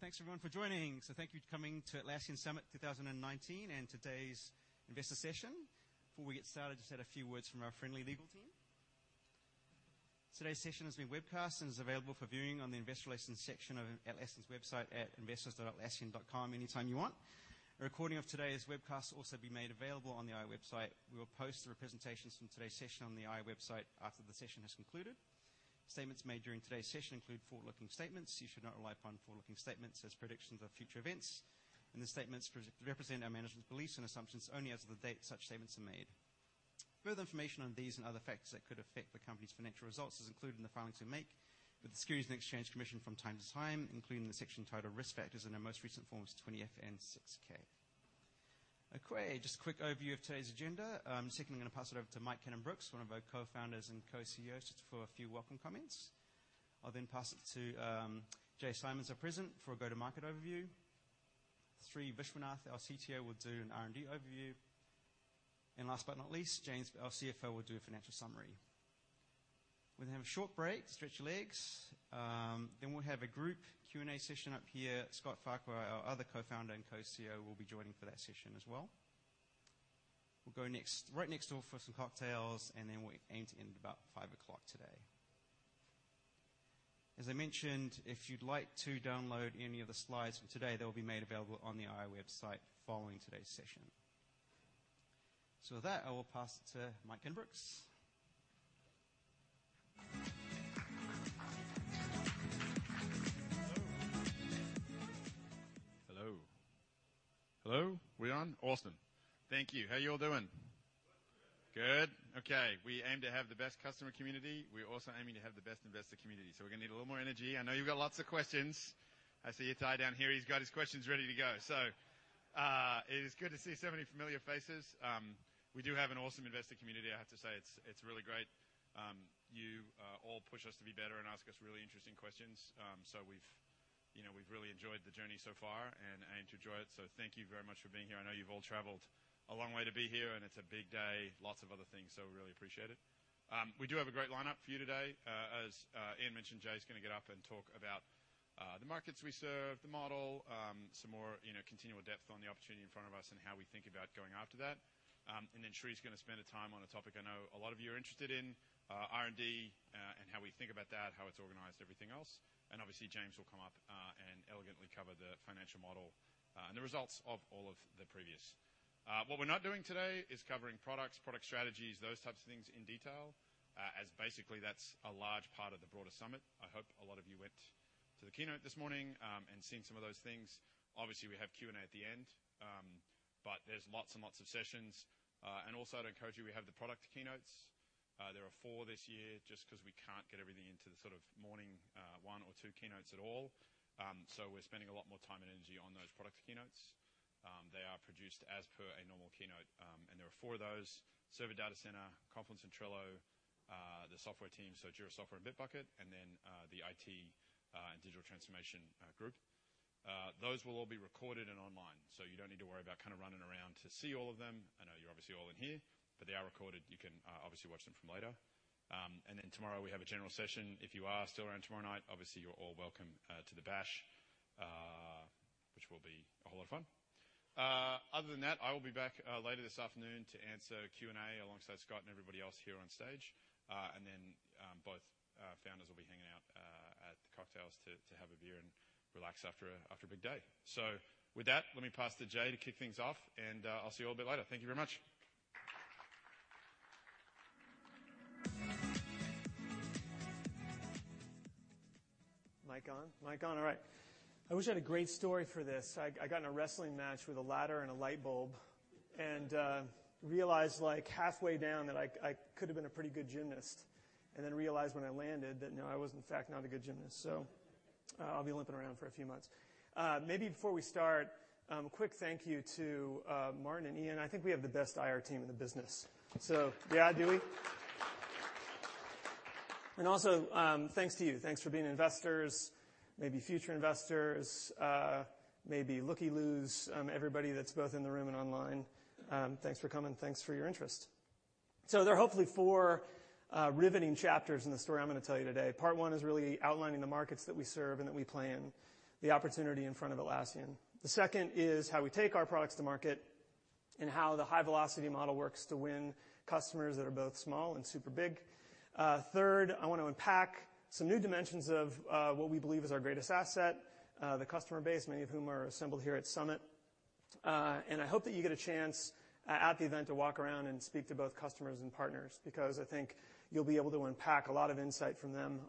Thanks everyone for joining. Thank you for coming to Atlassian Summit 2019 and today's investor session. Before we get started, just had a few words from our friendly legal team. Today's session is being webcast and is available for viewing on the investor relations section of Atlassian's website at investors.atlassian.com anytime you want. A recording of today's webcast will also be made available on the IR website. We will post the representations from today's session on the IR website after the session has concluded. Statements made during today's session include forward-looking statements. You should not rely upon forward-looking statements as predictions of future events, and the statements represent our management's beliefs and assumptions only as of the date such statements are made. Further information on these and other factors that could affect the company's financial results is included in the filings we make with the Securities and Exchange Commission from time to time, including the section titled Risk Factors in our most recent Forms 20-F and 6-K. Just a quick overview of today's agenda. I'm going to pass it over to Mike Cannon-Brookes, one of our Co-Founders and Co-CEOs, just for a few welcome comments. I'll then pass it to Jay Simons, our President, for a go-to-market overview. Sri Viswanath, our CTO, will do an R&D overview. Last but not least, James, our CFO, will do a financial summary. We're going to have a short break to stretch your legs. We'll have a group Q&A session up here. Scott Farquhar, our other Co-Founder and Co-CEO, will be joining for that session as well. We'll go right next door for some cocktails, and then we aim to end at about 5:00 today. As I mentioned, if you'd like to download any of the slides from today, they'll be made available on the IR website following today's session. With that, I will pass it to Mike Cannon-Brookes. Hello. Hello. We on? Awesome. Thank you. How are you all doing? Good. Good. Okay. We aim to have the best customer community. We're also aiming to have the best investor community, so we're going to need a little more energy. I know you've got lots of questions. I see Ittai down here. He's got his questions ready to go. It is good to see so many familiar faces. We do have an awesome investor community, I have to say. It's really great. You all push us to be better and ask us really interesting questions. We've really enjoyed the journey so far and aim to enjoy it. Thank you very much for being here. I know you've all traveled a long way to be here, and it's a big day, lots of other things, so we really appreciate it. We do have a great lineup for you today. As Ian mentioned, Jay's going to get up and talk about the markets we serve, the model, some more continual depth on the opportunity in front of us and how we think about going after that. Sri's going to spend time on a topic I know a lot of you are interested in, R&D, and how we think about that, how it's organized, everything else. James will come up and elegantly cover the financial model, and the results of all of the previous. What we're not doing today is covering products, product strategies, those types of things in detail, as basically that's a large part of the broader summit. I hope a lot of you went to the keynote this morning, and seen some of those things. Obviously, we have Q&A at the end. There's lots and lots of sessions. Also I'd encourage you, we have the product keynotes. There are four this year just because we can't get everything into the morning one or two keynotes at all. We're spending a lot more time and energy on those product keynotes. They are produced as per a normal keynote, and there are four of those. Server Data Center, Confluence and Trello, the software team, Jira Software and Bitbucket, and then the IT and Digital Transformation group. Those will all be recorded and online, so you don't need to worry about running around to see all of them. I know you're obviously all in here, but they are recorded. You can obviously watch them from later. Tomorrow, we have a general session. If you are still around tomorrow night, obviously, you're all welcome to the bash, which will be a whole lot of fun. Other than that, I will be back later this afternoon to answer Q&A alongside Scott and everybody else here on stage. Both founders will be hanging out at the cocktails to have a beer and relax after a big day. With that, let me pass to Jay to kick things off, and I'll see you all a bit later. Thank you very much. Mic on? Mic on. All right. I wish I had a great story for this. I got in a wrestling match with a ladder and a light bulb and, realized halfway down that I could've been a pretty good gymnast, and then realized when I landed that, no, I was, in fact, not a good gymnast. I'll be limping around for a few months. Maybe before we start, a quick thank you to Martin and Ian. I think we have the best IR team in the business. Yeah. Do we? Thanks to you. Thanks for being investors, maybe future investors, maybe looky-loos, everybody that's both in the room and online. Thanks for coming. Thanks for your interest. There are hopefully four riveting chapters in the story I'm going to tell you today. Part one is really outlining the markets that we serve and that we play in, the opportunity in front of Atlassian. The second is how we take our products to market and how the high velocity model works to win customers that are both small and super big. Third, I want to unpack some new dimensions of what we believe is our greatest asset, the customer base, many of whom are assembled here at Summit. I hope that you get a chance at the event to walk around and speak to both customers and partners, because you'll be able to unpack a lot of insight from them,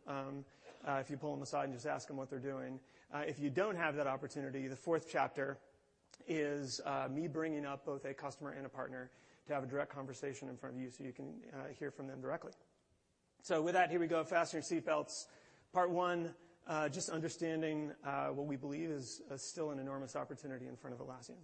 if you pull them aside and just ask them what they're doing. If you don't have that opportunity, the fourth chapter is me bringing up both a customer and a partner to have a direct conversation in front of you so you can hear from them directly. With that, here we go. Fasten your seatbelts. Part one, just understanding what we believe is still an enormous opportunity in front of Atlassian.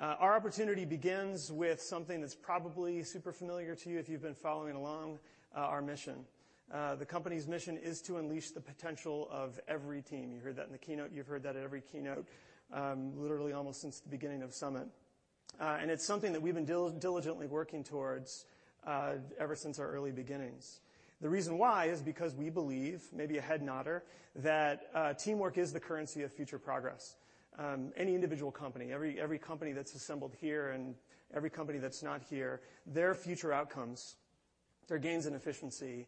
Our opportunity begins with something that's probably super familiar to you if you've been following along our mission. The company's mission is to unleash the potential of every team. You heard that in the keynote. You've heard that at every keynote, literally almost since the beginning of Summit. It's something that we've been diligently working towards ever since our early beginnings. The reason why is because we believe, maybe a head nodder, that teamwork is the currency of future progress. Any individual company, every company that's assembled here, every company that's not here, their future outcomes, their gains and efficiency,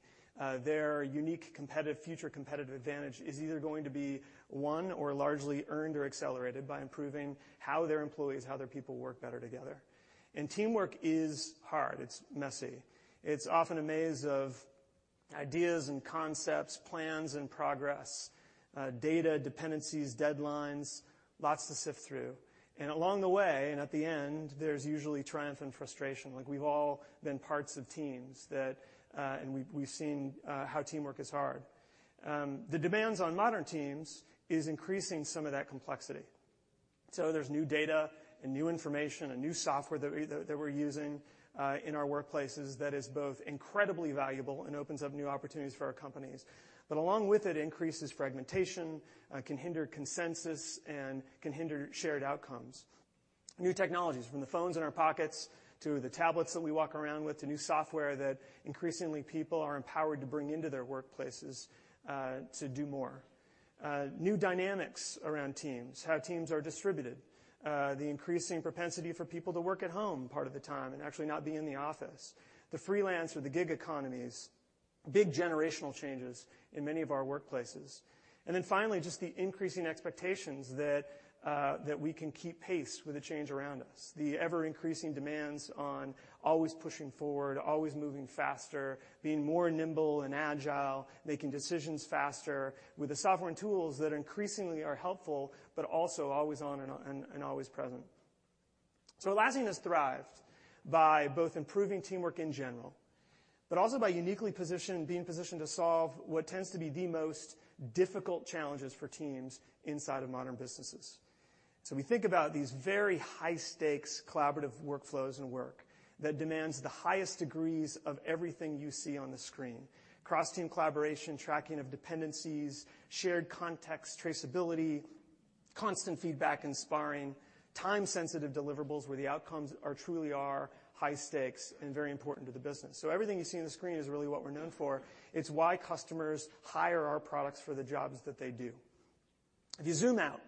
their unique future competitive advantage is either going to be won or largely earned or accelerated by improving how their employees, how their people work better together. Teamwork is hard. It's messy. It's often a maze of ideas and concepts, plans and progress, data, dependencies, deadlines, lots to sift through. Along the way, and at the end, there's usually triumph and frustration. We've all been parts of teams, and we've seen how teamwork is hard. The demands on modern teams is increasing some of that complexity. There's new data and new information and new software that we're using in our workplaces that is both incredibly valuable and opens up new opportunities for our companies. Along with it increases fragmentation, can hinder consensus, and can hinder shared outcomes. New technologies from the phones in our pockets to the tablets that we walk around with to new software that increasingly people are empowered to bring into their workplaces to do more. New dynamics around teams, how teams are distributed, the increasing propensity for people to work at home part of the time and actually not be in the office. The freelance or the gig economies, big generational changes in many of our workplaces. Then finally, just the increasing expectations that we can keep pace with the change around us. The ever-increasing demands on always pushing forward, always moving faster, being more nimble and agile, making decisions faster with the software and tools that increasingly are helpful, but also always on and always present. Atlassian has thrived by both improving teamwork in general, but also by uniquely being positioned to solve what tends to be the most difficult challenges for teams inside of modern businesses. We think about these very high-stakes collaborative workflows and work that demands the highest degrees of everything you see on the screen. Cross-team collaboration, tracking of dependencies, shared context, traceability, constant feedback, and sparring, time-sensitive deliverables where the outcomes truly are high stakes and very important to the business. Everything you see on the screen is really what we're known for. It's why customers hire our products for the jobs that they do. If you zoom out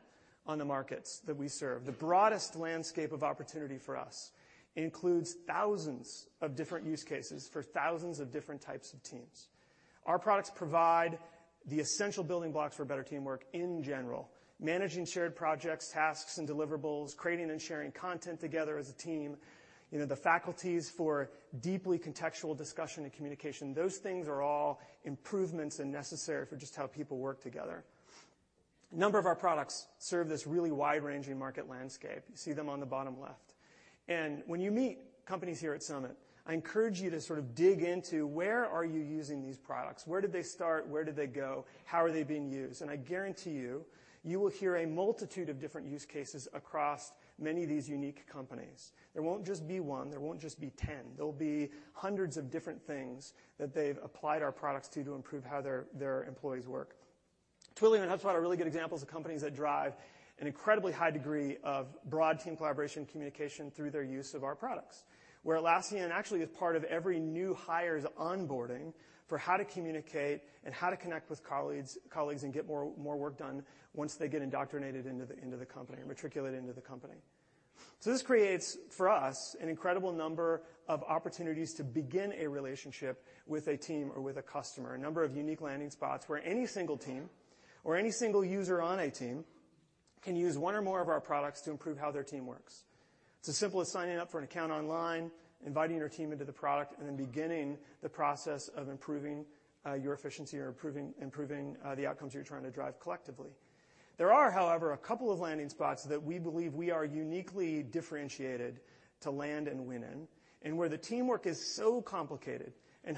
on the markets that we serve, the broadest landscape of opportunity for us includes thousands of different use cases for thousands of different types of teams. Our products provide the essential building blocks for better teamwork in general. Managing shared projects, tasks, and deliverables, creating and sharing content together as a team. The faculties for deeply contextual discussion and communication. Those things are all improvements and necessary for just how people work together. A number of our products serve this really wide-ranging market landscape. You see them on the bottom left. When you meet companies here at Summit, I encourage you to sort of dig into where are you using these products? Where did they start? Where did they go? How are they being used? I guarantee you will hear a multitude of different use cases across many of these unique companies. There won't just be one. There won't just be 10. There'll be hundreds of different things that they've applied our products to improve how their employees work. Twilio and HubSpot are really good examples of companies that drive an incredibly high degree of broad team collaboration communication through their use of our products, where Atlassian actually is part of every new hire's onboarding for how to communicate and how to connect with colleagues and get more work done once they get indoctrinated into the company or matriculate into the company. This creates, for us, an incredible number of opportunities to begin a relationship with a team or with a customer. A number of unique landing spots where any single team or any single user on a team can use one or more of our products to improve how their team works. It's as simple as signing up for an account online, inviting your team into the product, then beginning the process of improving your efficiency or improving the outcomes you're trying to drive collectively. There are, however, a couple of landing spots that we believe we are uniquely differentiated to land and win in, and where the teamwork is so complicated and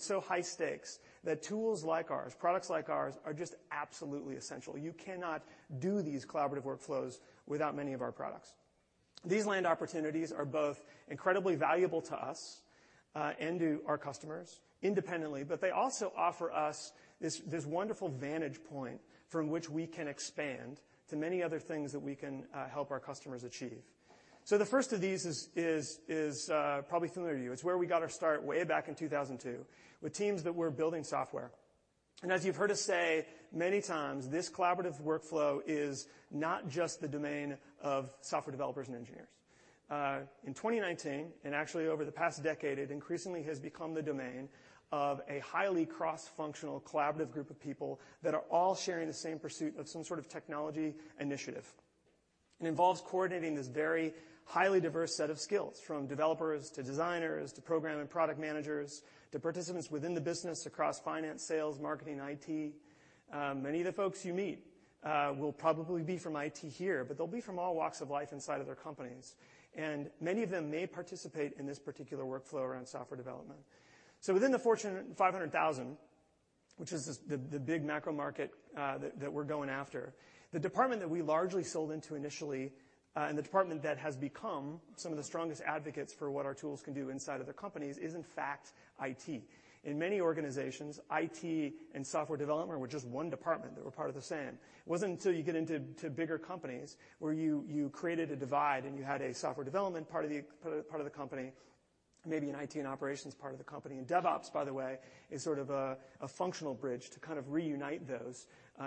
so high stakes that tools like ours, products like ours, are just absolutely essential. You cannot do these collaborative workflows without many of our products. These land opportunities are both incredibly valuable to us and to our customers independently, but they also offer us this wonderful vantage point from which we can expand to many other things that we can help our customers achieve. The first of these is probably familiar to you. It's where we got our start way back in 2002 with teams that were building software. As you've heard us say many times, this collaborative workflow is not just the domain of software developers and engineers. In 2019, actually over the past decade, it increasingly has become the domain of a highly cross-functional collaborative group of people that are all sharing the same pursuit of some sort of technology initiative. It involves coordinating this very highly diverse set of skills, from developers to designers to program and product managers to participants within the business across finance, sales, marketing, IT. Many of the folks you meet will probably be from IT here, but they'll be from all walks of life inside of their companies. Many of them may participate in this particular workflow around software development. Within the Fortune 500,000, which is the big macro market that we're going after, the department that we largely sold into initially, and the department that has become some of the strongest advocates for what our tools can do inside of their companies is, in fact, IT. In many organizations, IT and software development were just one department. They were part of the same. It wasn't until you get into bigger companies, where you created a divide, and you had a software development part of the company. Maybe an IT operations part of the company. DevOps, by the way, is sort of a functional bridge to kind of reunite those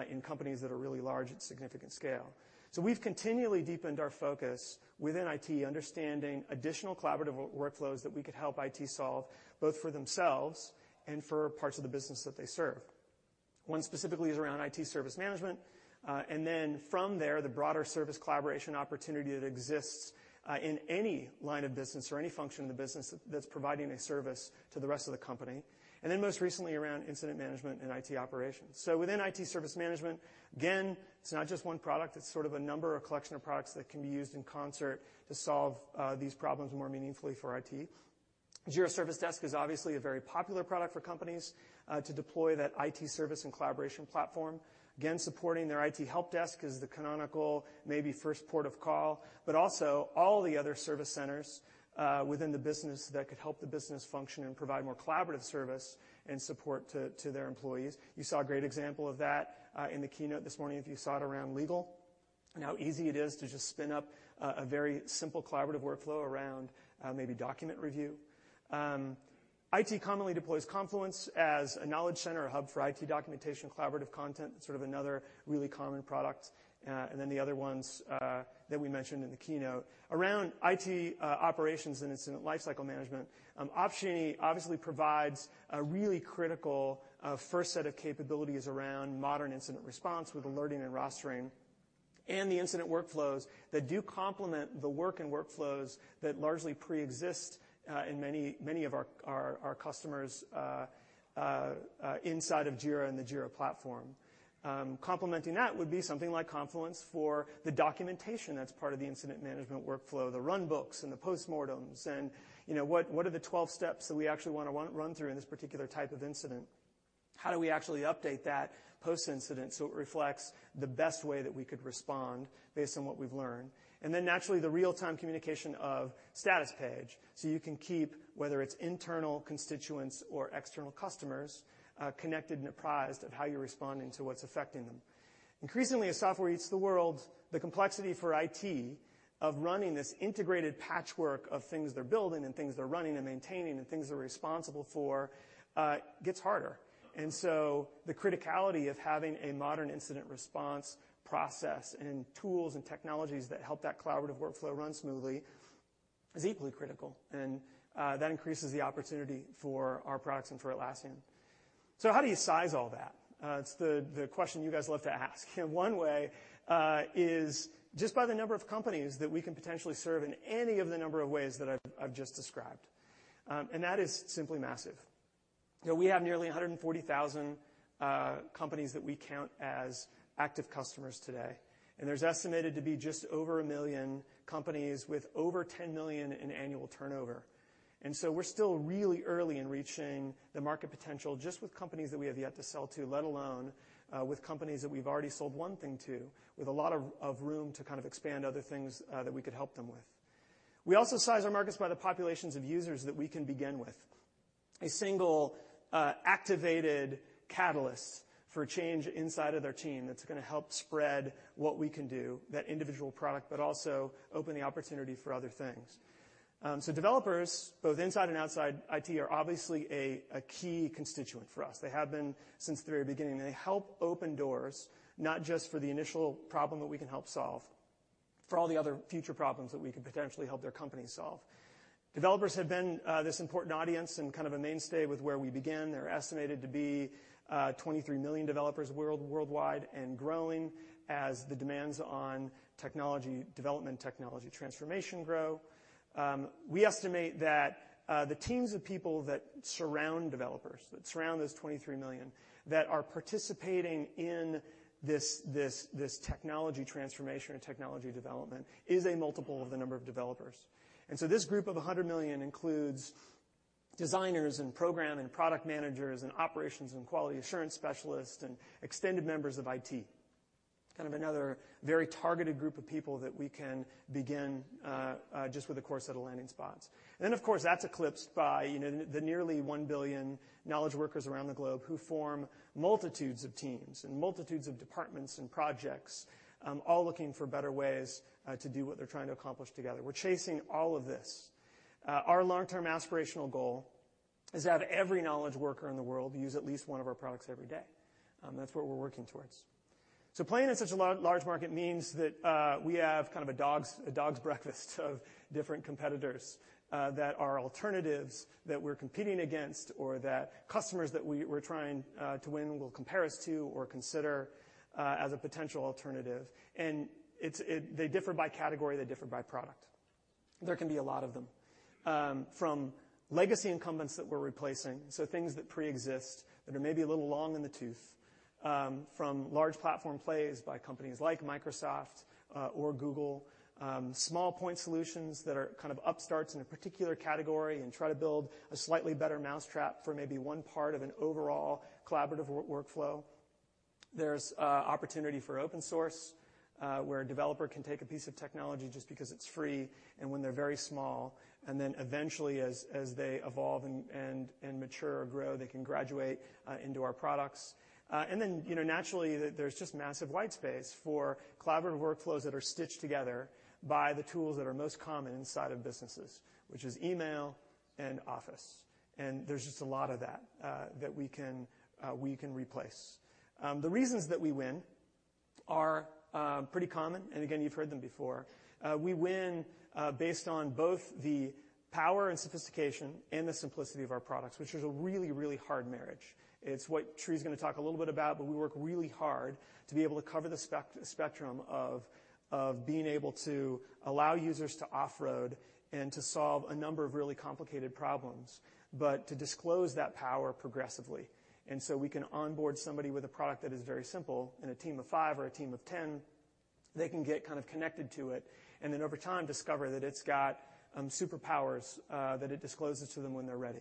in companies that are really large at significant scale. We've continually deepened our focus within IT, understanding additional collaborative workflows that we could help IT solve, both for themselves and for parts of the business that they serve. One specifically is around IT service management, then from there, the broader service collaboration opportunity that exists in any line of business or any function in the business that's providing a service to the rest of the company. Then most recently around incident management and IT operations. Within IT service management, again, it's not just one product, it's sort of a number or collection of products that can be used in concert to solve these problems more meaningfully for IT. Jira Service Desk is obviously a very popular product for companies to deploy that IT service and collaboration platform. Again, supporting their IT help desk is the canonical, maybe first port of call, but also all the other service centers within the business that could help the business function and provide more collaborative service and support to their employees. You saw a great example of that in the keynote this morning, if you saw it around legal, and how easy it is to just spin up a very simple collaborative workflow around maybe document review. IT commonly deploys Confluence as a knowledge center, a hub for IT documentation, collaborative content, sort of another really common product. The other ones that we mentioned in the keynote. Around IT operations and incident lifecycle management, Opsgenie obviously provides a really critical first set of capabilities around modern incident response with alerting and rostering, and the incident workflows that do complement the work and workflows that largely preexist in many of our customers inside of Jira and the Jira platform. Complementing that would be something like Confluence for the documentation that's part of the incident management workflow, the runbooks and the postmortems and what are the 12 steps that we actually want to run through in this particular type of incident? How do we actually update that post incident so it reflects the best way that we could respond based on what we've learned? Naturally, the real-time communication of Statuspage, so you can keep, whether it's internal constituents or external customers, connected and apprised of how you're responding to what's affecting them. Increasingly, as software eats the world, the complexity for IT of running this integrated patchwork of things they're building and things they're running and maintaining and things they're responsible for gets harder. The criticality of having a modern incident response process and tools and technologies that help that collaborative workflow run smoothly is equally critical, and that increases the opportunity for our products and for Atlassian. How do you size all that? It's the question you guys love to ask. One way is just by the number of companies that we can potentially serve in any of the number of ways that I've just described. That is simply massive. We have nearly 140,000 companies that we count as active customers today. There's estimated to be just over 1 million companies with over 10 million in annual turnover. We're still really early in reaching the market potential, just with companies that we have yet to sell to, let alone with companies that we've already sold one thing to, with a lot of room to kind of expand other things that we could help them with. We also size our markets by the populations of users that we can begin with. A single activated catalyst for change inside of their team that's going to help spread what we can do, that individual product, but also open the opportunity for other things. Developers, both inside and outside IT, are obviously a key constituent for us. They have been since the very beginning. They help open doors, not just for the initial problem that we can help solve, for all the other future problems that we could potentially help their company solve. Developers have been this important audience and kind of a mainstay with where we began. They're estimated to be 23 million developers worldwide and growing as the demands on technology development, technology transformation grow. We estimate that the teams of people that surround developers, that surround those 23 million, that are participating in this technology transformation or technology development, is a multiple of the number of developers. This group of 100 million includes designers and program and product managers and operations and quality assurance specialists and extended members of IT. Kind of another very targeted group of people that we can begin just with a core set of landing spots. Of course, that's eclipsed by the nearly 1 billion knowledge workers around the globe who form multitudes of teams and multitudes of departments and projects all looking for better ways to do what they're trying to accomplish together. We're chasing all of this. Our long-term aspirational goal is to have every knowledge worker in the world use at least one of our products every day. That's what we're working towards. Playing in such a large market means that we have kind of a dog's breakfast of different competitors that are alternatives that we're competing against or that customers that we're trying to win will compare us to or consider as a potential alternative, and they differ by category, they differ by product. There can be a lot of them. From legacy incumbents that we're replacing, things that preexist, that are maybe a little long in the tooth. From large platform plays by companies like Microsoft or Google. Small point solutions that are kind of upstarts in a particular category and try to build a slightly better mousetrap for maybe one part of an overall collaborative workflow. There's opportunity for open source, where a developer can take a piece of technology just because it's free and when they're very small, eventually as they evolve and mature or grow, they can graduate into our products. Naturally, there's just massive white space for collaborative workflows that are stitched together by the tools that are most common inside of businesses, which is email and Office. There's just a lot of that we can replace. The reasons that we win are pretty common, again, you've heard them before. We win based on both the power and sophistication and the simplicity of our products, which is a really, really hard marriage. It's what Sri's going to talk a little bit about, but we work really hard to be able to cover the spectrum of being able to allow users to off-road and to solve a number of really complicated problems, but to disclose that power progressively. We can onboard somebody with a product that is very simple in a team of five or a team of 10. They can get connected to it, over time discover that it's got superpowers that it discloses to them when they're ready.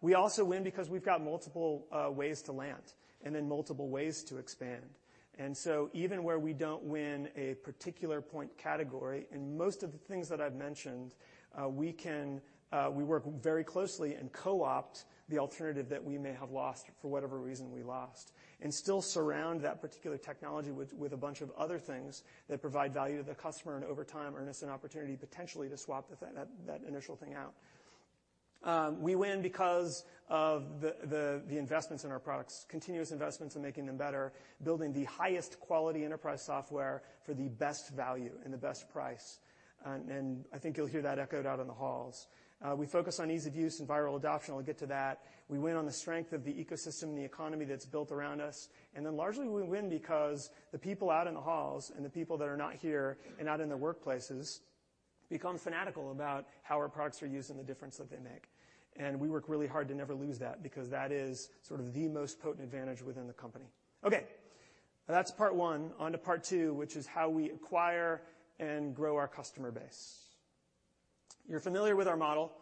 We also win because we've got multiple ways to land, multiple ways to expand. Even where we don't win a particular point category, in most of the things that I've mentioned, we work very closely and co-opt the alternative that we may have lost for whatever reason we lost, still surround that particular technology with a bunch of other things that provide value to the customer, over time, earn us an opportunity potentially to swap that initial thing out. We win because of the investments in our products, continuous investments in making them better, building the highest quality enterprise software for the best value and the best price. I think you'll hear that echoed out in the halls. We focus on ease of use and viral adoption. We'll get to that. We win on the strength of the ecosystem and the economy that's built around us. Largely, we win because the people out in the halls and the people that are not here and not in their workplaces become fanatical about how our products are used and the difference that they make. We work really hard to never lose that because that is the most potent advantage within the company. Okay. That's part one. On to part two, which is how we acquire and grow our customer base. You're familiar with our model.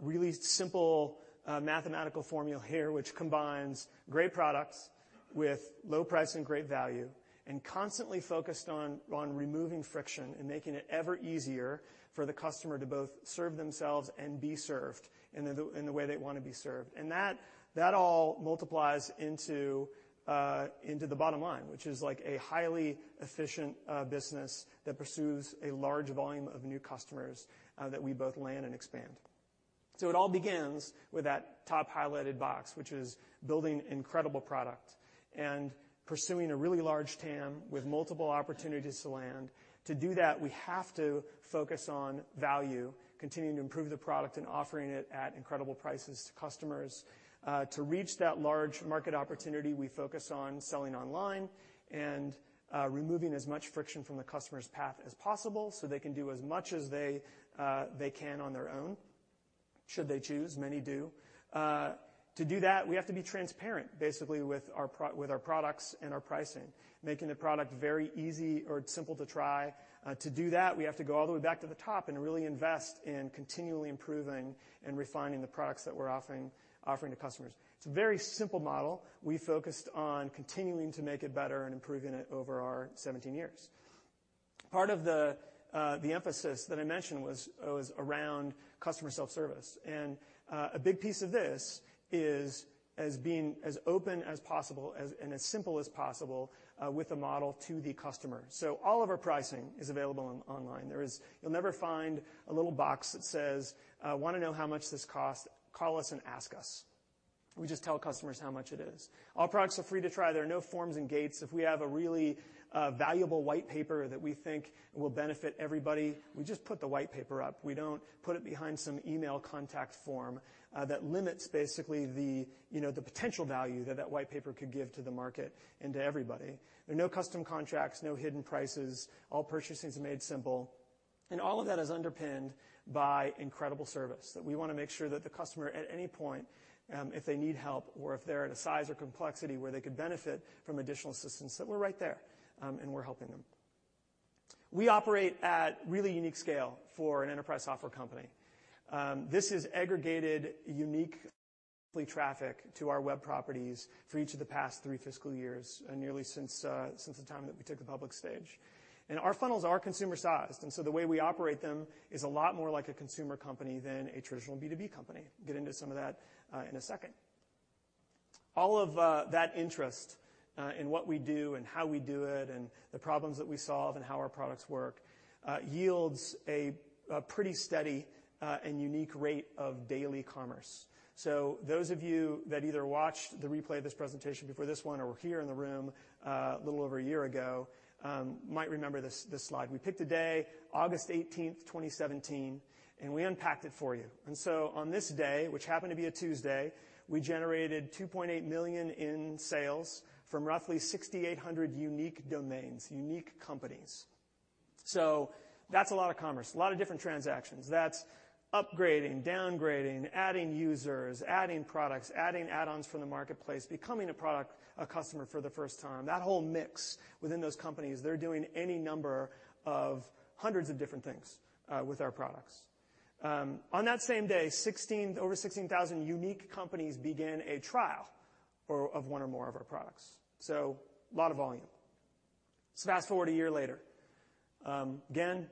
Really simple mathematical formula here, which combines great products with low price and great value, and constantly focused on removing friction and making it ever easier for the customer to both serve themselves and be served in the way they want to be served. That all multiplies into the bottom line, which is a highly efficient business that pursues a large volume of new customers that we both land and expand. It all begins with that top highlighted box, which is building incredible product and pursuing a really large TAM with multiple opportunities to land. To do that, we have to focus on value, continuing to improve the product and offering it at incredible prices to customers. To reach that large market opportunity, we focus on selling online and removing as much friction from the customer's path as possible so they can do as much as they can on their own, should they choose. Many do. To do that, we have to be transparent, basically, with our products and our pricing, making the product very easy or simple to try. To do that, we have to go all the way back to the top and really invest in continually improving and refining the products that we're offering to customers. It's a very simple model. We focused on continuing to make it better and improving it over our 17 years. Part of the emphasis that I mentioned was around customer self-service. A big piece of this is as being as open as possible and as simple as possible with a model to the customer. All of our pricing is available online. You'll never find a little box that says, "Want to know how much this costs? Call us and ask us." We just tell customers how much it is. All products are free to try. There are no forms and gates. If we have a really valuable white paper that we think will benefit everybody, we just put the white paper up. We don't put it behind some email contact form that limits basically the potential value that that white paper could give to the market and to everybody. There are no custom contracts, no hidden prices. All purchasing is made simple. All of that is underpinned by incredible service, that we want to make sure that the customer, at any point, if they need help or if they're at a size or complexity where they could benefit from additional assistance, that we're right there, and we're helping them. We operate at really unique scale for an enterprise software company. This is aggregated unique traffic to our web properties for each of the past three fiscal years, and yearly since the time that we took the public stage. Our funnels are consumer-sized, and so the way we operate them is a lot more like a consumer company than a traditional B2B company. Get into some of that in a second. All of that interest in what we do and how we do it and the problems that we solve and how our products work yields a pretty steady and unique rate of daily commerce. Those of you that either watched the replay of this presentation before this one or were here in the room a little over a year ago might remember this slide. We picked a day, August 18th, 2017, and we unpacked it for you. On this day, which happened to be a Tuesday, we generated $2.8 million in sales from roughly 6,800 unique domains, unique companies. That's a lot of commerce, a lot of different transactions. That's upgrading, downgrading, adding users, adding products, adding add-ons from the marketplace, becoming a customer for the first time. That whole mix within those companies. They're doing any number of hundreds of different things with our products. On that same day, over 16,000 unique companies began a trial of one or more of our products. A lot of volume. Fast-forward a year later. Again,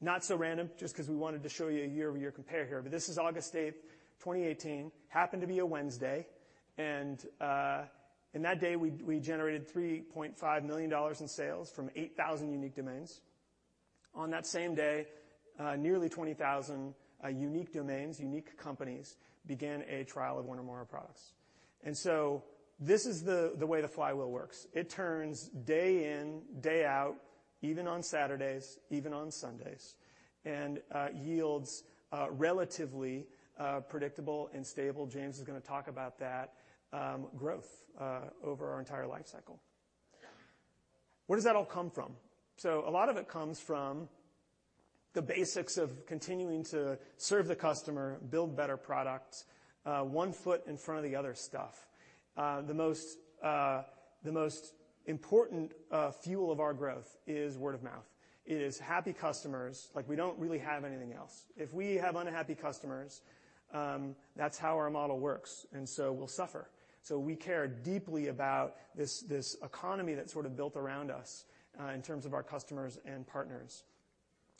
not so random, just because we wanted to show you a year-over-year compare here, but this is August 8th, 2018, happened to be a Wednesday, and in that day, we generated $3.5 million in sales from 8,000 unique domains. On that same day, nearly 20,000 unique domains, unique companies, began a trial of one or more products. This is the way the flywheel works. It turns day in, day out, even on Saturdays, even on Sundays, and yields relatively predictable and stable, James is going to talk about that, growth over our entire life cycle. Where does that all come from? A lot of it comes from the basics of continuing to serve the customer, build better products, one foot in front of the other stuff. The most important fuel of our growth is word of mouth. It is happy customers. We don't really have anything else. If we have unhappy customers, that's how our model works, we'll suffer. We care deeply about this economy that's sort of built around us in terms of our customers and partners.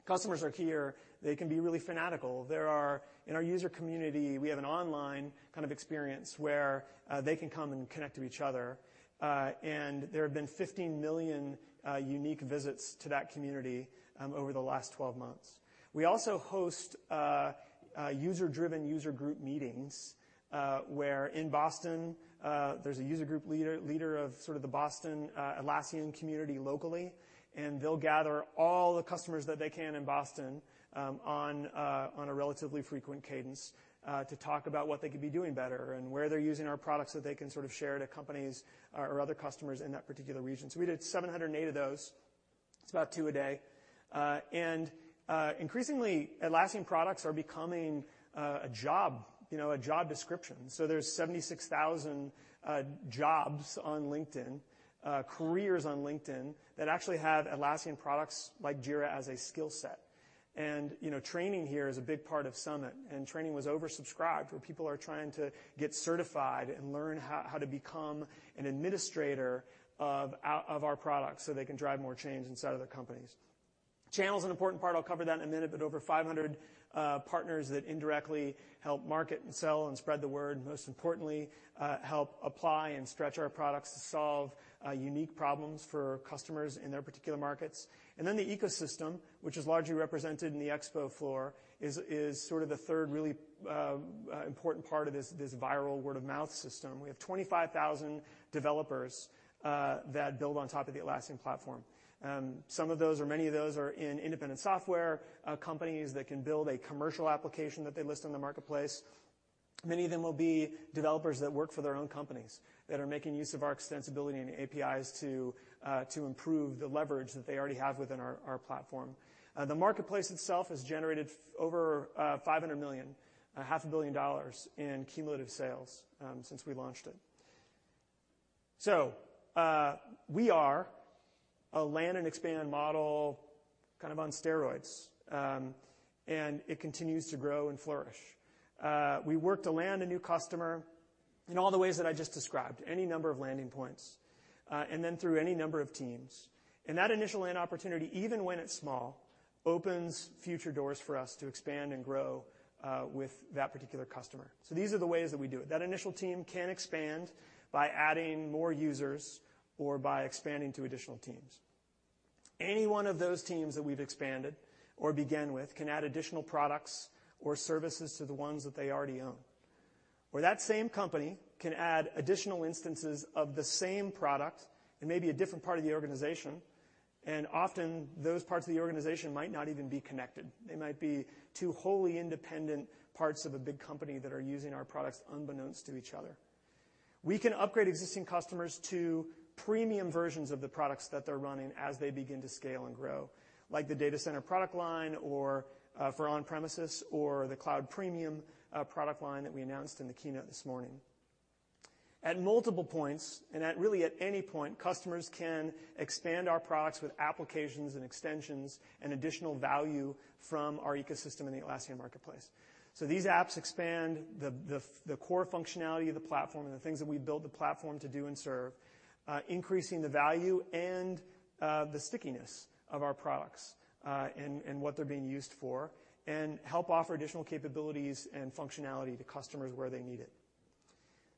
Customers are key here. They can be really fanatical. In our user community, we have an online kind of experience where they can come and connect to each other. There have been 15 million unique visits to that community over the last 12 months. We also host user-driven user group meetings, where in Boston, there's a user group leader of sort of the Boston Atlassian community locally, and they'll gather all the customers that they can in Boston on a relatively frequent cadence to talk about what they could be doing better and where they're using our products so they can sort of share to companies or other customers in that particular region. We did 708 of those. It's about two a day. Increasingly, Atlassian products are becoming a job description. There's 76,000 jobs on LinkedIn, careers on LinkedIn, that actually have Atlassian products like Jira as a skill set. Training here is a big part of Summit. Training was oversubscribed, where people are trying to get certified and learn how to become an administrator of our products so they can drive more change inside of their companies. Channel's an important part. I'll cover that in a minute, but over 500 partners that indirectly help market and sell and spread the word, and most importantly help apply and stretch our products to solve unique problems for customers in their particular markets. The ecosystem, which is largely represented in the expo floor, is sort of the third really important part of this viral word of mouth system. We have 25,000 developers that build on top of the Atlassian platform. Some of those, or many of those, are in independent software companies that can build a commercial application that they list on the Marketplace. Many of them will be developers that work for their own companies that are making use of our extensibility and APIs to improve the leverage that they already have within our platform. The Marketplace itself has generated over $500 million, half a billion dollars in cumulative sales since we launched it. We are a land and expand model kind of on steroids, and it continues to grow and flourish. We work to land a new customer in all the ways that I just described, any number of landing points, then through any number of teams. That initial land opportunity, even when it's small, opens future doors for us to expand and grow with that particular customer. These are the ways that we do it. That initial team can expand by adding more users or by expanding to additional teams. Any one of those teams that we've expanded or began with can add additional products or services to the ones that they already own. That same company can add additional instances of the same product. It may be a different part of the organization, and often those parts of the organization might not even be connected. They might be two wholly independent parts of a big company that are using our products unbeknownst to each other. We can upgrade existing customers to premium versions of the products that they're running as they begin to scale and grow, like the data center product line for on-premises or the cloud premium product line that we announced in the keynote this morning. At multiple points, and at really at any point, customers can expand our products with applications and extensions and additional value from our ecosystem in the Atlassian Marketplace. These apps expand the core functionality of the platform and the things that we built the platform to do and serve, increasing the value and the stickiness of our products and what they're being used for and help offer additional capabilities and functionality to customers where they need it.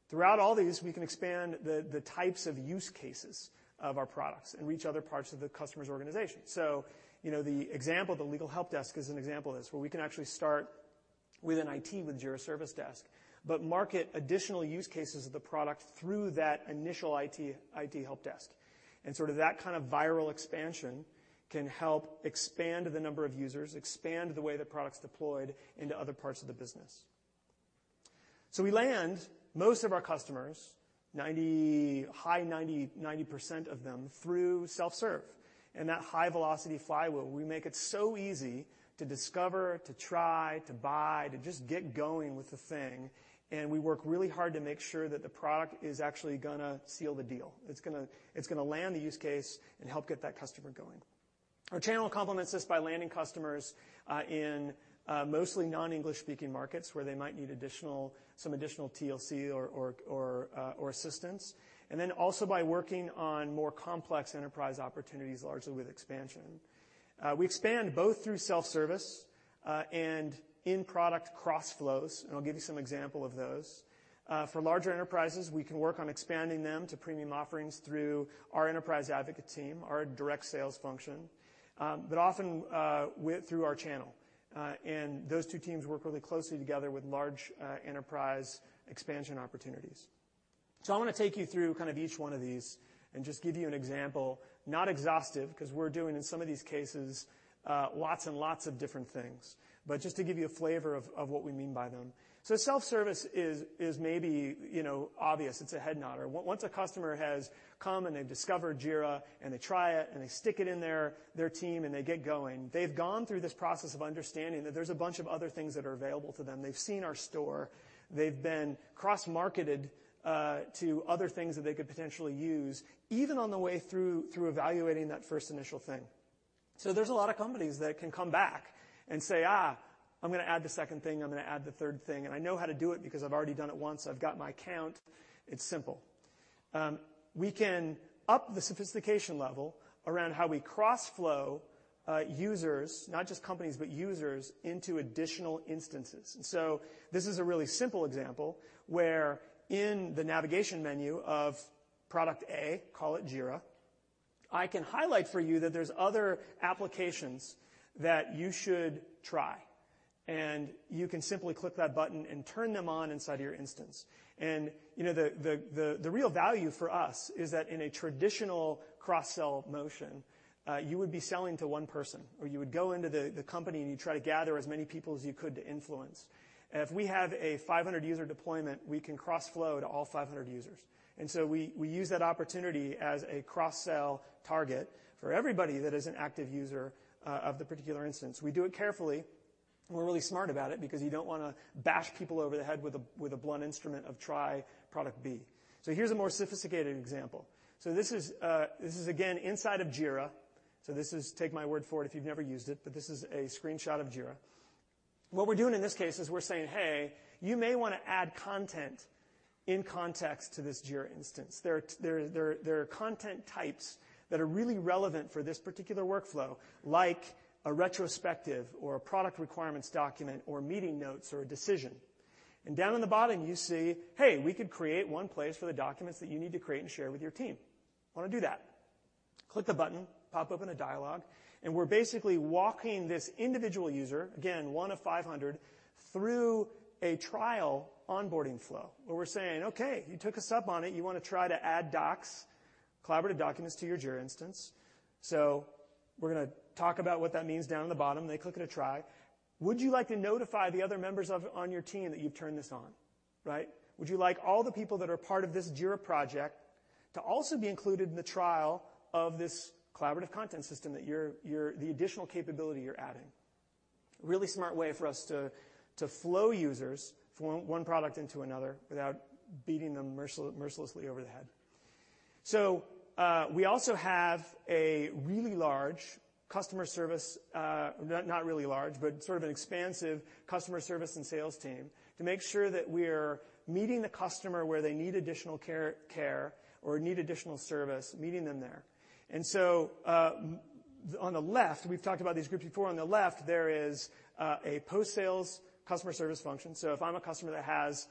Throughout all these, we can expand the types of use cases of our products and reach other parts of the customer's organization. The example of the legal help desk is an example of this, where we can actually start within IT with Jira Service Desk, market additional use cases of the product through that initial IT help desk. That kind of viral expansion can help expand the number of users, expand the way the product's deployed into other parts of the business. We land most of our customers, high 90% of them, through self-serve. That high velocity flywheel, we make it so easy to discover, to try, to buy, to just get going with the thing. We work really hard to make sure that the product is actually going to seal the deal. It's going to land the use case and help get that customer going. Our channel complements this by landing customers in mostly non-English-speaking markets where they might need some additional TLC or assistance. Also by working on more complex enterprise opportunities, largely with expansion. We expand both through self-service and in-product cross flows. I'll give you some example of those. For larger enterprises, we can work on expanding them to premium offerings through our enterprise advocate team, our direct sales function. Often through our channel. Those two teams work really closely together with large enterprise expansion opportunities. I'm going to take you through each one of these and just give you an example. Not exhaustive, because we're doing, in some of these cases, lots and lots of different things. Just to give you a flavor of what we mean by them. Self-service is maybe obvious. It's a head nodder. Once a customer has come and they've discovered Jira, and they try it, and they stick it in their team, and they get going, they've gone through this process of understanding that there's a bunch of other things that are available to them. They've seen our store. They've been cross-marketed to other things that they could potentially use, even on the way through evaluating that first initial thing. There's a lot of companies that can come back and say, "Ah, I'm going to add the second thing. I'm going to add the third thing. I know how to do it because I've already done it once. I've got my count. It's simple." We can up the sophistication level around how we cross flow users, not just companies, but users, into additional instances. This is a really simple example where in the navigation menu of product A, call it Jira, I can highlight for you that there's other applications that you should try. You can simply click that button and turn them on inside your instance. The real value for us is that in a traditional cross-sell motion, you would be selling to one person, or you would go into the company, and you'd try to gather as many people as you could to influence. If we have a 500-user deployment, we can cross flow to all 500 users. We use that opportunity as a cross-sell target for everybody that is an active user of the particular instance. We do it carefully. We're really smart about it because you don't want to bash people over the head with a blunt instrument of try product B. Here's a more sophisticated example. This is, again, inside of Jira. Take my word for it if you've never used it, but this is a screenshot of Jira. What we're doing in this case is we're saying, "Hey, you may want to add content in context to this Jira instance." There are content types that are really relevant for this particular workflow, like a retrospective or a product requirements document or meeting notes or a decision. Down in the bottom, you see, hey, we could create one place for the documents that you need to create and share with your team. Want to do that. Click the button, pop open a dialogue, and we're basically walking this individual user, again, one of 500, through a trial onboarding flow, where we're saying, "Okay, you took us up on it. You want to try to add docs, collaborative documents to your Jira instance. We're going to talk about what that means down in the bottom." They click it a try. Would you like to notify the other members on your team that you've turned this on? Would you like all the people that are part of this Jira project to also be included in the trial of this collaborative content system, the additional capability you're adding? Really smart way for us to flow users from one product into another without beating them mercilessly over the head. We also have a really large customer service, not really large, but sort of an expansive customer service and sales team to make sure that we're meeting the customer where they need additional care, or need additional service, meeting them there. On the left, we've talked about these groups before. On the left, there is a post-sales customer service function. If I'm a customer that has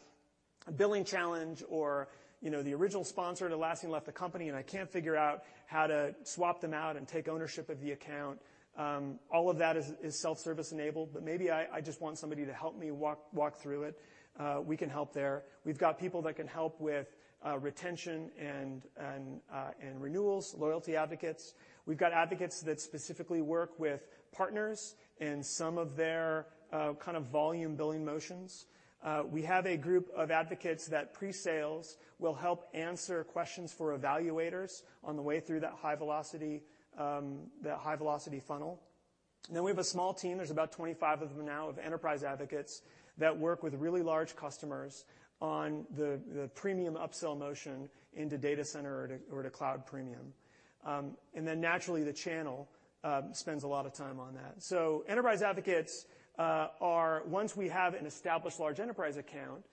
a billing challenge or the original sponsor at Atlassian left the company and I can't figure out how to swap them out and take ownership of the account, all of that is self-service enabled. Maybe I just want somebody to help me walk through it. We can help there. We've got people that can help with retention and renewals, loyalty advocates. We've got advocates that specifically work with partners and some of their volume billing motions. We have a group of advocates that pre-sales will help answer questions for evaluators on the way through that high-velocity funnel. We have a small team, there's about 25 of them now, of enterprise advocates that work with really large customers on the premium upsell motion into data center or to cloud premium. Naturally the channel spends a lot of time on that. Enterprise advocates are, once we have an established large enterprise account,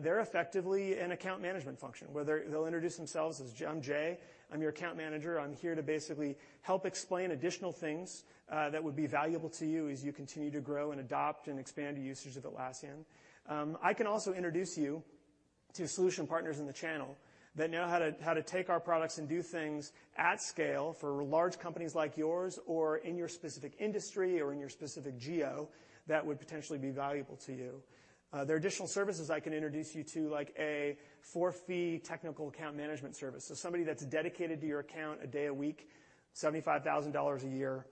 they're effectively an account management function, where they'll introduce themselves as, "I'm Jay. I'm your account manager. I'm here to basically help explain additional things that would be valuable to you as you continue to grow and adopt and expand your usage of Atlassian. I can also introduce you to solution partners in the channel that know how to take our products and do things at scale for large companies like yours or in your specific industry or in your specific geo that would potentially be valuable to you." There are additional services I can introduce you to, like a for-fee technical account management service. Somebody that's dedicated to your account a day a week, $75,000 a year,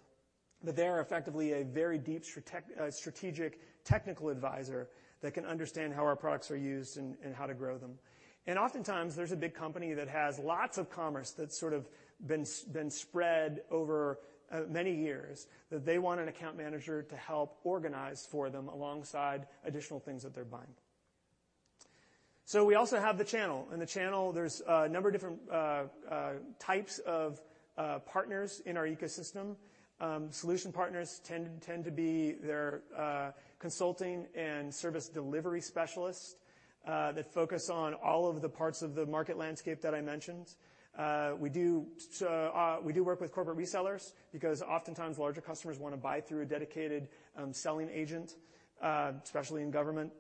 but they are effectively a very deep strategic technical advisor that can understand how our products are used and how to grow them. Oftentimes, there's a big company that has lots of commerce that's sort of been spread over many years that they want an account manager to help organize for them alongside additional things that they're buying. We also have the channel. In the channel, there's a number of different types of partners in our ecosystem. Solution partners tend to be consulting and service delivery specialists that focus on all of the parts of the market landscape that I mentioned. We do work with corporate resellers because oftentimes larger customers want to buy through a dedicated selling agent, especially in government.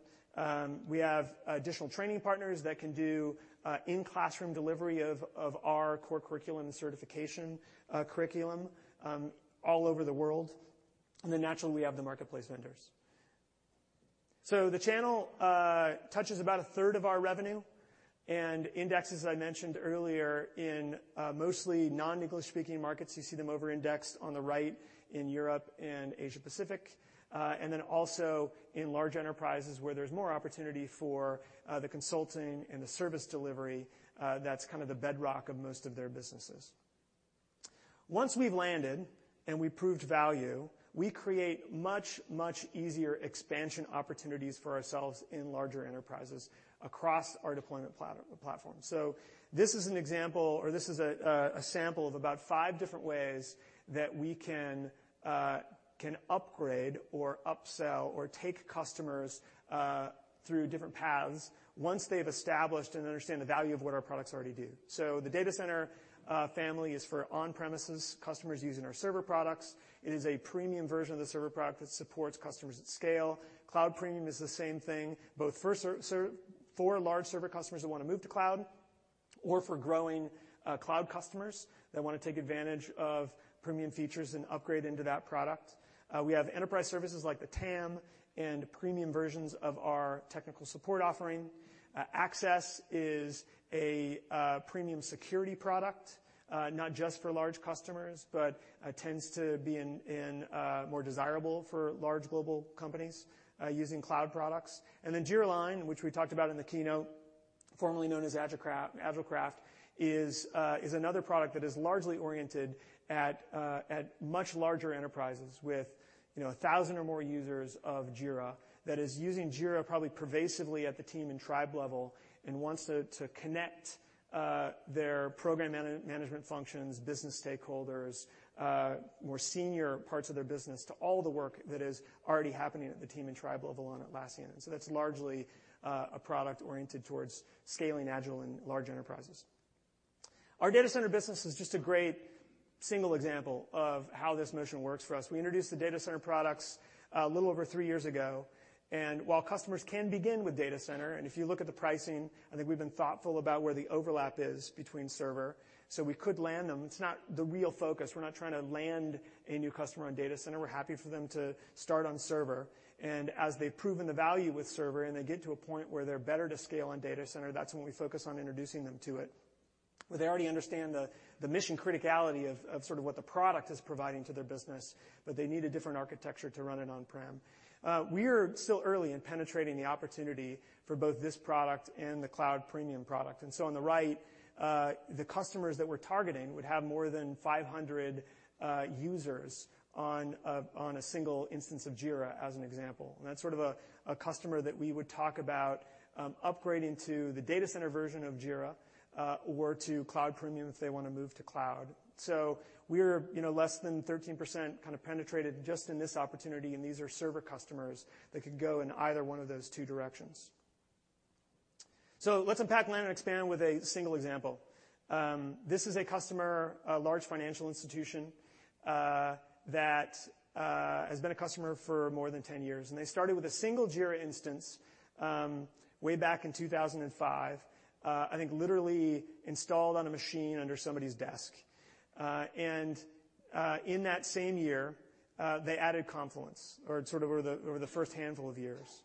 We have additional training partners that can do in-classroom delivery of our core curriculum and certification curriculum all over the world. Naturally, we have the marketplace vendors. The channel touches about a third of our revenue and indexes I mentioned earlier in mostly non-English speaking markets. You see them over-indexed on the right in Europe and Asia Pacific, and then also in large enterprises where there's more opportunity for the consulting and the service delivery that's kind of the bedrock of most of their businesses. Once we've landed and we've proved value, we create much easier expansion opportunities for ourselves in larger enterprises across our deployment platform. This is an example, or this is a sample of about five different ways that we can upgrade or upsell or take customers through different paths once they've established and understand the value of what our products already do. The Data Center family is for on-premises customers using our Server products. It is a premium version of the Server product that supports customers at scale. Cloud Premium is the same thing, both for large Server customers who want to move to cloud or for growing cloud customers that want to take advantage of premium features and upgrade into that product. We have enterprise services like the TAM and premium versions of our technical support offering. Access is a premium security product, not just for large customers, but tends to be more desirable for large global companies using cloud products. Jira Align, which we talked about in the keynote, formerly known as AgileCraft, is another product that is largely oriented at much larger enterprises with 1,000 or more users of Jira. That is using Jira probably pervasively at the team and tribe level and wants to connect their program management functions, business stakeholders, more senior parts of their business to all the work that is already happening at the team and tribe level on Atlassian. That's largely a product oriented towards scaling Agile and large enterprises. Our Data Center business is just a great single example of how this mission works for us. We introduced the Data Center products a little over three years ago. While customers can begin with Data Center, and if you look at the pricing, I think we've been thoughtful about where the overlap is between Server. We could land them. It's not the real focus. We're not trying to land a new customer on Data Center. We're happy for them to start on Server. As they've proven the value with Server and they get to a point where they're better to scale on Data Center, that's when we focus on introducing them to it, where they already understand the mission criticality of sort of what the product is providing to their business, but they need a different architecture to run it on-prem. We are still early in penetrating the opportunity for both this product and the Cloud Premium product. On the right, the customers that we're targeting would have more than 500 users on a single instance of Jira as an example. That's sort of a customer that we would talk about upgrading to the data center version of Jira or to cloud premium if they want to move to cloud. We're less than 13% kind of penetrated just in this opportunity. These are server customers that could go in either one of those two directions. Let's unpack land and expand with a single example. This is a customer, a large financial institution, that has been a customer for more than 10 years, and they started with a single Jira instance way back in 2005. I think literally installed on a machine under somebody's desk. In that same year, they added Confluence or sort of over the first handful of years.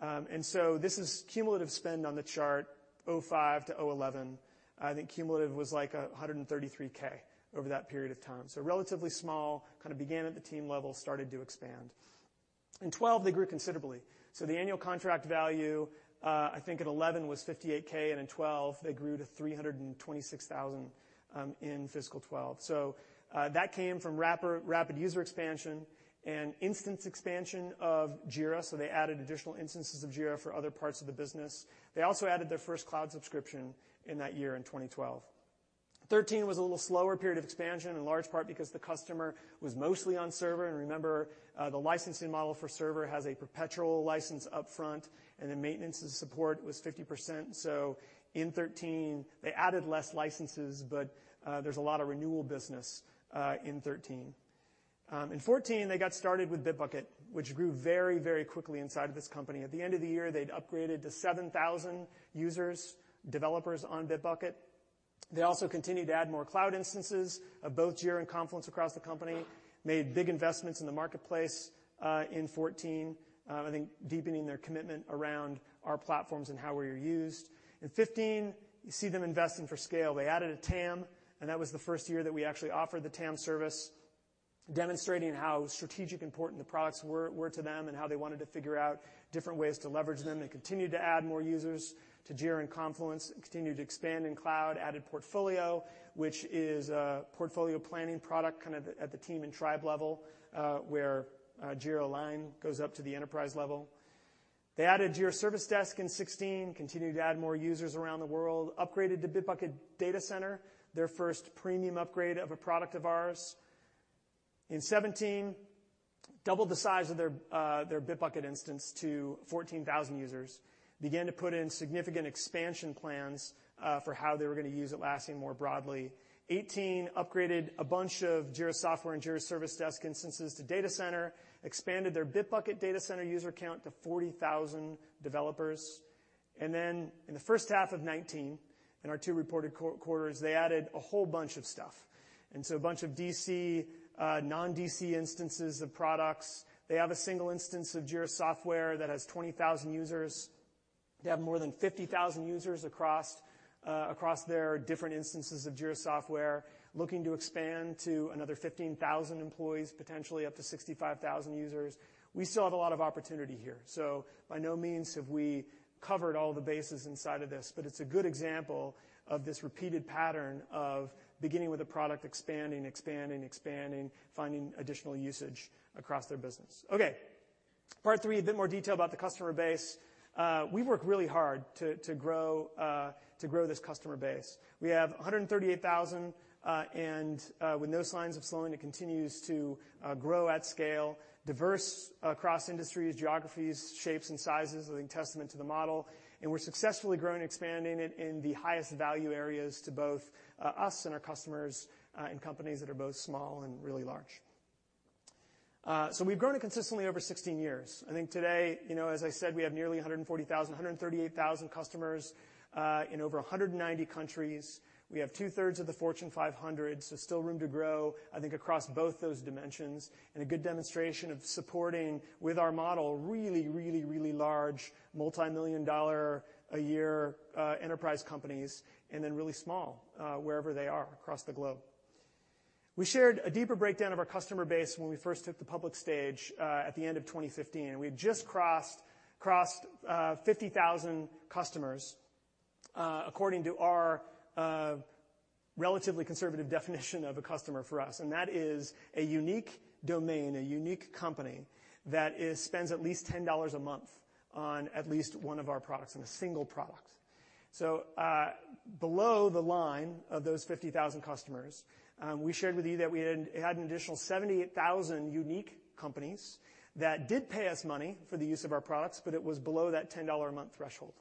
This is cumulative spend on the chart 2005 to 2011. I think cumulative was like $133,000 over that period of time. Relatively small, kind of began at the team level, started to expand. In 2012, they grew considerably. The annual contract value, I think at 2011 was $58,000, and in 2012 they grew to $326,000 in fiscal 2012. That came from rapid user expansion and instance expansion of Jira. They added additional instances of Jira for other parts of the business. They also added their first cloud subscription in that year, in 2012. 2013 was a little slower period of expansion, in large part because the customer was mostly on server. Remember, the licensing model for server has a perpetual license upfront, and then maintenance and support was 50%. In 2013, they added less licenses, but there's a lot of renewal business in 2013. In 2014, they got started with Bitbucket, which grew very, very quickly inside of this company. At the end of the year, they'd upgraded to 7,000 users, developers on Bitbucket. They also continued to add more cloud instances of both Jira and Confluence across the company, made big investments in the marketplace in 2014, I think deepening their commitment around our platforms and how we're used. In 2015, you see them investing for scale. They added a TAM, and that was the first year that we actually offered the TAM service, demonstrating how strategic important the products were to them and how they wanted to figure out different ways to leverage them. They continued to add more users to Jira and Confluence, continued to expand in cloud, added portfolio, which is a portfolio planning product, kind of at the team and tribe level, where Jira Align goes up to the enterprise level. They added Jira Service Desk in 2016, continued to add more users around the world, upgraded to Bitbucket Data Center, their first premium upgrade of a product of ours. In 2017, doubled the size of their Bitbucket instance to 14,000 users. Began to put in significant expansion plans for how they were going to use Atlassian more broadly. In 2018, upgraded a bunch of Jira Software and Jira Service Desk instances to Data Center, expanded their Bitbucket Data Center user count to 40,000 developers. In the first half of 2019, in our two reported quarters, they added a whole bunch of stuff. A bunch of DC, non-DC instances of products. They have a single instance of Jira Software that has 20,000 users. They have more than 50,000 users across their different instances of Jira Software, looking to expand to another 15,000 employees, potentially up to 65,000 users. We still have a lot of opportunity here. By no means have we covered all the bases inside of this, but it's a good example of this repeated pattern of beginning with a product, expanding, expanding, finding additional usage across their business. Okay. Part three, a bit more detail about the customer base. We work really hard to grow this customer base. We have 138,000, and with no signs of slowing, it continues to grow at scale, diverse across industries, geographies, shapes and sizes, I think a testament to the model. We're successfully growing and expanding it in the highest value areas to both us and our customers, in companies that are both small and really large. We've grown it consistently over 16 years. I think today, as I said, we have nearly 140,000, 138,000 customers in over 190 countries. We have two-thirds of the Fortune 500, still room to grow, I think, across both those dimensions, and a good demonstration of supporting with our model really, really, really large multimillion-dollar a year enterprise companies, and then really small, wherever they are across the globe. We shared a deeper breakdown of our customer base when we first hit the public stage at the end of 2015, and we had just crossed 50,000 customers, according to our relatively conservative definition of a customer for us. That is a unique domain, a unique company, that spends at least $10 a month on at least one of our products, on a single product. Below the line of those 50,000 customers, we shared with you that we had an additional 78,000 unique companies that did pay us money for the use of our products, but it was below that $10 a month threshold.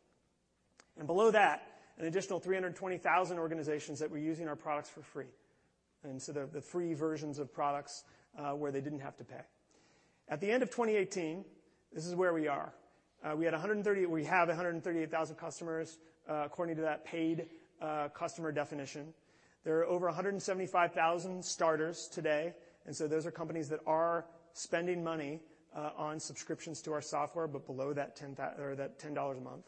And below that, an additional 320,000 organizations that were using our products for free, and so the free versions of products where they didn't have to pay. At the end of 2018, this is where we are. We have 138,000 customers, according to that paid customer definition. There are over 175,000 starters today, and so those are companies that are spending money on subscriptions to our software, but below that $10 a month.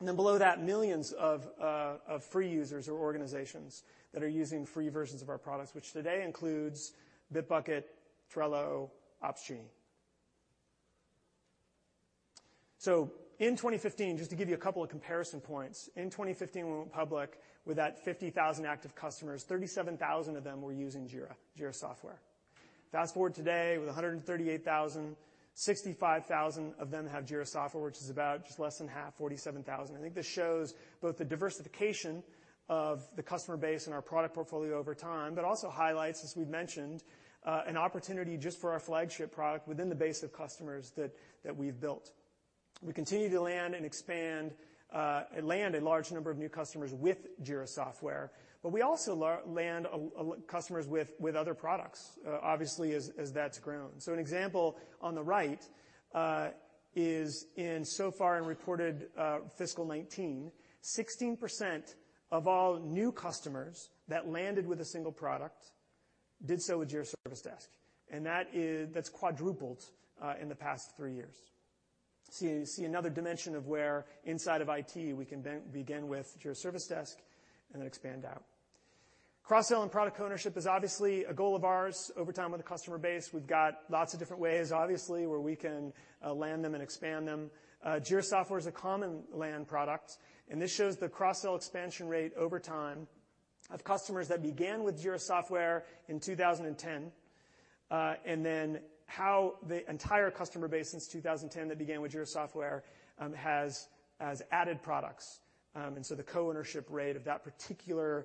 Below that, millions of free users or organizations that are using free versions of our products, which today includes Bitbucket, Trello, Opsgenie. In 2015, just to give you a couple of comparison points, in 2015, we went public with that 50,000 active customers, 37,000 of them were using Jira Software. Fast-forward today with 138,000, 65,000 of them have Jira Software, which is about just less than half, 47,000. I think this shows both the diversification of the customer base and our product portfolio over time, but also highlights, as we've mentioned, an opportunity just for our flagship product within the base of customers that we've built. We continue to land and expand and land a large number of new customers with Jira Software, but we also land customers with other products, obviously as that's grown. An example on the right is in so far in reported FY 2019, 16% of all new customers that landed with a single product did so with Jira Service Desk. That's quadrupled in the past three years. You see another dimension of where inside of IT, we can begin with Jira Service Desk and then expand out. Cross-sell and product ownership is obviously a goal of ours over time with the customer base. We've got lots of different ways, obviously, where we can land them and expand them. Jira Software is a common land product, and this shows the cross-sell expansion rate over time of customers that began with Jira Software in 2010, and then how the entire customer base since 2010 that began with Jira Software has added products, and so the co-ownership rate of that particular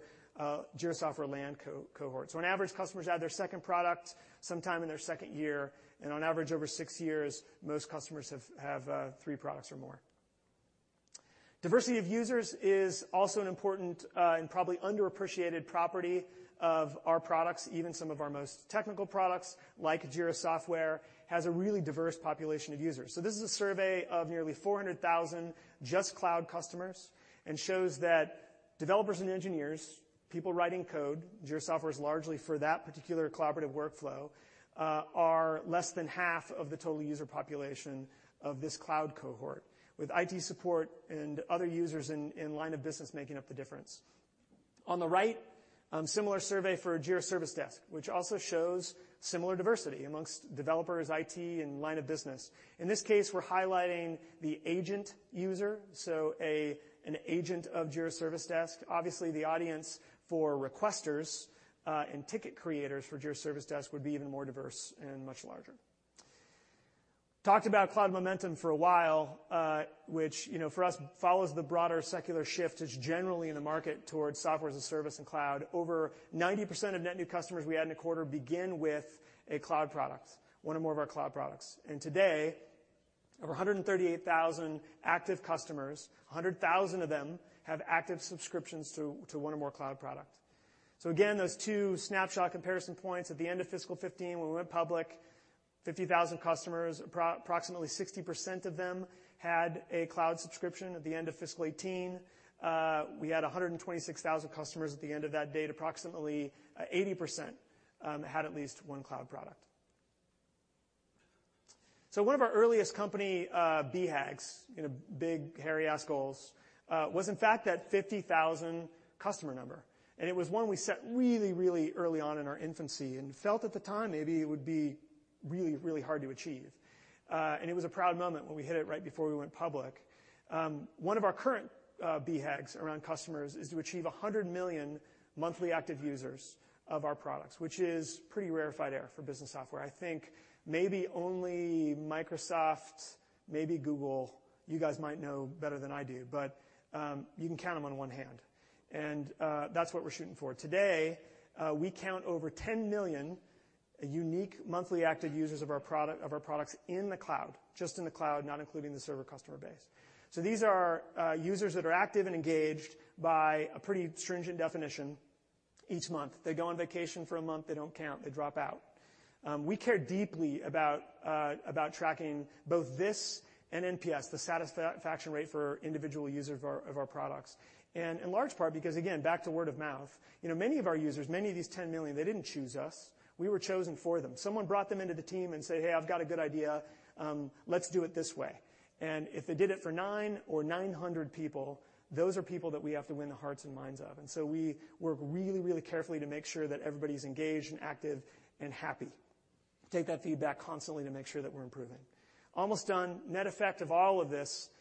Jira Software land cohort. On average, customers add their second product sometime in their second year, and on average, over six years, most customers have three products or more. Diversity of users is also an important, and probably underappreciated, property of our products. Even some of our most technical products, like Jira Software, has a really diverse population of users. This is a survey of nearly 400,000 just cloud customers and shows that developers and engineers, people writing code, Jira Software is largely for that particular collaborative workflow, are less than half of the total user population of this cloud cohort, with IT support and other users in line of business making up the difference. On the right, similar survey for Jira Service Desk, which also shows similar diversity amongst developers, IT, and line of business. In this case, we're highlighting the agent user, an agent of Jira Service Desk. Obviously, the audience for requesters and ticket creators for Jira Service Desk would be even more diverse and much larger. Talked about cloud momentum for a while, which for us follows the broader secular shift that's generally in the market towards software as a service and cloud. Over 90% of net new customers we had in a quarter begin with a cloud product, one or more of our cloud products. Today, over 138,000 active customers, 100,000 of them have active subscriptions to one or more cloud product. Again, those two snapshot comparison points at the end of FY 2015, when we went public, 50,000 customers, approximately 60% of them had a cloud subscription. At the end of FY 2018, we had 126,000 customers. At the end of that date, approximately 80% had at least one cloud product. One of our earliest company BHAGs, big hairy ass goals, was in fact that 50,000 customer number. It was one we set really early on in our infancy and felt at the time maybe it would be really hard to achieve. It was a proud moment when we hit it right before we went public. One of our current BHAGs around customers is to achieve 100 million monthly active users of our products, which is pretty rarefied air for business software. I think maybe only Microsoft, maybe Google, you guys might know better than I do, but you can count them on one hand. That's what we're shooting for. Today, we count over 10 million unique monthly active users of our products in the cloud, just in the cloud, not including the server customer base. These are users that are active and engaged by a pretty stringent definition each month. They go on vacation for a month, they don't count, they drop out. We care deeply about tracking both this and NPS, the satisfaction rate for individual users of our products. In large part because, again, back to word of mouth, many of our users, many of these 10 million, they didn't choose us, we were chosen for them. Someone brought them into the team and said, "Hey, I've got a good idea. Let's do it this way." If they did it for nine or 900 people, those are people that we have to win the hearts and minds of. We work really carefully to make sure that everybody's engaged and active and happy. Take that feedback constantly to make sure that we're improving. Almost done. Net effect of all of this,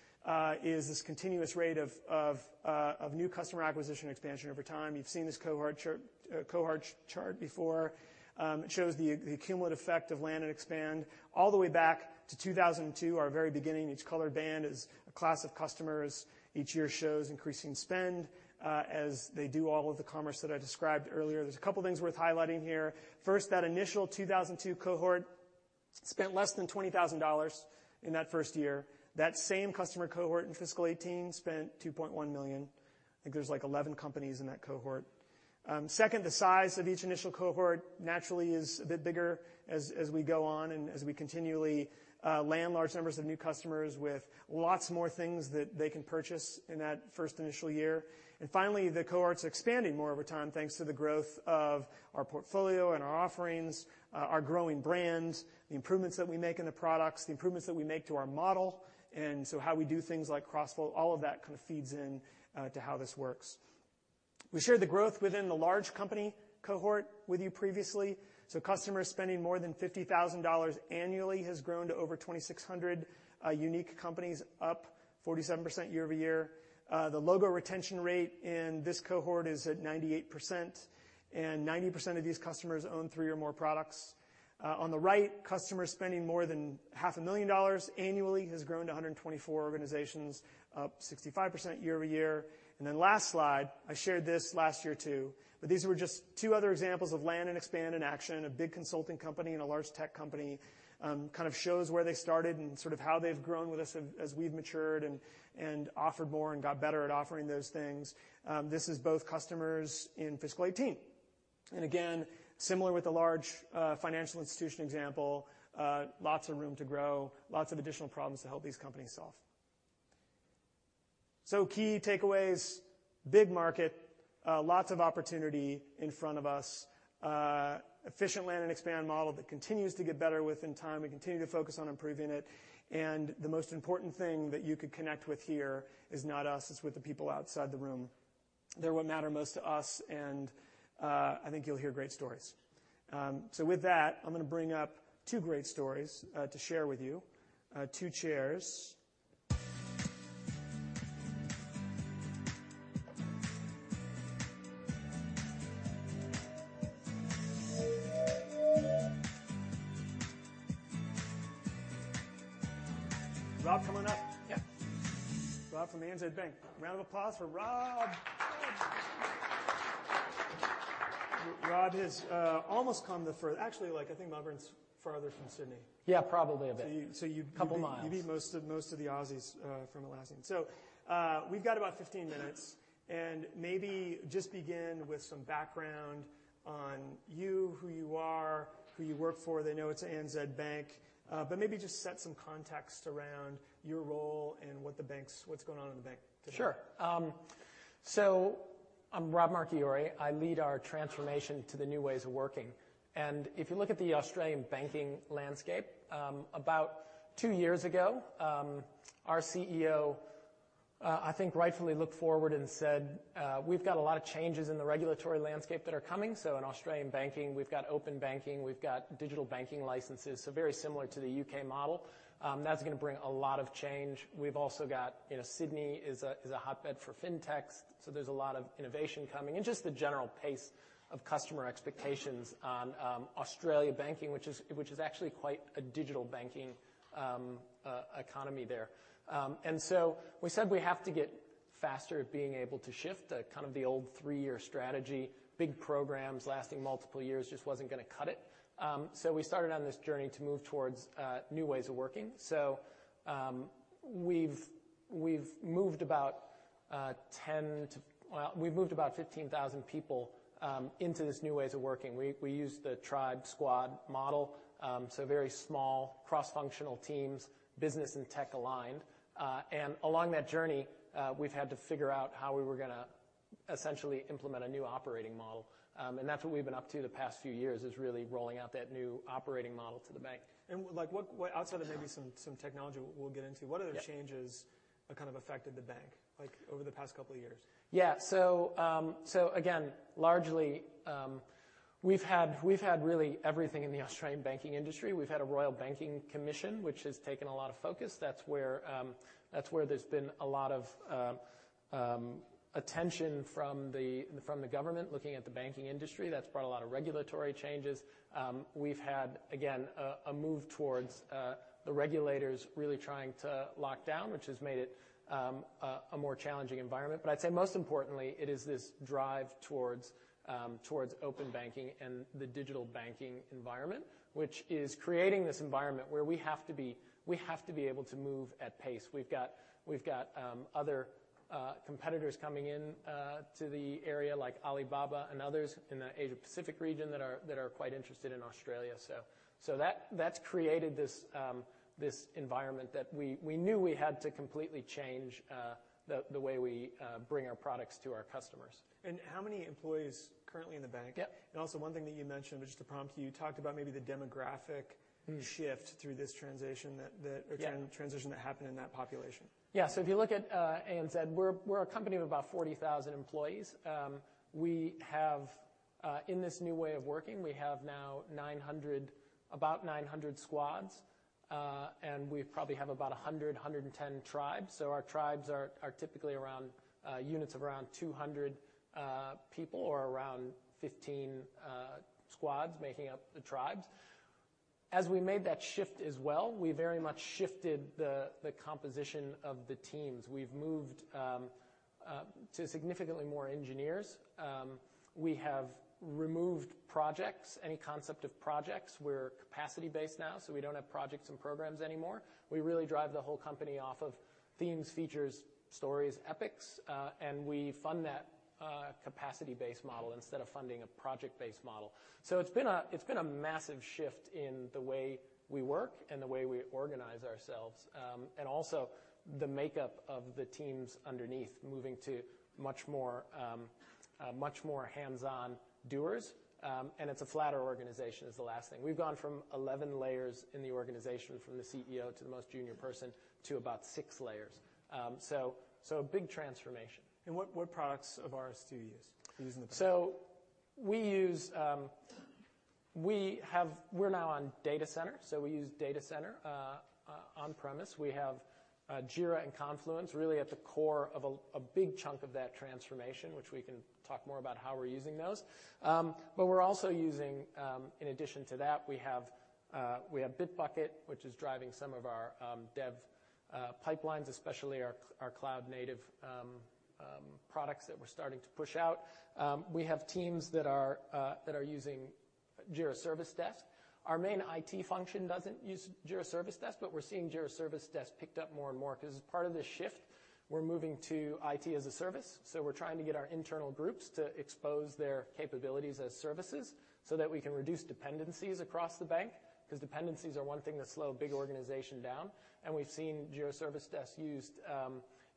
is this continuous rate of new customer acquisition expansion over time. You've seen this cohort chart before. It shows the cumulative effect of land and expand all the way back to 2002, our very beginning. Each color band is a class of customers. Each year shows increasing spend, as they do all of the commerce that I described earlier. There's a couple things worth highlighting here. First, that initial 2002 cohort spent less than $20,000 in that first year. That same customer cohort in fiscal 2018 spent $2.1 million. I think there's 11 companies in that cohort. Second, the size of each initial cohort naturally is a bit bigger as we go on and as we continually land large numbers of new customers with lots more things that they can purchase in that first initial year. Finally, the cohort's expanding more over time, thanks to the growth of our portfolio and our offerings, our growing brands, the improvements that we make in the products, the improvements that we make to our model. How we do things like Crossflow, all of that kind of feeds in to how this works. We shared the growth within the large company cohort with you previously. Customers spending more than $50,000 annually has grown to over 2,600 unique companies, up 47% year-over-year. The logo retention rate in this cohort is at 98%, and 90% of these customers own three or more products. On the right, customers spending more than half a million dollars annually has grown to 124 organizations, up 65% year-over-year. Last slide, I shared this last year too, but these were just two other examples of land and expand in action in a big consulting company and a large tech company. Kind of shows where they started and sort of how they've grown with us as we've matured and offered more and got better at offering those things. This is both customers in fiscal 2018. Again, similar with the large financial institution example, lots of room to grow, lots of additional problems to help these companies solve. Key takeaways, big market, lots of opportunity in front of us. Efficient land and expand model that continues to get better with time. We continue to focus on improving it. The most important thing that you could connect with here is not us, it's with the people outside the room. They're what matter most to us, and I think you'll hear great stories. With that, I'm going to bring up two great stories to share with you. Two chairs. Rob, come on up. Yeah. Rob from the ANZ Bank. Round of applause for Rob. Rob has almost come the actually, I think Melbourne's farther from Sydney. Yeah, probably a bit. So you- A couple miles you beat most of the Aussies from Atlassian. We've got about 15 minutes, maybe just begin with some background on you, who you are, who you work for. They know it's ANZ Bank. Maybe just set some context around your role and what the bank's, what's going on in the bank today. Sure. I'm Rob Marchiori. I lead our transformation to the new ways of working. If you look at the Australian banking landscape, about two years ago, our CEO, I think rightfully looked forward and said, "We've got a lot of changes in the regulatory landscape that are coming." In Australian banking, we've got open banking, we've got digital banking licenses, very similar to the U.K. model. That's going to bring a lot of change. We've also got, Sydney is a hotbed for fintechs, there's a lot of innovation coming and just the general pace of customer expectations on Australia banking, which is actually quite a digital banking economy there. We said we have to getFaster at being able to shift. Kind of the old three-year strategy, big programs lasting multiple years just wasn't going to cut it. We started on this journey to move towards new ways of working. We've moved about 15,000 people into this new ways of working. We use the tribe squad model, very small cross-functional teams, business and tech aligned. Along that journey, we've had to figure out how we were going to essentially implement a new operating model. That's what we've been up to the past few years, is really rolling out that new operating model to the bank. Outside of maybe some technology we'll get into, what other changes have kind of affected the bank over the past couple of years? Yeah. Again, largely we've had really everything in the Australian banking industry. We've had a Royal Banking Commission, which has taken a lot of focus. That's where there's been a lot of attention from the government looking at the banking industry. That's brought a lot of regulatory changes. We've had, again, a move towards the regulators really trying to lock down, which has made it a more challenging environment. I'd say most importantly, it is this drive towards open banking and the digital banking environment, which is creating this environment where we have to be able to move at pace. We've got other competitors coming in to the area, like Alibaba and others in the Asia Pacific region that are quite interested in Australia. That's created this environment that we knew we had to completely change the way we bring our products to our customers. How many employees currently in the bank? Yep. Also one thing that you mentioned, just to prompt you talked about maybe the demographic shift through this transition that Yeah happened in that population. If you look at ANZ, we're a company of about 40,000 employees. In this new way of working, we have now about 900 squads. We probably have about 100, 110 tribes. Our tribes are typically units of around 200 people, or around 15 squads making up the tribes. As we made that shift as well, we very much shifted the composition of the teams. We've moved to significantly more engineers. We have removed projects, any concept of projects. We're capacity based now, so we don't have projects and programs anymore. We really drive the whole company off of themes, features, stories, epics. We fund that capacity based model instead of funding a project based model. It's been a massive shift in the way we work and the way we organize ourselves. Also the makeup of the teams underneath, moving to much more hands-on doers. It's a flatter organization, is the last thing. We've gone from 11 layers in the organization, from the CEO to the most junior person, to about 6 layers. A big transformation. What products of ours do you use in the bank? We're now on data center, we use data center on premise. We have Jira and Confluence really at the core of a big chunk of that transformation, which we can talk more about how we're using those. We're also using, in addition to that, we have Bitbucket, which is driving some of our dev pipelines, especially our cloud native products that we're starting to push out. We have teams that are using Jira Service Desk. Our main IT function doesn't use Jira Service Desk, we're seeing Jira Service Desk picked up more and more because as part of this shift, we're moving to IT as a service. We're trying to get our internal groups to expose their capabilities as services so that we can reduce dependencies across the bank, because dependencies are one thing that slow a big organization down. We've seen Jira Service Desk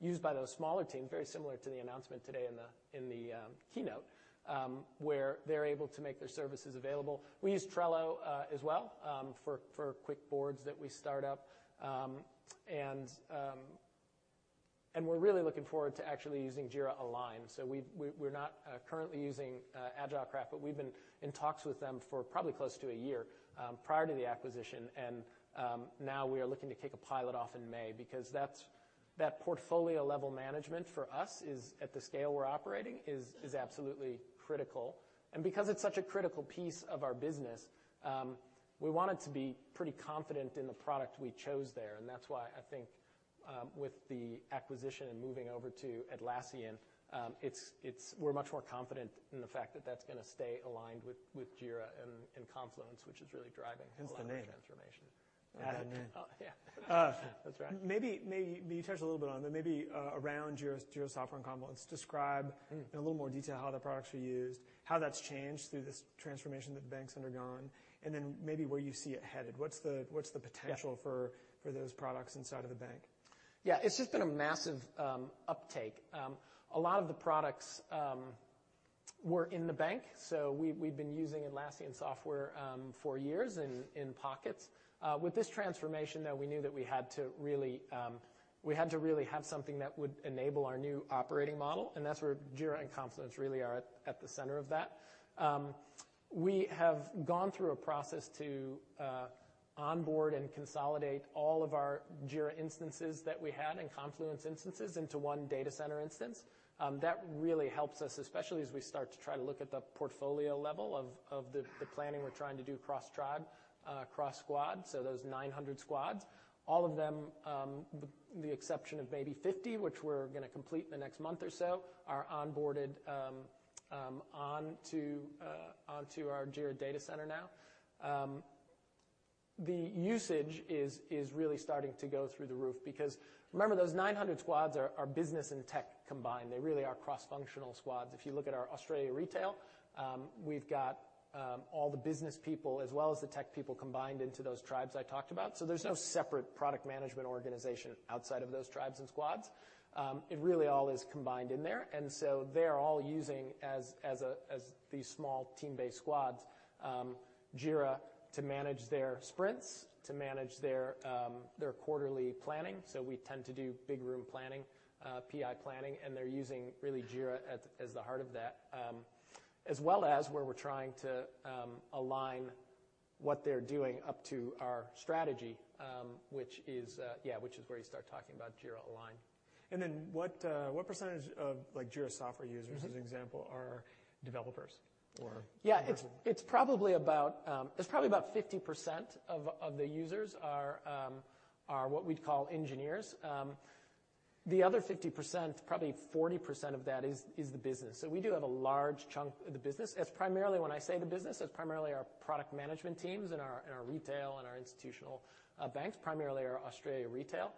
used by those smaller teams, very similar to the announcement today in the keynote, where they're able to make their services available. We use Trello as well for quick boards that we start up. We're really looking forward to actually using Jira Align. We're not currently using AgileCraft, we've been in talks with them for probably close to a year prior to the acquisition. Now we are looking to kick a pilot off in May because that portfolio level management for us is, at the scale we're operating, is absolutely critical. Because it's such a critical piece of our business, we wanted to be pretty confident in the product we chose there. That's why I think with the acquisition and moving over to Atlassian, we're much more confident in the fact that that's going to stay aligned with Jira and Confluence, which is really driving- Hence the name a lot of the transformation. Add a name. Yeah. That's right. Maybe you touched a little bit on it, but maybe around Jira Software and Confluence, describe in a little more detail how the products are used, how that's changed through this transformation that the bank's undergone, and then maybe where you see it headed. What's the potential for those products inside of the bank? Yeah. It's just been a massive uptake. A lot of the products were in the bank, so we'd been using Atlassian software for years in pockets. With this transformation though, we knew that we had to really have something that would enable our new operating model, and that's where Jira and Confluence really are at the center of that. We have gone through a process to onboard and consolidate all of our Jira instances that we had and Confluence instances into one data center instance. That really helps us, especially as we start to try to look at the portfolio level of the planning we're trying to do cross tribe, cross squad, so those 900 squads. All of them, with the exception of maybe 50, which we're going to complete in the next month or so, are onboarded onto our Jira data center now. The usage is really starting to go through the roof because remember, those 900 squads are business and tech combined. They really are cross-functional squads. If you look at our Australia retail, we've got all the business people as well as the tech people combined into those tribes I talked about. There's no separate product management organization outside of those tribes and squads. It really all is combined in there, they're all using, as these small team-based squads, Jira to manage their sprints, to manage their quarterly planning. We tend to do big room planning, PI planning, and they're using really Jira as the heart of that. As well as where we're trying to align what they're doing up to our strategy, which is where you start talking about Jira Align. What percentage of Jira Software users, as an example, are developers or Yeah. It's probably about 50% of the users are what we'd call engineers. The other 50%, probably 40% of that is the business. We do have a large chunk of the business. When I say the business, it's primarily our product management teams and our retail and our institutional banks, primarily our Australia retail.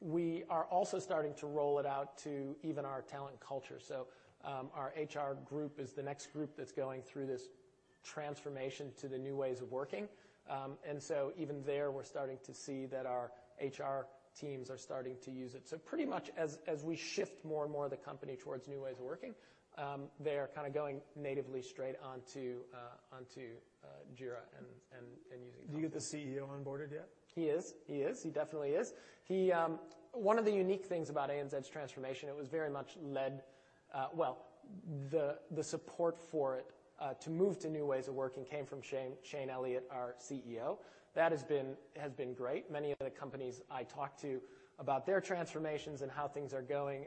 We are also starting to roll it out to even our Talent & Culture. Our HR group is the next group that's going through this transformation to the new ways of working. Even there, we're starting to see that our HR teams are starting to use it. Pretty much as we shift more and more of the company towards new ways of working, they are going natively straight onto Jira and using Confluence. Do you have the CEO onboarded yet? He is. He definitely is. One of the unique things about ANZ's transformation, it was very much led. The support for it to move to new ways of working came from Shayne Elliott, our CEO. That has been great. Many of the companies I talk to about their transformations and how things are going,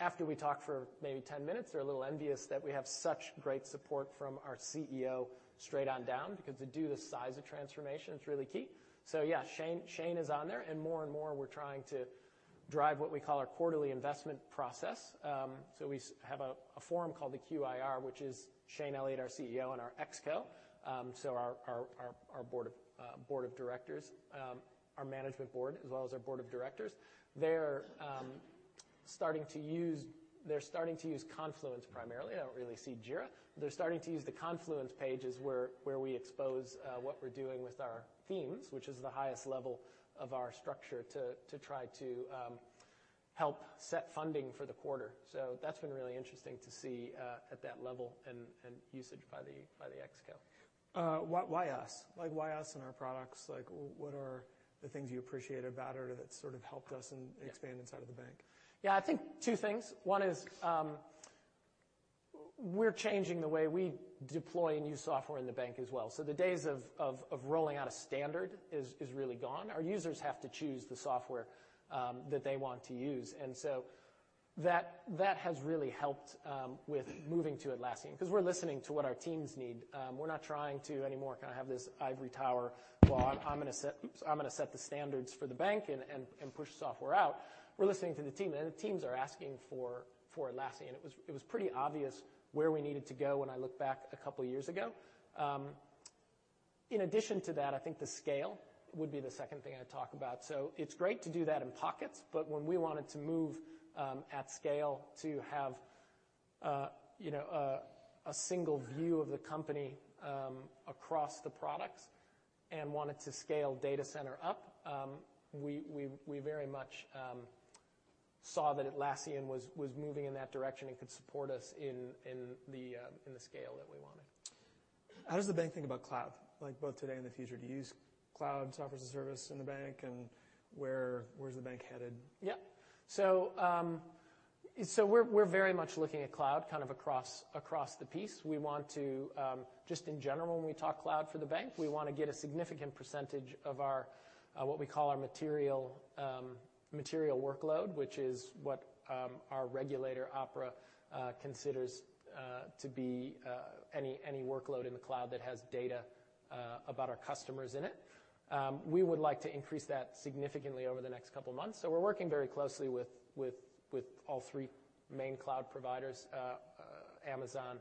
after we talk for maybe 10 minutes, they're a little envious that we have such great support from our CEO straight on down, because due to the size of transformation, it's really key. Yeah, Shayne is on there, and more and more, we're trying to drive what we call our quarterly investment process. We have a forum called the QIR, which is Shayne Elliott, our CEO, and our ExCo. Our management board as well as our board of directors. They're starting to use Confluence primarily. I don't really see Jira. They're starting to use the Confluence pages where we expose what we're doing with our themes, which is the highest level of our structure to try to help set funding for the quarter. That's been really interesting to see at that level and usage by the ExCo. Why us? Why us and our products? What are the things you appreciated about it or that sort of helped us and expand inside of the bank? I think two things. One is, we're changing the way we deploy new software in the bank as well. The days of rolling out a standard is really gone. Our users have to choose the software that they want to use. That has really helped with moving to Atlassian, because we're listening to what our teams need. We're not trying to anymore kind of have this ivory tower law. I'm going to set the standards for the bank and push software out. We're listening to the team, and the teams are asking for Atlassian. It was pretty obvious where we needed to go when I look back a couple of years ago. In addition to that, I think the scale would be the second thing I'd talk about. It's great to do that in pockets, but when we wanted to move at scale to have a single view of the company across the products and wanted to scale data center up, we very much saw that Atlassian was moving in that direction and could support us in the scale that we wanted. How does the bank think about cloud, both today and the future? Do you use cloud software as a service in the bank? Where's the bank headed? We're very much looking at cloud kind of across the piece. We want to, just in general, when we talk cloud for the bank, we want to get a significant percentage of what we call our material workload, which is what our regulator, APRA, considers to be any workload in the cloud that has data about our customers in it. We would like to increase that significantly over the next couple of months. We're working very closely with all three main cloud providers, Amazon,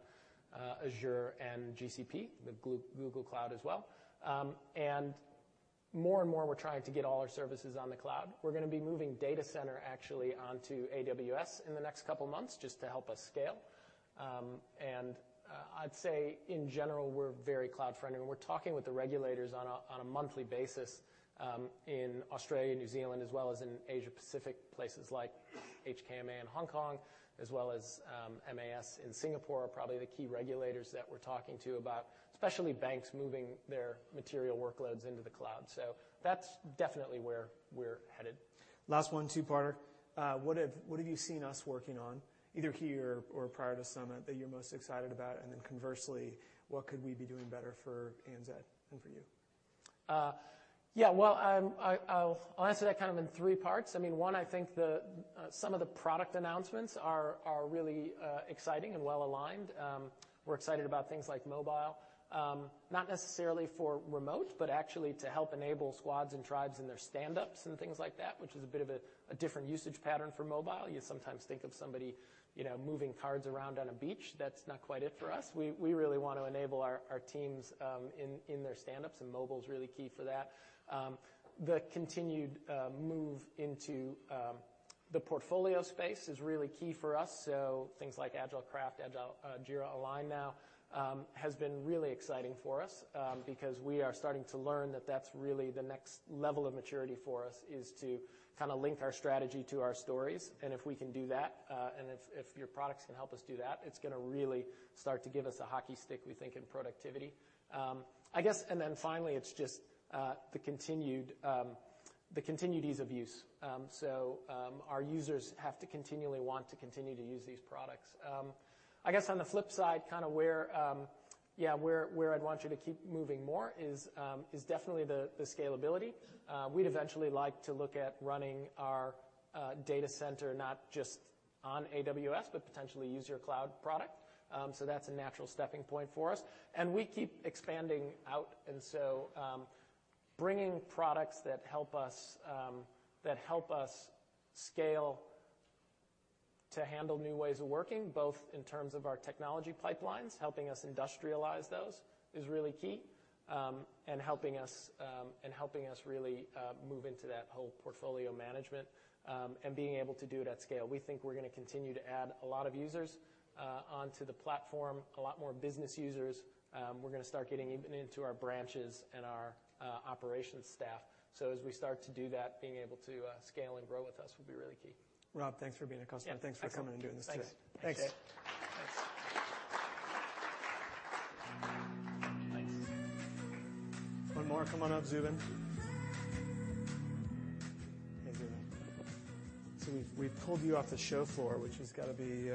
Azure, and GCP, the Google Cloud as well. More and more, we're trying to get all our services on the cloud. We're going to be moving data center actually onto AWS in the next couple of months just to help us scale. I'd say, in general, we're very cloud-friendly, and we're talking with the regulators on a monthly basis in Australia, New Zealand, as well as in Asia Pacific, places like HKMA in Hong Kong, as well as MAS in Singapore, are probably the key regulators that we're talking to about, especially banks moving their material workloads into the cloud. That's definitely where we're headed. Last one, two-parter. What have you seen us working on, either here or prior to Summit, that you're most excited about? Then conversely, what could we be doing better for ANZ and for you? Well, I'll answer that kind of in three parts. One, I think some of the product announcements are really exciting and well aligned. We're excited about things like mobile. Not necessarily for remote, but actually to help enable squads and tribes in their standups and things like that, which is a bit of a different usage pattern for mobile. You sometimes think of somebody moving cards around on a beach. That's not quite it for us. We really want to enable our teams in their standups, and mobile's really key for that. The continued move into the portfolio space is really key for us. Things like AgileCraft, Agile, Jira Align now, has been really exciting for us, because we are starting to learn that that's really the next level of maturity for us, is to link our strategy to our stories. If we can do that, and if your products can help us do that, it's going to really start to give us a hockey stick, we think, in productivity. I guess, then finally, it's just the continued ease of use. Our users have to continually want to continue to use these products. I guess on the flip side, where I'd want you to keep moving more is definitely the scalability. We'd eventually like to look at running our data center, not just on AWS, but potentially use your cloud product. That's a natural stepping point for us. We keep expanding out, bringing products that help us scale to handle new ways of working, both in terms of our technology pipelines, helping us industrialize those is really key. Helping us really move into that whole portfolio management, and being able to do it at scale. We think we're going to continue to add a lot of users onto the platform, a lot more business users. We're going to start getting even into our branches and our operations staff. As we start to do that, being able to scale and grow with us would be really key. Rob, thanks for being a customer. Yeah. Excellent. Thanks for coming and doing this today. Thanks. Thanks. Thanks. One more. Come on up, Zubin. Hey, Zubin. We've pulled you off the show floor, which has got to be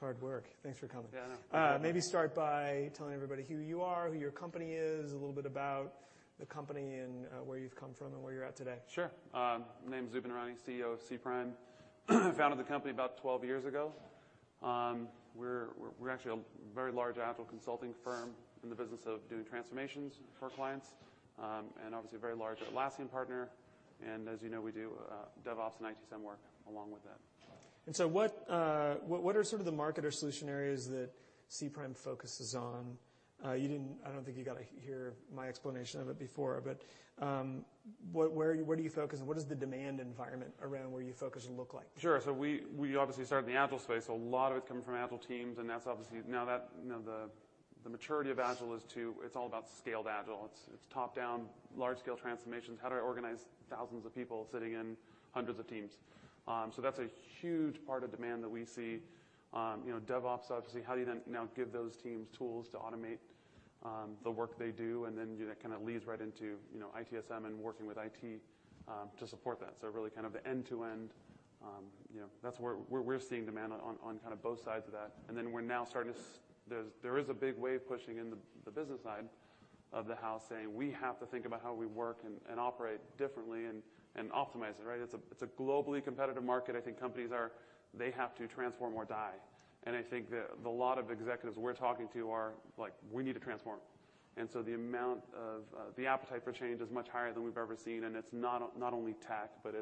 hard work. Thanks for coming. Yeah, I know. Maybe start by telling everybody who you are, who your company is, a little bit about the company, and where you've come from and where you're at today. Sure. My name's Zubin Irani, CEO of Cprime. Founded the company about 12 years ago. We're actually a very large Agile consulting firm in the business of doing transformations for clients. Obviously, a very large Atlassian partner. As you know, we do DevOps and ITSM work along with that. What are sort of the market or solution areas that Cprime focuses on? I don't think you got to hear my explanation of it before, but where do you focus and what does the demand environment around where you focus look like? Sure. We obviously started in the Agile space, a lot of it's coming from Agile teams and that's obviously now the maturity of Agile is, it's all about scaled Agile. It's top-down large scale transformations. How do I organize thousands of people sitting in hundreds of teams? That's a huge part of demand that we see. DevOps obviously, how do you then now give those teams tools to automate the work they do? That leads right into ITSM and working with IT to support that. Really kind of end-to-end. That's where we're seeing demand on both sides of that. There is a big wave pushing in the business side of the house saying we have to think about how we work and operate differently and optimize it. It's a globally competitive market. I think companies have to transform or die. I think the lot of executives we're talking to are like, "We need to transform." The appetite for change is much higher than we've ever seen, and it's not only tech, but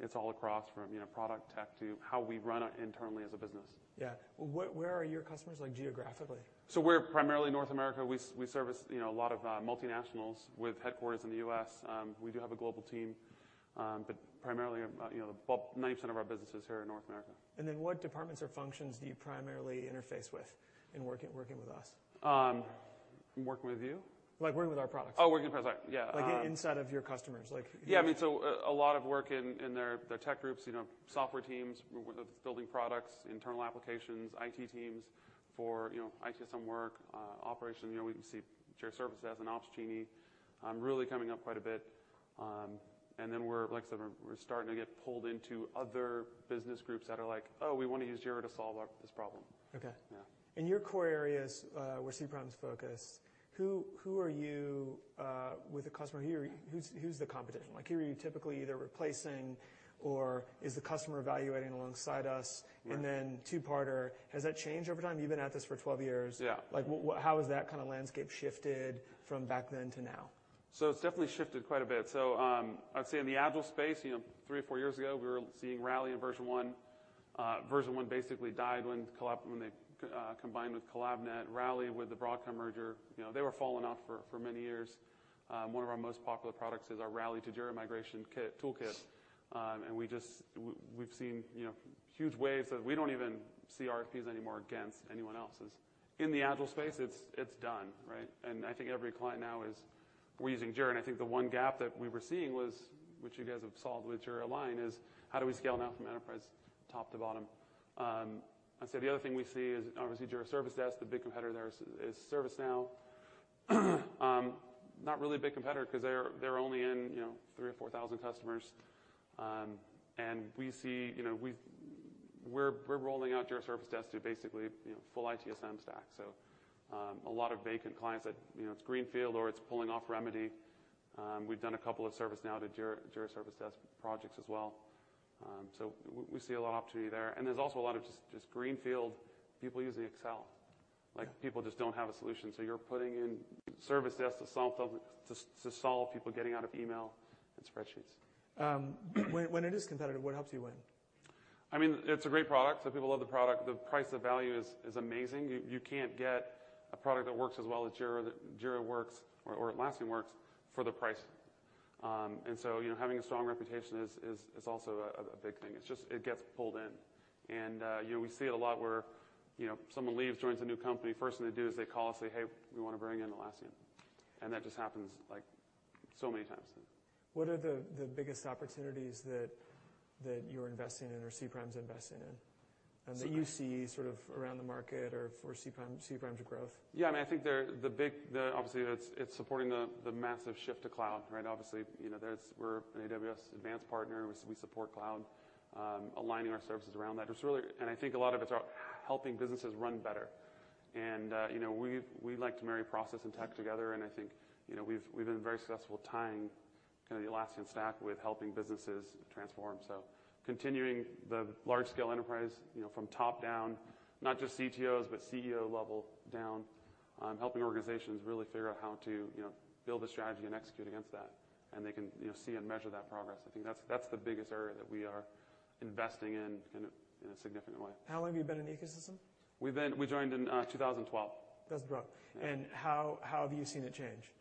it's all across from product tech to how we run internally as a business. Yeah. Where are your customers geographically? We're primarily North America. We service a lot of multinationals with headquarters in the U.S. We do have a global team. Primarily, about 90% of our business is here in North America. What departments or functions do you primarily interface with in working with us? In working with you? Like working with our products. Working with products, yeah. Like inside of your customers. Yeah. A lot of work in their tech groups, software teams, building products, internal applications, IT teams for ITSM work. Operations, we can see Jira Service Desk and Opsgenie really coming up quite a bit. Like I said, we're starting to get pulled into other business groups that are like, "We want to use Jira to solve this problem. Okay. Yeah. In your core areas, where cPrime's focused, who are you with a customer, who's the competition? Who are you typically either replacing or is the customer evaluating alongside us? Yeah. Two-parter, has that changed over time? You've been at this for 12 years. Yeah. How has that kind of landscape shifted from back then to now? It's definitely shifted quite a bit. I'd say in the Agile space, three or four years ago, we were seeing Rally and VersionOne. VersionOne basically died when they combined with CollabNet. Rally with the Broadcom merger. They were falling off for many years. One of our most popular products is our Rally to Jira migration toolkit. We've seen huge waves of we don't even see RFPs anymore against anyone else's. In the Agile space, it's done. I think every client now is, "We're using Jira," and I think the one gap that we were seeing was, which you guys have solved with Jira Align, is how do we scale now from enterprise top to bottom? I'd say the other thing we see is obviously Jira Service Desk, the big competitor there is ServiceNow. Not really a big competitor because they're only in 3,000 or 4,000 customers. We're rolling out Jira Service Desk to basically full ITSM stack. A lot of vacant clients that it's greenfield or it's pulling off Remedy. We've done a couple of ServiceNow to Jira Service Desk projects as well. So we see a lot of opportunity there's also a lot of just greenfield people using Excel. Yeah. People just don't have a solution, so you're putting in service desks to solve people getting out of email and spreadsheets. When it is competitive, what helps you win? It's a great product, so people love the product. The price, the value is amazing. You can't get a product that works as well as Jira works or Atlassian works for the price. Having a strong reputation is also a big thing. It gets pulled in. We see it a lot where someone leaves, joins a new company, first thing they do is they call us say, "Hey, we want to bring in Atlassian." That just happens so many times. What are the biggest opportunities that you're investing in or Cprime's investing in that you see sort of around the market or for Cprime's growth? Yeah. I think, obviously, it's supporting the massive shift to cloud, right? Obviously, we're an AWS advanced partner. We support cloud, aligning our services around that. I think a lot of it's about helping businesses run better. We like to marry process and tech together, and I think we've been very successful tying kind of the Atlassian stack with helping businesses transform. Continuing the large scale enterprise from top down, not just CTOs, but CEO level down, helping organizations really figure out how to build a strategy and execute against that. They can see and measure that progress. I think that's the biggest area that we are investing in, kind of in a significant way. How long have you been in the ecosystem? We joined in 2012. 2012. Yeah. How have you seen it change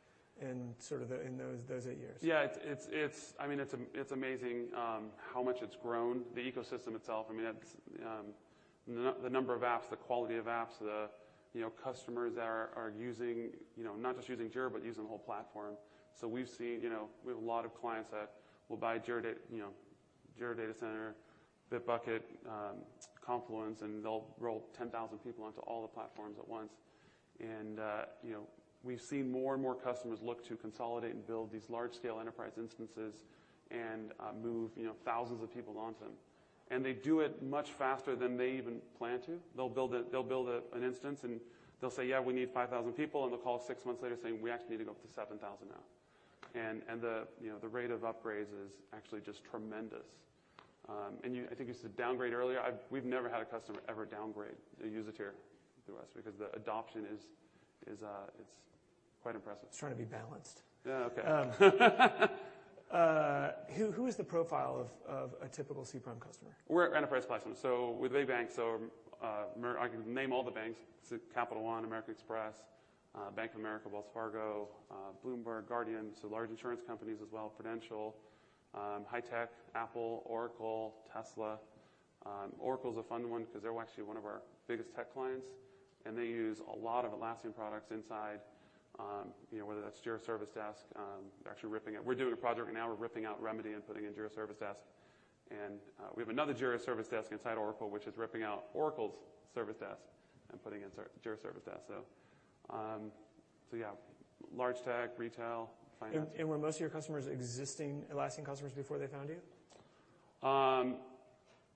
in those eight years? Yeah. It's amazing how much it's grown, the ecosystem itself. I mean, the number of apps, the quality of apps, the customers that are not just using Jira, but using the whole platform. We have a lot of clients that will buy Jira Data Center, Bitbucket, Confluence, and they'll roll 10,000 people onto all the platforms at once. We've seen more and more customers look to consolidate and build these large scale enterprise instances and move thousands of people onto them. They do it much faster than they even plan to. They'll build an instance, and they'll say, "Yeah, we need 5,000 people," and they'll call six months later saying, "We actually need to go up to 7,000 now." The rate of upgrades is actually just tremendous. I think you said downgrade earlier. We've never had a customer ever downgrade a user tier with us because the adoption is quite impressive. Just trying to be balanced. Oh, okay. Who is the profile of a typical cPrime customer? We're an enterprise platform. With big banks, I can name all the banks. Capital One, American Express, Bank of America, Wells Fargo, Bloomberg, Guardian, so large insurance companies as well, Prudential. High tech, Apple, Oracle, Tesla. Oracle's a fun one because they're actually one of our biggest tech clients, and they use a lot of Atlassian products inside, whether that's Jira Service Desk. Actually, we're doing a project right now. We're ripping out Remedy and putting in Jira Service Desk. We have another Jira Service Desk inside Oracle, which is ripping out Oracle's service desk and putting in Jira Service Desk. Yeah, large tech, retail, finance. Were most of your customers existing Atlassian customers before they found you?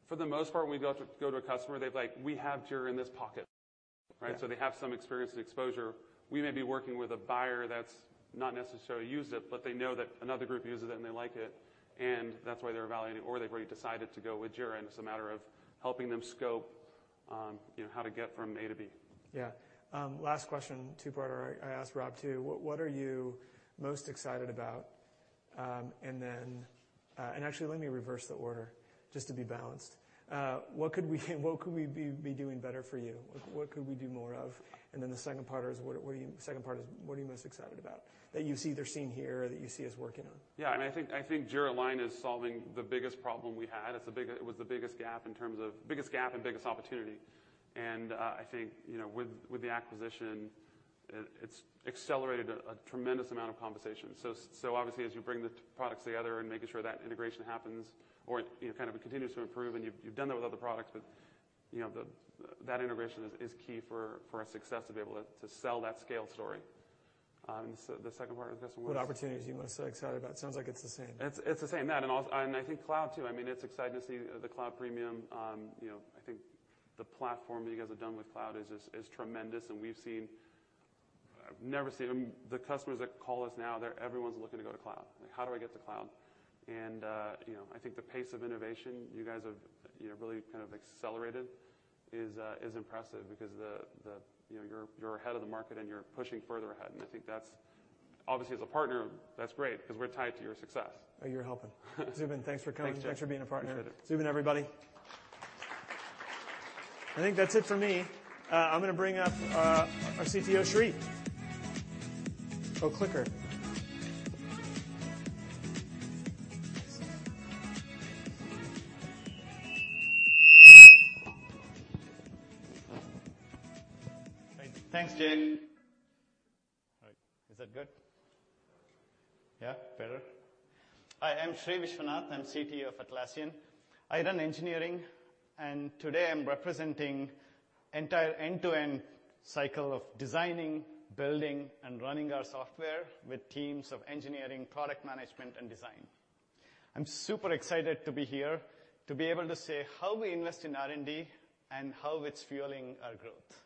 For the most part, we go to a customer, they'd like, "We have Jira in this pocket. Yeah. They have some experience and exposure. We may be working with a buyer that's not necessarily used it, but they know that another group uses it and they like it, and that's why they're evaluating, or they've already decided to go with Jira, and it's a matter of helping them scope how to get from A to B. Yeah. Last question. Two-parter I asked Rob too. What are you most excited about? Actually, let me reverse the order just to be balanced. What could we be doing better for you? What could we do more of? Then the second part is, what are you most excited about that you see they're seeing here or that you see us working on? Yeah, I think Jira Align is solving the biggest problem we had. It was the biggest gap and biggest opportunity. I think with the acquisition, it's accelerated a tremendous amount of conversations. Obviously as you bring the products together and making sure that integration happens or kind of it continues to improve, you've done that with other products, but that integration is key for our success to be able to sell that scale story. The second part is what? What opportunities are you most excited about? Sounds like it's the same. It's the same. That, and I think cloud too. It's exciting to see the cloud premium. I think the platform that you guys have done with cloud is tremendous, and the customers that call us now, everyone's looking to go to cloud, like, "How do I get to cloud?" I think the pace of innovation you guys have really kind of accelerated is impressive because you're ahead of the market, and you're pushing further ahead. I think obviously as a partner, that's great because we're tied to your success. Oh, you're helping. Zubin, thanks for coming. Thanks, Jay. Thanks for being a partner. Appreciate it. Zubin, everybody. I think that's it for me. I'm going to bring up our CTO, Sri. Oh, clicker. Thanks, Jay. All right. Is that good? Yeah. Better? Hi, I'm Sri Viswanath. I'm CTO of Atlassian. I run engineering, and today I'm representing entire end-to-end cycle of designing, building, and running our software with teams of engineering, product management, and design. I'm super excited to be here to be able to say how we invest in R&D and how it's fueling our growth.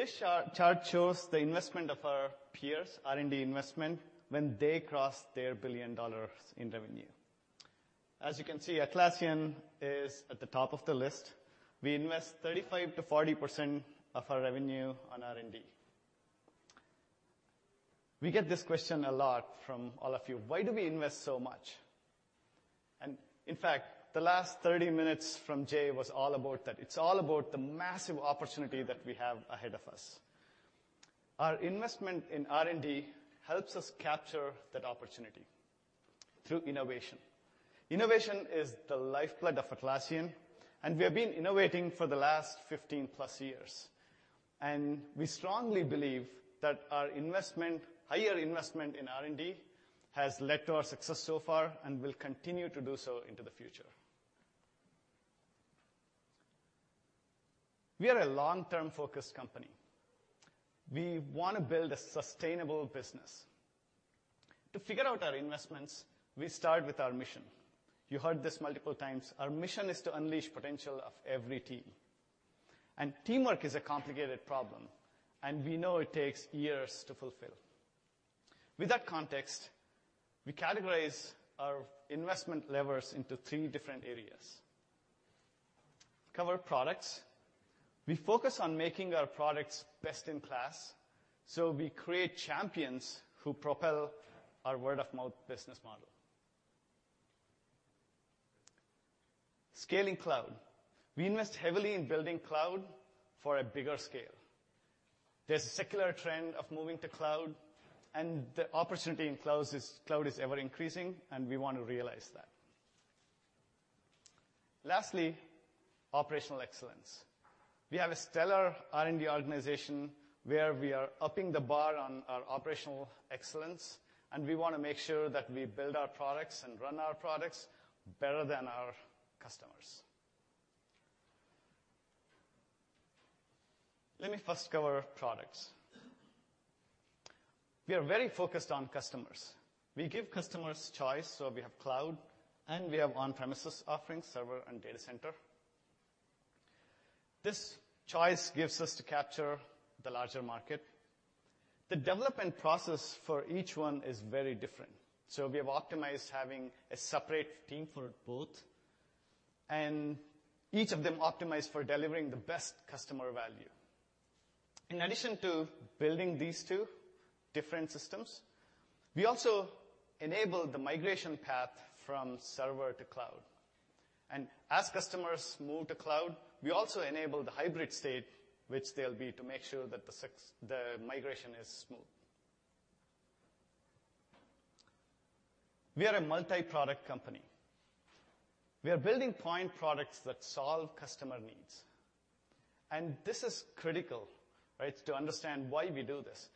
This chart shows the investment of our peers, R&D investment, when they crossed their $1 billion in revenue. As you can see, Atlassian is at the top of the list. We invest 35%-40% of our revenue on R&D. We get this question a lot from all of you, why do we invest so much? In fact, the last 30 minutes from Jay was all about that. It's all about the massive opportunity that we have ahead of us. Our investment in R&D helps us capture that opportunity through innovation. Innovation is the lifeblood of Atlassian, and we have been innovating for the last 15+ years. We strongly believe that our higher investment in R&D has led to our success so far and will continue to do so into the future. We are a long-term focused company. We want to build a sustainable business. To figure out our investments, we start with our mission. You heard this multiple times. Our mission is to unleash potential of every team. Teamwork is a complicated problem, and we know it takes years to fulfill. With that context, we categorize our investment levers into 3 different areas. Cover products. We focus on making our products best in class, so we create champions who propel our word-of-mouth business model. Scaling cloud. We invest heavily in building cloud for a bigger scale. There's a secular trend of moving to cloud, the opportunity in cloud is ever increasing, we want to realize that. Lastly, operational excellence. We have a stellar R&D organization where we are upping the bar on our operational excellence, we want to make sure that we build our products and run our products better than our customers. Let me first cover products. We are very focused on customers. We give customers choice, so we have cloud, and we have on-premises offerings, server and data center. This choice gives us to capture the larger market. The development process for each one is very different. We have optimized having a separate team for both, each of them optimized for delivering the best customer value. In addition to building these two different systems, we also enable the migration path from server to cloud. As customers move to cloud, we also enable the hybrid state, which they'll be to make sure that the migration is smooth. We are a multi-product company. We are building point products that solve customer needs. This is critical to understand why we do this.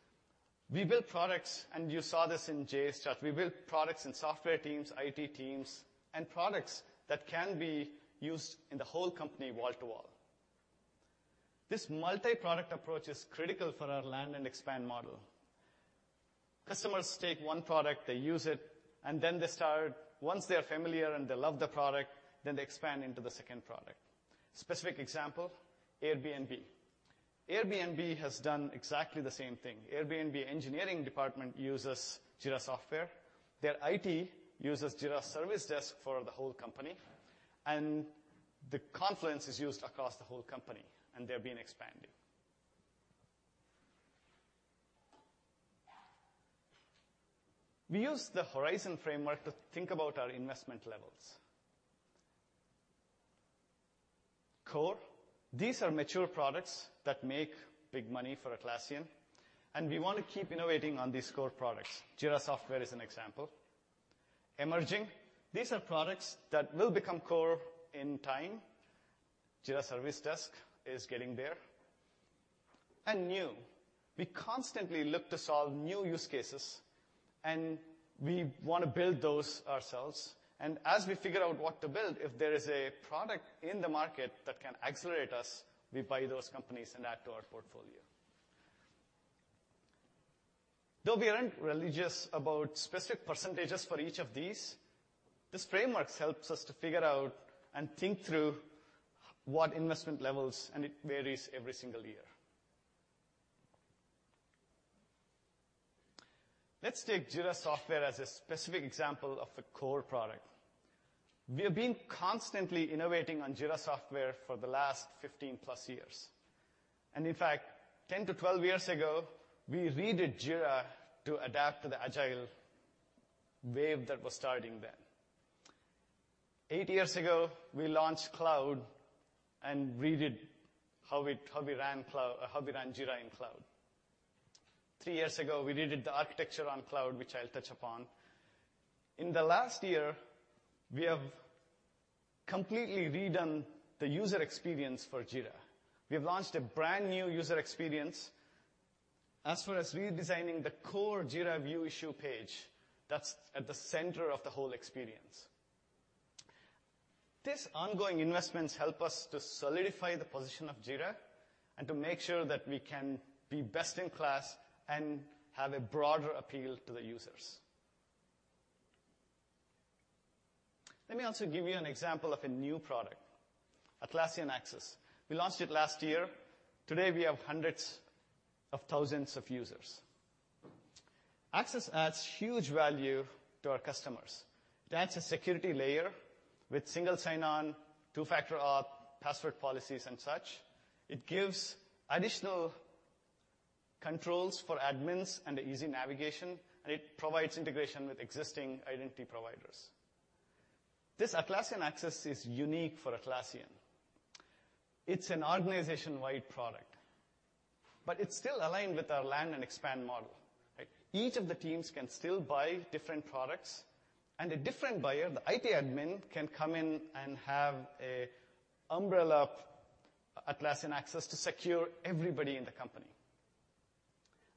We build products, you saw this in Jay's chat. We build products in software teams, IT teams, products that can be used in the whole company wall to wall. This multi-product approach is critical for our land and expand model. Customers take one product, they use it, they start, once they are familiar they love the product, they expand into the second product. Specific example, Airbnb. Airbnb has done exactly the same thing. Airbnb engineering department uses Jira Software. Their IT uses Jira Service Desk for the whole company, the Confluence is used across the whole company, they're being expanded. We use the horizon framework to think about our investment levels. Core. These are mature products that make big money for Atlassian, we want to keep innovating on these core products. Jira Software is an example. Emerging. These are products that will become core in time. Jira Service Desk is getting there. New. We constantly look to solve new use cases, we want to build those ourselves. As we figure out what to build, if there is a product in the market that can accelerate us, we buy those companies and add to our portfolio. Though we aren't religious about specific percentages for each of these, this framework helps us to figure out and think through what investment levels, it varies every single year. Let's take Jira Software as a specific example of a core product. We have been constantly innovating on Jira Software for the last 15 plus years. In fact, 10 to 12 years ago, we redid Jira to adapt to the agile wave that was starting then. Eight years ago, we launched cloud and redid how we ran Jira in cloud. Three years ago, we redid the architecture on cloud, which I'll touch upon. In the last year, we have completely redone the user experience for Jira. We've launched a brand new user experience as far as redesigning the core Jira view issue page that's at the center of the whole experience. These ongoing investments help us to solidify the position of Jira and to make sure that we can be best in class and have a broader appeal to the users. Let me also give you an example of a new product, Atlassian Access. We launched it last year. Today, we have hundreds of thousands of users. Access adds huge value to our customers. That's a security layer with single sign-on, two-factor auth, password policies, and such. It gives additional controls for admins and easy navigation, and it provides integration with existing identity providers. This Atlassian Access is unique for Atlassian. It's an organization-wide product, but it's still aligned with our land and expand model, right? Each of the teams can still buy different products, and a different buyer, the IT admin, can come in and have an umbrella Atlassian Access to secure everybody in the company.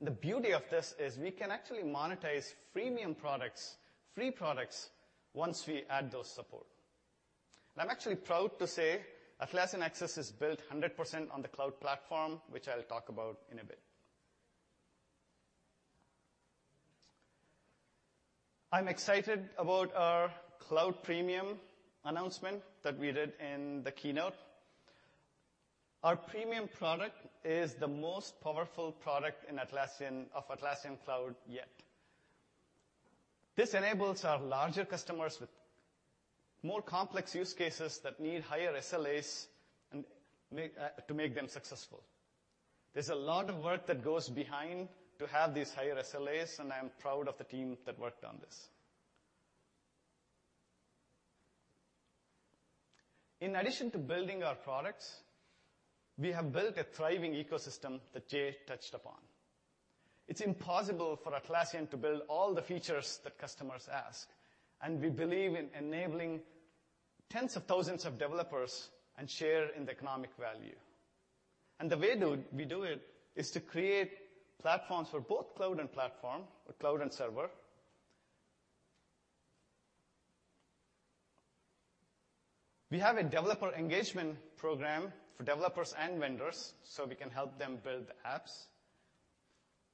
The beauty of this is we can actually monetize freemium products, free products, once we add those support. I'm actually proud to say Atlassian Access is built 100% on the cloud platform, which I'll talk about in a bit. I'm excited about our Cloud Premium announcement that we did in the keynote. Our premium product is the most powerful product of Atlassian Cloud yet. This enables our larger customers with more complex use cases that need higher SLAs to make them successful. There's a lot of work that goes behind to have these higher SLAs, and I'm proud of the team that worked on this. In addition to building our products, we have built a thriving ecosystem that Jay touched upon. It's impossible for Atlassian to build all the features that customers ask, and we believe in enabling tens of thousands of developers and share in the economic value. The way we do it is to create platforms for both Cloud and platform or Cloud and Server. We have a developer engagement program for developers and vendors, so we can help them build apps.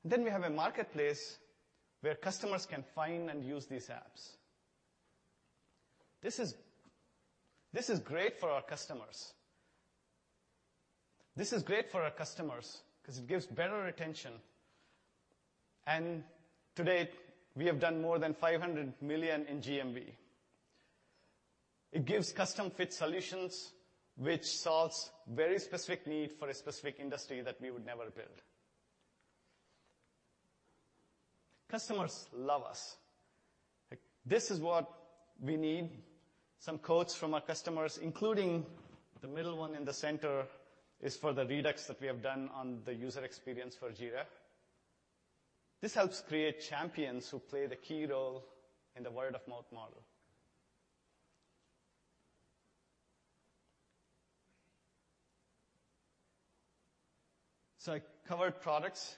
We have a marketplace where customers can find and use these apps. This is great for our customers. This is great for our customers because it gives better retention, and today, we have done more than $500 million in GMV. It gives custom-fit solutions which solves very specific need for a specific industry that we would never build. Customers love us. This is what we need. Some quotes from our customers, including the middle one in the center is for the redux that we have done on the user experience for Jira. This helps create champions who play the key role in the word of mouth model. I covered products.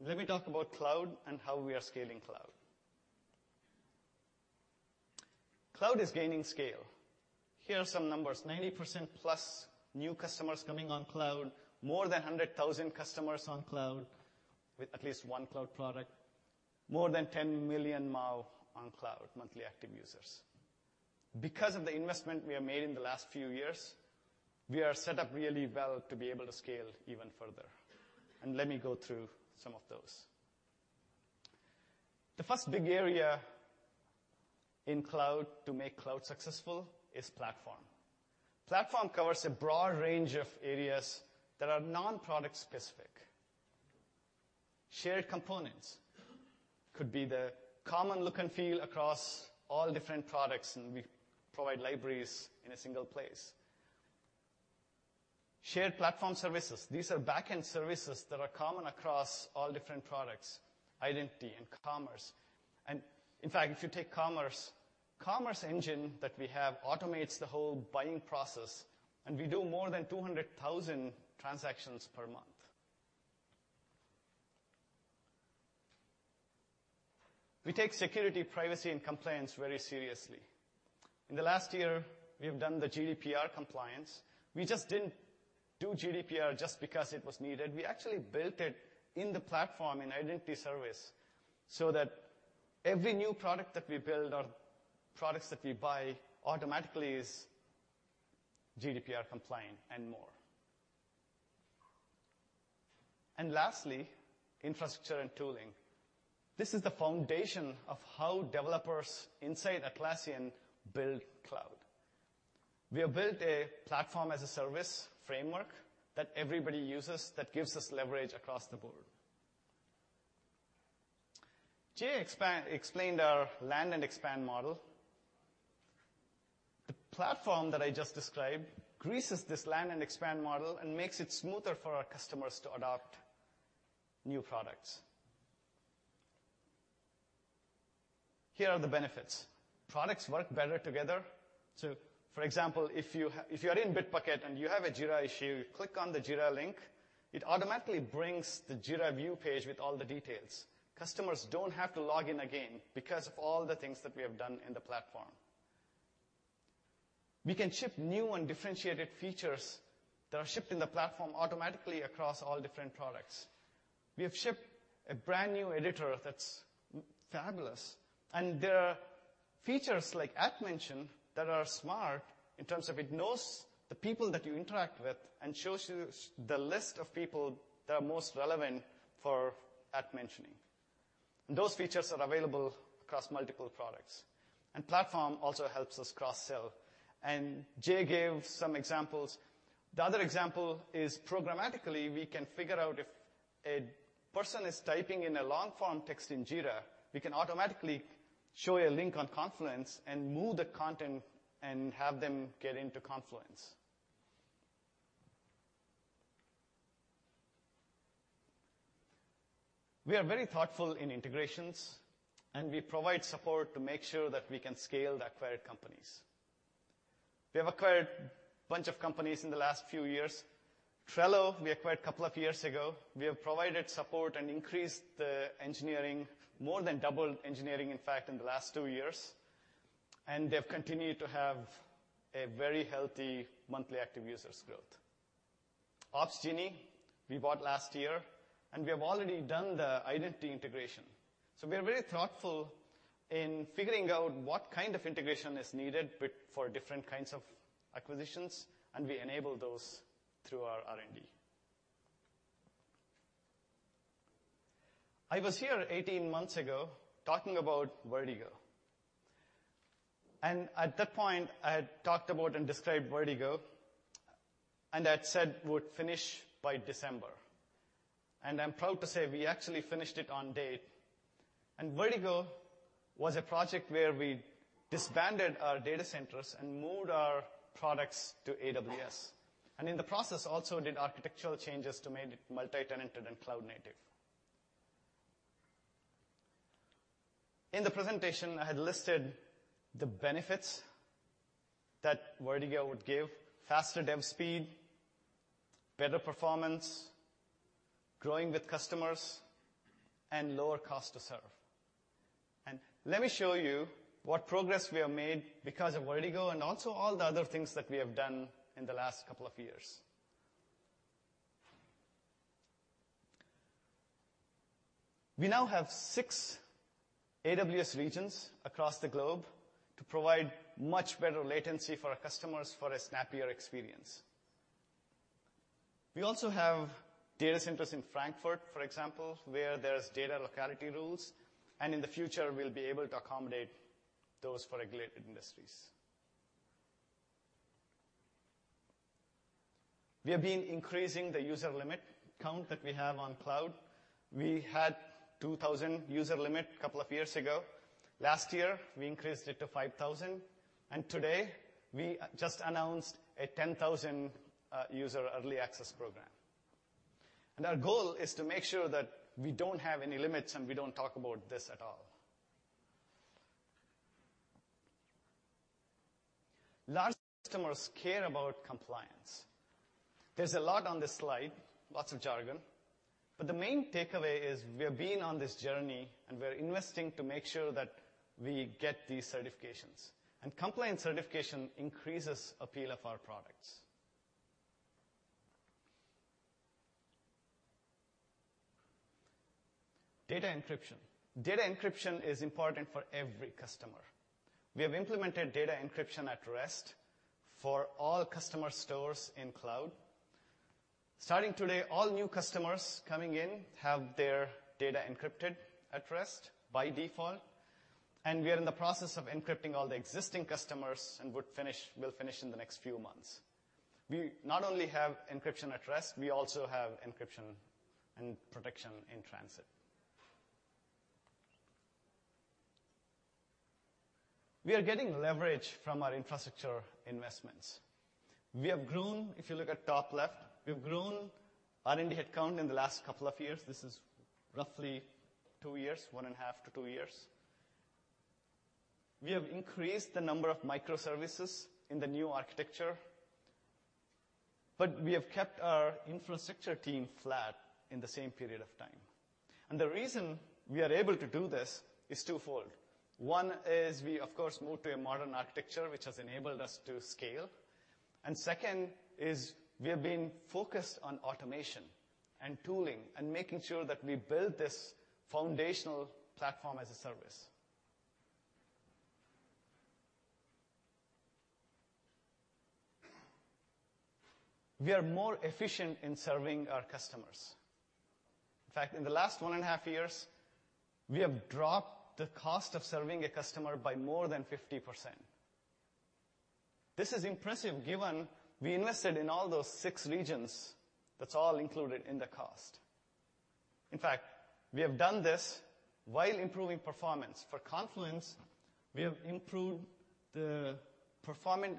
Let me talk about Cloud and how we are scaling Cloud. Cloud is gaining scale. Here are some numbers, 90% plus new customers coming on Cloud, more than 100,000 customers on Cloud with at least one Cloud product, more than 10 million MAU on Cloud, monthly active users. Because of the investment we have made in the last few years, we are set up really well to be able to scale even further. Let me go through some of those. The first big area in Cloud to make Cloud successful is platform. Platform covers a broad range of areas that are non-product specific. Shared components could be the common look and feel across all different products, and we provide libraries in a single place. Shared platform services. These are back end services that are common across all different products, identity and commerce. In fact, if you take commerce engine that we have automates the whole buying process, we do more than 200,000 transactions per month. We take security, privacy, and compliance very seriously. In the last year, we have done the GDPR compliance. We just didn't do GDPR just because it was needed. We actually built it in the platform in identity service so that every new product that we build or products that we buy automatically is GDPR compliant and more. Lastly, infrastructure and tooling. This is the foundation of how developers inside Atlassian build cloud. We have built a platform-as-a-service framework that everybody uses that gives us leverage across the board. Jay explained our land and expand model. The platform that I just described greases this land and expand model and makes it smoother for our customers to adopt new products. Here are the benefits. Products work better together. For example, if you are in Bitbucket and you have a Jira issue, you click on the Jira link, it automatically brings the Jira view page with all the details. Customers don't have to log in again because of all the things that we have done in the platform. We can ship new and differentiated features that are shipped in the platform automatically across all different products. We have shipped a brand new editor that's fabulous, and there are features like @mention that are smart in terms of it knows the people that you interact with and shows you the list of people that are most relevant for @mentioning. Those features are available across multiple products. Platform also helps us cross-sell. Jay gave some examples. The other example is programmatically, we can figure out if a person is typing in a long-form text in Jira, we can automatically show a link on Confluence and move the content and have them get into Confluence. We are very thoughtful in integrations, and we provide support to make sure that we can scale the acquired companies. We have acquired a bunch of companies in the last few years. Trello, we acquired a couple of years ago. We have provided support and increased the engineering, more than doubled engineering, in fact, in the last two years. They've continued to have a very healthy monthly active users growth. Opsgenie, we bought last year, and we have already done the identity integration. We are very thoughtful in figuring out what kind of integration is needed for different kinds of acquisitions, and we enable those through our R&D. I was here 18 months ago talking about Vertigo. At that point, I had talked about and described Vertigo, and I'd said it would finish by December. I'm proud to say we actually finished it on date. Vertigo was a project where we disbanded our data centers and moved our products to AWS, and in the process, also did architectural changes to make it multi-tenanted and cloud-native. In the presentation, I had listed the benefits that Vertigo would give, faster dev speed, better performance, growing with customers, and lower cost to serve. Let me show you what progress we have made because of Vertigo and also all the other things that we have done in the last couple of years. We now have six AWS regions across the globe to provide much better latency for our customers for a snappier experience. We also have data centers in Frankfurt, for example, where there's data locality rules. In the future, we'll be able to accommodate those for regulated industries. We have been increasing the user limit count that we have on cloud. We had 2,000 user limit a couple of years ago. Last year, we increased it to 5,000, and today we just announced a 10,000 user early access program. Our goal is to make sure that we don't have any limits, and we don't talk about this at all. Large customers care about compliance. There's a lot on this slide, lots of jargon, but the main takeaway is we have been on this journey, and we're investing to make sure that we get these certifications. Compliance certification increases appeal of our products. Data encryption. Data encryption is important for every customer. We have implemented data encryption at rest for all customer stores in cloud. Starting today, all new customers coming in have their data encrypted at rest by default, and we are in the process of encrypting all the existing customers and will finish in the next few months. We not only have encryption at rest, we also have encryption and protection in transit. We are getting leverage from our infrastructure investments. We have grown, if you look at top left, we've grown our headcount in the last couple of years. This is roughly two years, one and a half to two years. We have increased the number of microservices in the new architecture, but we have kept our infrastructure team flat in the same period of time. The reason we are able to do this is twofold. One is we, of course, moved to a modern architecture, which has enabled us to scale. Second is we have been focused on automation and tooling and making sure that we build this foundational platform as a service. We are more efficient in serving our customers. In fact, in the last one and a half years, we have dropped the cost of serving a customer by more than 50%. This is impressive given we invested in all those six regions. That's all included in the cost. In fact, we have done this while improving performance. For Confluence, we have improved the performance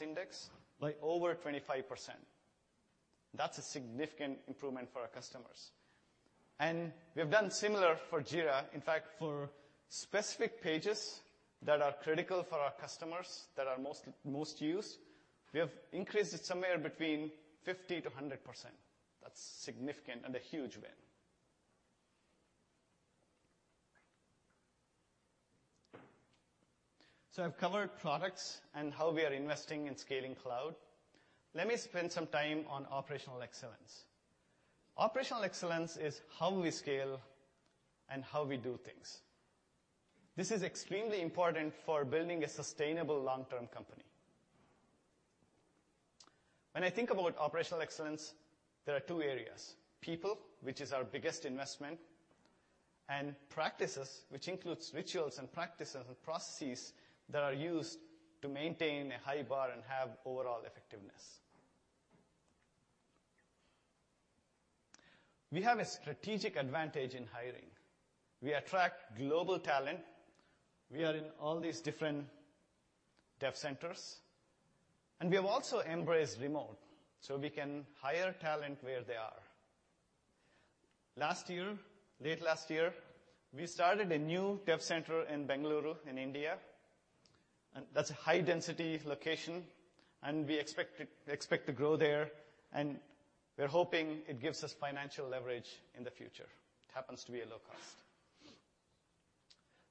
index by over 25%. That's a significant improvement for our customers. We have done similar for Jira. In fact, for specific pages that are critical for our customers that are most used, we have increased it somewhere between 50%-100%. That's significant and a huge win. I've covered products and how we are investing in scaling cloud. Let me spend some time on operational excellence. Operational excellence is how we scale and how we do things. This is extremely important for building a sustainable long-term company. When I think about operational excellence, there are two areas, people, which is our biggest investment, and practices, which includes rituals and practices and processes that are used to maintain a high bar and have overall effectiveness. We have a strategic advantage in hiring. We attract global talent. We are in all these different dev centers, and we have also embraced remote, so we can hire talent where they are. Late last year, we started a new dev center in Bengaluru in India. That's a high-density location and we expect to grow there, we're hoping it gives us financial leverage in the future. It happens to be a low cost.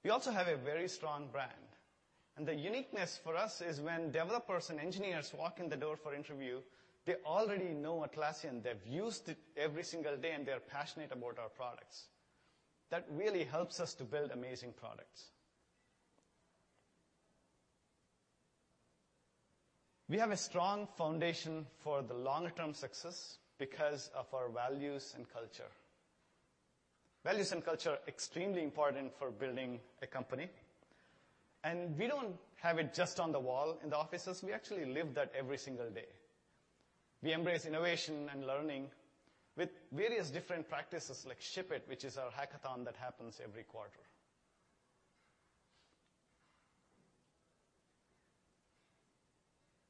We also have a very strong brand, the uniqueness for us is when developers and engineers walk in the door for interview, they already know Atlassian. They've used it every single day, and they are passionate about our products. That really helps us to build amazing products. We have a strong foundation for the longer-term success because of our values and culture. Values and culture are extremely important for building a company. We don't have it just on the wall in the offices. We actually live that every single day. We embrace innovation and learning with various different practices like ShipIt, which is our hackathon that happens every quarter.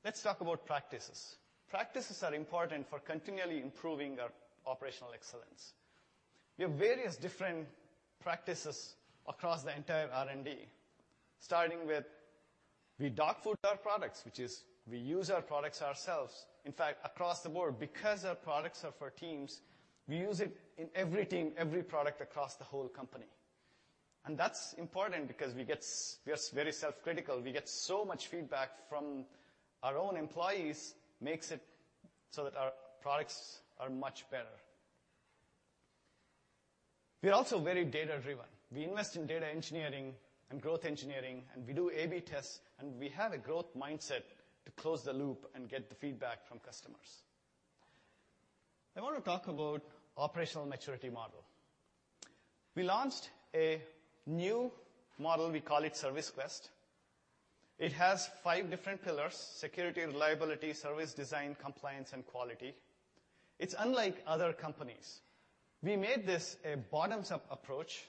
Let's talk about practices. Practices are important for continually improving our operational excellence. We have various different practices across the entire R&D, starting with we dogfood our products, which is we use our products ourselves. In fact, across the board, because our products are for teams, we use it in every team, every product across the whole company. That's important because we are very self-critical. We get so much feedback from our own employees, makes it so that our products are much better. We are also very data-driven. We invest in data engineering and growth engineering, and we do A/B tests, and we have a growth mindset to close the loop and get the feedback from customers. I want to talk about operational maturity model. We launched a new model, we call it Service Quest. It has 5 different pillars: security, reliability, service, design, compliance, and quality. It's unlike other companies. We made this a bottoms-up approach,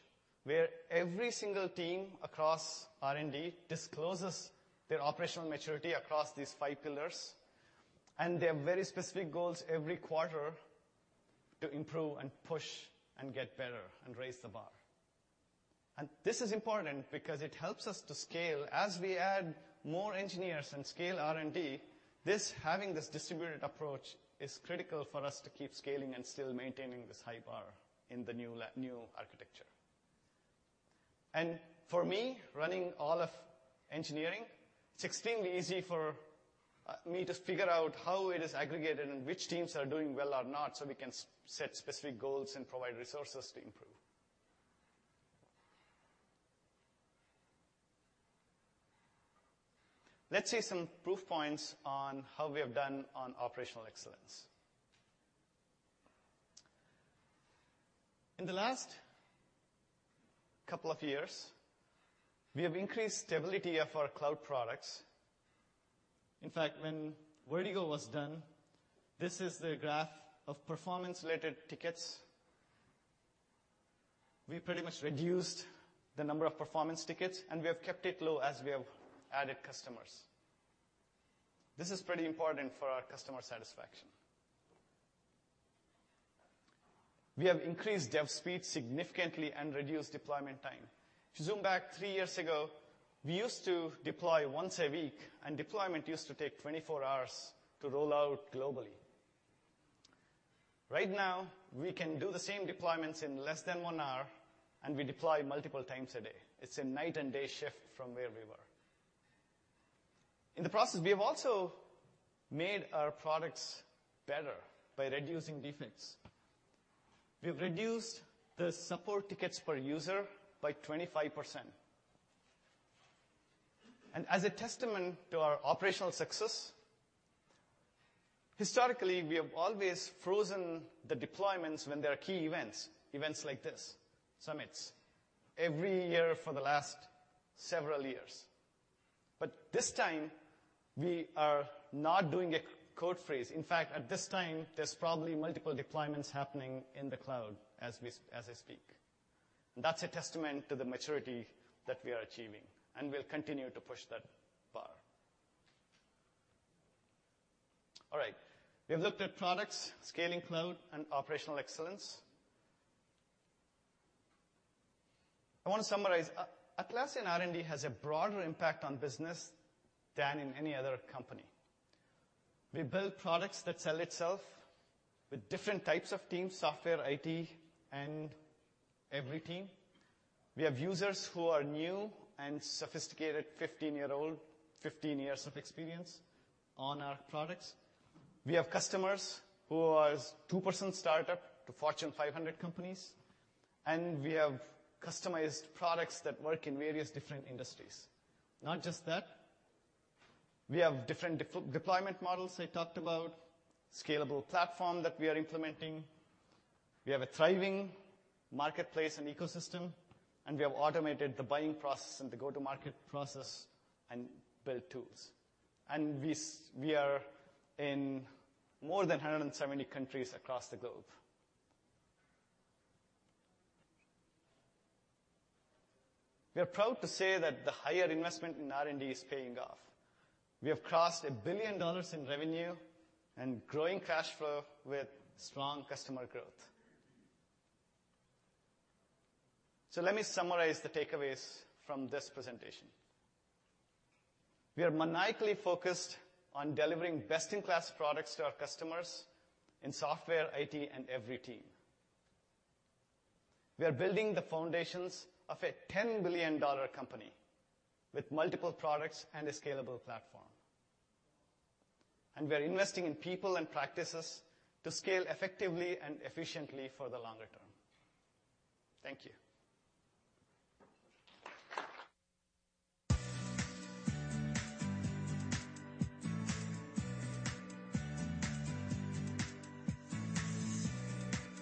where every single team across R&D discloses their operational maturity across these 5 pillars, and they have very specific goals every quarter to improve and push and get better and raise the bar. This is important because it helps us to scale. As we add more engineers and scale R&D, having this distributed approach is critical for us to keep scaling and still maintaining this high bar in the new architecture. For me, running all of engineering, it's extremely easy for me to figure out how it is aggregated and which teams are doing well or not, so we can set specific goals and provide resources to improve. Let's see some proof points on how we have done on operational excellence. In the last couple of years, we have increased stability of our cloud products. In fact, when Vertigo was done, this is the graph of performance-related tickets. We pretty much reduced the number of performance tickets, and we have kept it low as we have added customers. This is pretty important for our customer satisfaction. We have increased dev speed significantly and reduced deployment time. To zoom back three years ago, we used to deploy once a week, and deployment used to take 24 hours to roll out globally. Right now, we can do the same deployments in less than one hour, and we deploy multiple times a day. It's a night and day shift from where we were. In the process, we have also made our products better by reducing defects. We've reduced the support tickets per user by 25%. As a testament to our operational success, historically, we have always frozen the deployments when there are key events like this, summits, every year for the last several years. This time, we are not doing a code freeze. In fact, at this time, there's probably multiple deployments happening in the cloud as I speak. That's a testament to the maturity that we are achieving, and we'll continue to push that bar. All right. We have looked at products, scaling cloud, and operational excellence. I want to summarize. Atlassian R&D has a broader impact on business than in any other company. We build products that sell itself with different types of teams, software, IT, and every team. We have users who are new and sophisticated, 15-year-old, 15 years of experience on our products. We have customers who are 2% startup to Fortune 500 companies. We have customized products that work in various different industries. Not just that, we have different deployment models I talked about, scalable platform that we are implementing. We have a thriving marketplace and ecosystem. We have automated the buying process and the go-to-market process and build tools. We are in more than 170 countries across the globe. We are proud to say that the higher investment in R&D is paying off. We have crossed $1 billion in revenue and growing cash flow with strong customer growth. Let me summarize the takeaways from this presentation. We are maniacally focused on delivering best-in-class products to our customers in software, IT, and every team. We are building the foundations of a $10 billion company with multiple products and a scalable platform. We are investing in people and practices to scale effectively and efficiently for the longer term. Thank you.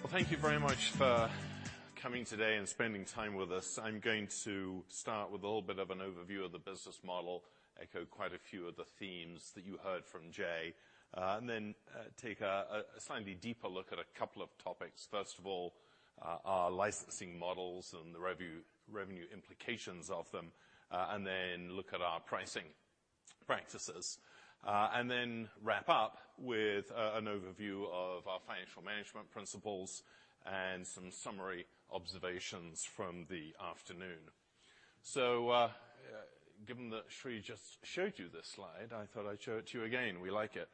Well, thank you very much for coming today and spending time with us. I'm going to start with a little bit of an overview of the business model, echo quite a few of the themes that you heard from Jay, then take a slightly deeper look at a couple of topics. First of all, our licensing models and the revenue implications of them, then look at our pricing practices. Then wrap up with an overview of our financial management principles and some summary observations from the afternoon. Given that Sri just showed you this slide, I thought I'd show it to you again. We like it.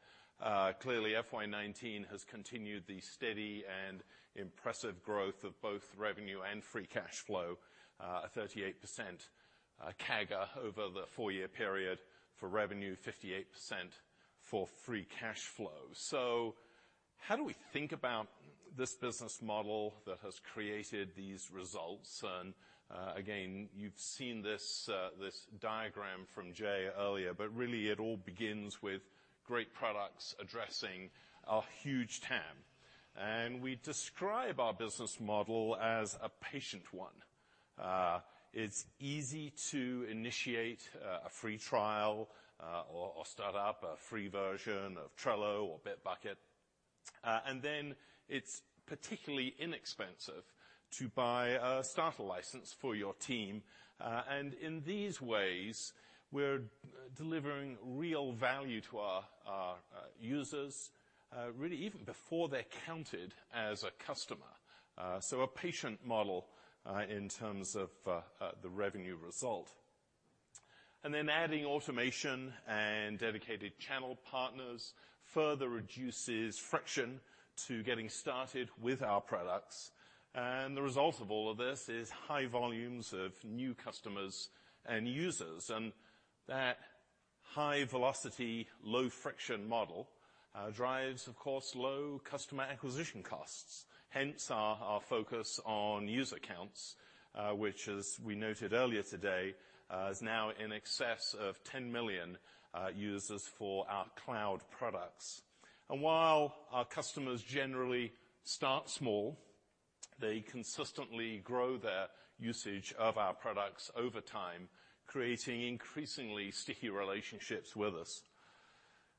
Clearly, FY 2019 has continued the steady and impressive growth of both revenue and free cash flow, a 38% CAGR over the four-year period for revenue, 58% for free cash flow. How do we think about this business model that has created these results? Again, you've seen this diagram from Jay earlier, but really it all begins with great products addressing our huge TAM. We describe our business model as a patient one. It's easy to initiate a free trial or start up a free version of Trello or Bitbucket. Then it's particularly inexpensive to buy a starter license for your team. In these ways, we're delivering real value to our users, really even before they're counted as a customer. A patient model in terms of the revenue result. Then adding automation and dedicated channel partners further reduces friction to getting started with our products. The result of all of this is high volumes of new customers and users. That high velocity, low friction model drives, of course, low customer acquisition costs. Hence our focus on user counts, which as we noted earlier today, is now in excess of 10 million users for our cloud products. While our customers generally start small, they consistently grow their usage of our products over time, creating increasingly sticky relationships with us.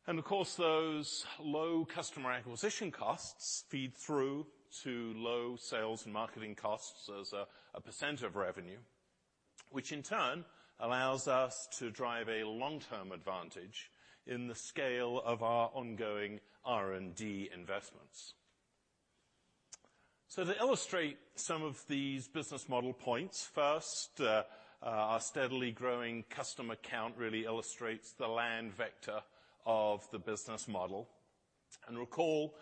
Of course, those low customer acquisition costs feed through to low sales and marketing costs as a % of revenue, which in turn allows us to drive a long-term advantage in the scale of our ongoing R&D investments. To illustrate some of these business model points, first, our steadily growing customer count really illustrates the land vector of the business model. Recall,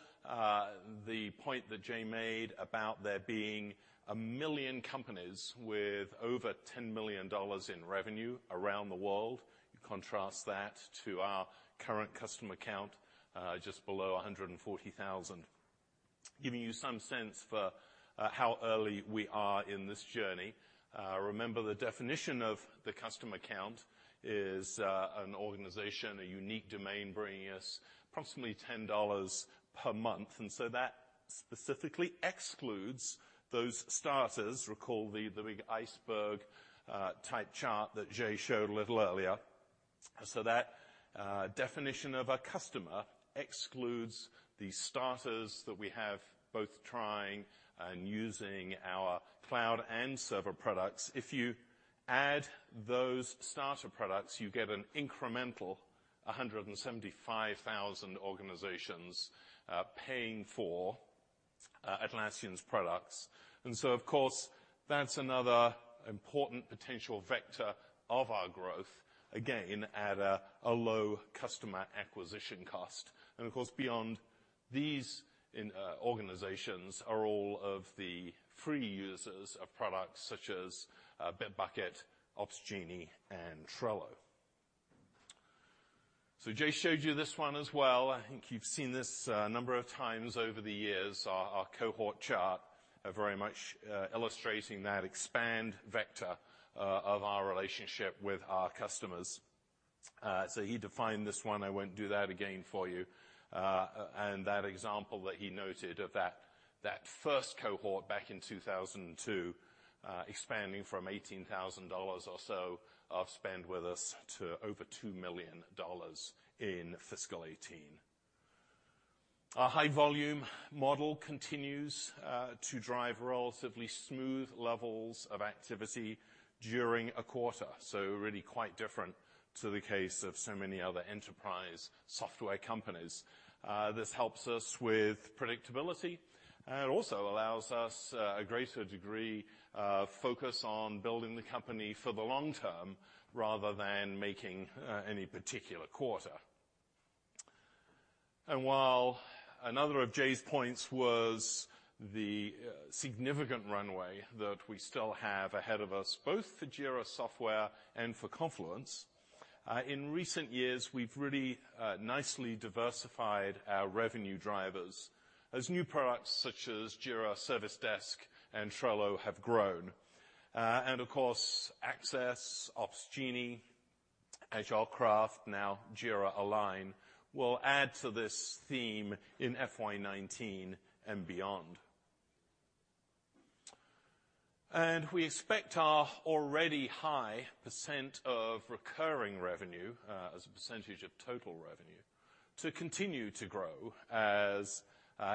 the point that Jay made about there being 1 million companies with over $10 million in revenue around the world. You contrast that to our current customer count, just below 140,000. Giving you some sense for how early we are in this journey. Remember the definition of the customer count is an organization, a unique domain bringing us approximately $10 per month. That specifically excludes those starters. Recall the big iceberg type chart that Jay showed a little earlier. That definition of a customer excludes the starters that we have both trying and using our cloud and server products. If you add those starter products, you get an incremental 175,000 organizations paying for Atlassian's products. Of course, that's another important potential vector of our growth, again, at a low customer acquisition cost. Of course, beyond these organizations are all of the free users of products such as Bitbucket, Opsgenie, and Trello. Jay showed you this one as well. I think you've seen this a number of times over the years, our cohort chart, very much illustrating that expand vector of our relationship with our customers. He defined this one, I won't do that again for you. That example that he noted of that first cohort back in 2002, expanding from $18,000 or so of spend with us to over $2 million in fiscal 2018. Our high volume model continues to drive relatively smooth levels of activity during a quarter. Really quite different to the case of so many other enterprise software companies. This helps us with predictability. It also allows us a greater degree of focus on building the company for the long term rather than making any particular quarter. While another of Jay's points was the significant runway that we still have ahead of us, both for Jira Software and for Confluence. In recent years, we've really nicely diversified our revenue drivers as new products such as Jira Service Management and Trello have grown. Of course, Access, Opsgenie, AgileCraft, now Jira Align, will add to this theme in FY 2019 and beyond. We expect our already high percent of recurring revenue as a percentage of total revenue to continue to grow, as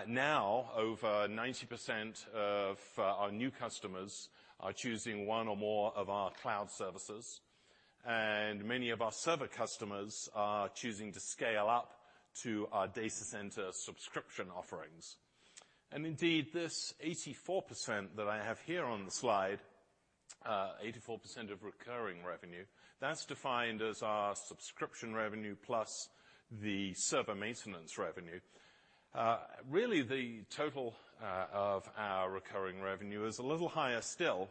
now over 90% of our new customers are choosing one or more of our cloud services. Many of our server customers are choosing to scale up to our data center subscription offerings. Indeed, this 84% that I have here on the slide, 84% of recurring revenue, that's defined as our subscription revenue plus the server maintenance revenue. Really the total of our recurring revenue is a little higher still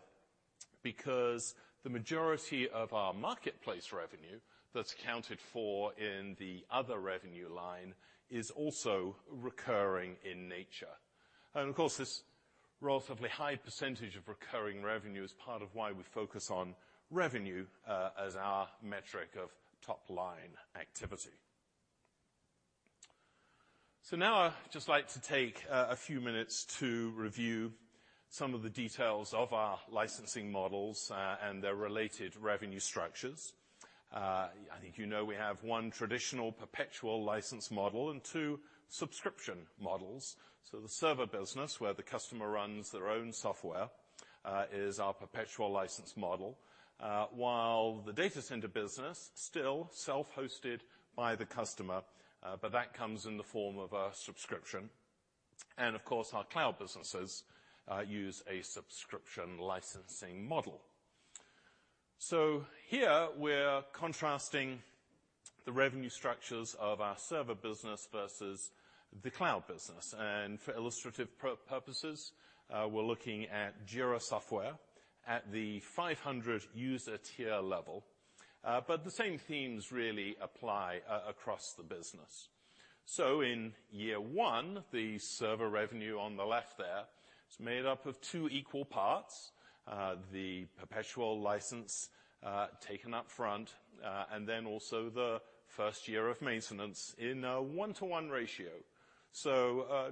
because the majority of our marketplace revenue that's accounted for in the other revenue line is also recurring in nature. Of course, this relatively high percentage of recurring revenue is part of why we focus on revenue as our metric of top-line activity. Now I'd just like to take a few minutes to review some of the details of our licensing models and their related revenue structures. I think you know we have one traditional perpetual license model and two subscription models. The server business, where the customer runs their own software, is our perpetual license model, while the data center business still self-hosted by the customer, but that comes in the form of a subscription. Of course, our cloud businesses use a subscription licensing model. Here we're contrasting the revenue structures of our server business versus the cloud business. For illustrative purposes, we're looking at Jira Software at the 500 user tier level. The same themes really apply across the business. In year one, the server revenue on the left there is made up of two equal parts, the perpetual license taken up front, and then also the first year of maintenance in a one-to-one ratio.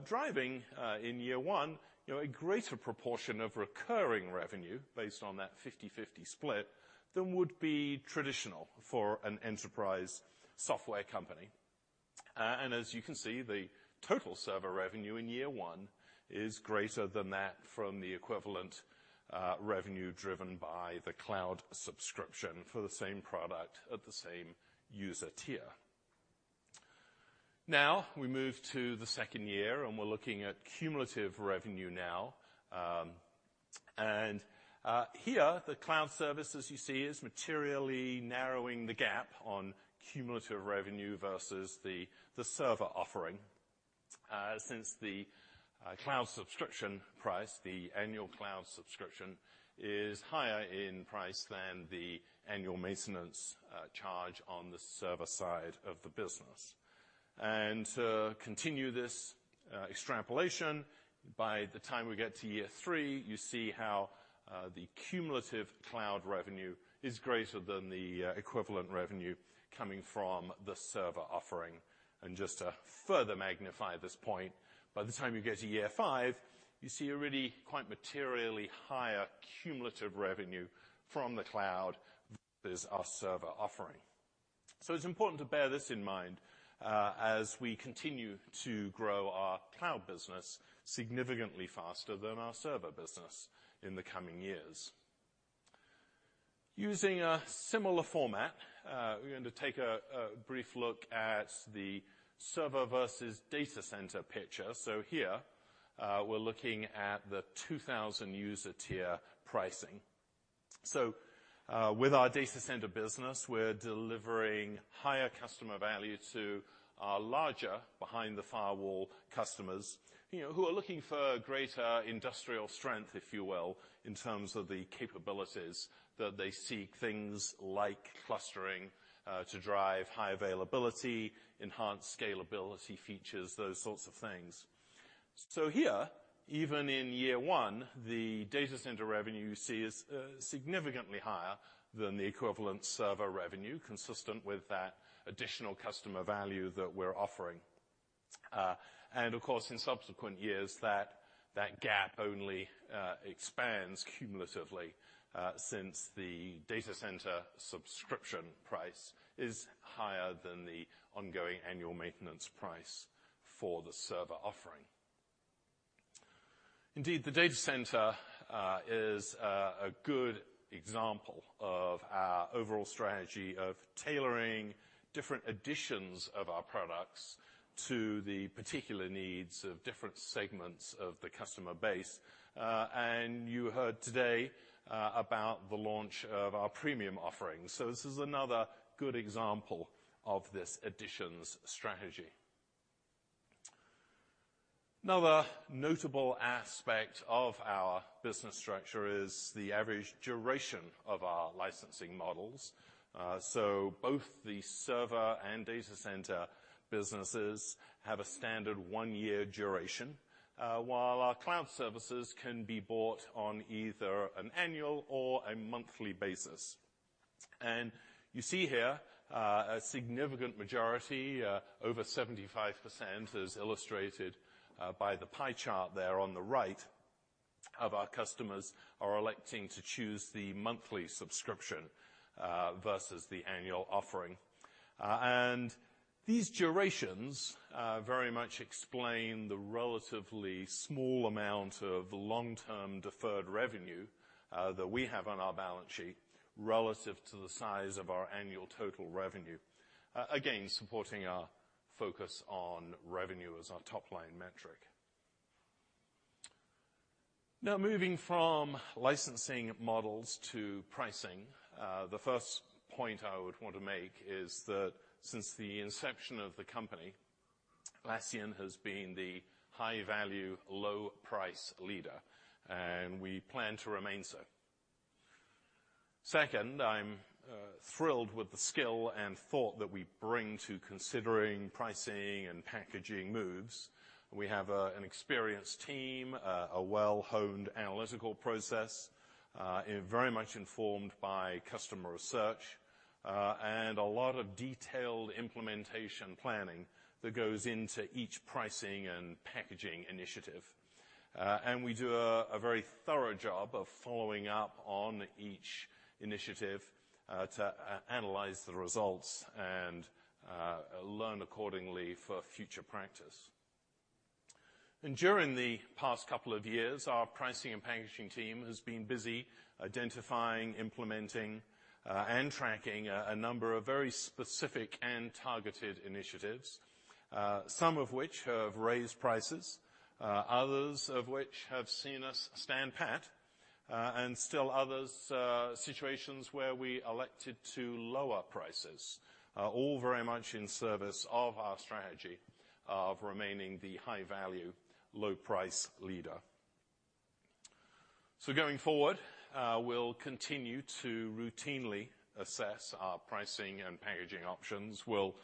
Driving in year one a greater proportion of recurring revenue based on that 50/50 split than would be traditional for an enterprise software company. As you can see, the total server revenue in year one is greater than that from the equivalent revenue driven by the cloud subscription for the same product at the same user tier. We move to the second year, and we're looking at cumulative revenue now. Here, the cloud service, as you see, is materially narrowing the gap on cumulative revenue versus the server offering, since the cloud subscription price, the annual cloud subscription, is higher in price than the annual maintenance charge on the server side of the business. To continue this extrapolation, by the time we get to year three, you see how the cumulative cloud revenue is greater than the equivalent revenue coming from the server offering. Just to further magnify this point, by the time you get to year five, you see a really quite materially higher cumulative revenue from the cloud versus our server offering. It's important to bear this in mind as we continue to grow our cloud business significantly faster than our server business in the coming years. Using a similar format, we're going to take a brief look at the server versus data center picture. Here, we're looking at the 2,000 user tier pricing. With our data center business, we're delivering higher customer value to our larger behind the firewall customers who are looking for greater industrial strength, if you will, in terms of the capabilities that they seek. Things like clustering to drive high availability, enhanced scalability features, those sorts of things. Here, even in year one, the data center revenue you see is significantly higher than the equivalent server revenue, consistent with that additional customer value that we're offering. Of course, in subsequent years, that gap only expands cumulatively, since the data center subscription price is higher than the ongoing annual maintenance price for the server offering. Indeed, the data center is a good example of our overall strategy of tailoring different editions of our products to the particular needs of different segments of the customer base. You heard today about the launch of our premium offerings. This is another good example of this editions strategy. Another notable aspect of our business structure is the average duration of our licensing models. Both the server and data center businesses have a standard one-year duration, while our cloud services can be bought on either an annual or a monthly basis. You see here, a significant majority, over 75%, as illustrated by the pie chart there on the right, of our customers are electing to choose the monthly subscription versus the annual offering. These durations very much explain the relatively small amount of long-term deferred revenue that we have on our balance sheet relative to the size of our annual total revenue. Again, supporting our focus on revenue as our top-line metric. Now, moving from licensing models to pricing. The first point I would want to make is that since the inception of the company, Atlassian has been the high value, low price leader, and we plan to remain so. Second, I'm thrilled with the skill and thought that we bring to considering pricing and packaging moves. We have an experienced team, a well-honed analytical process, very much informed by customer research, and a lot of detailed implementation planning that goes into each pricing and packaging initiative. We do a very thorough job of following up on each initiative to analyze the results and learn accordingly for future practice. During the past couple of years, our pricing and packaging team has been busy identifying, implementing, and tracking a number of very specific and targeted initiatives, some of which have raised prices, others of which have seen us stand pat, and still others, situations where we elected to lower prices, all very much in service of our strategy of remaining the high value, low price leader. Going forward, we'll continue to routinely assess our pricing and packaging options. We'll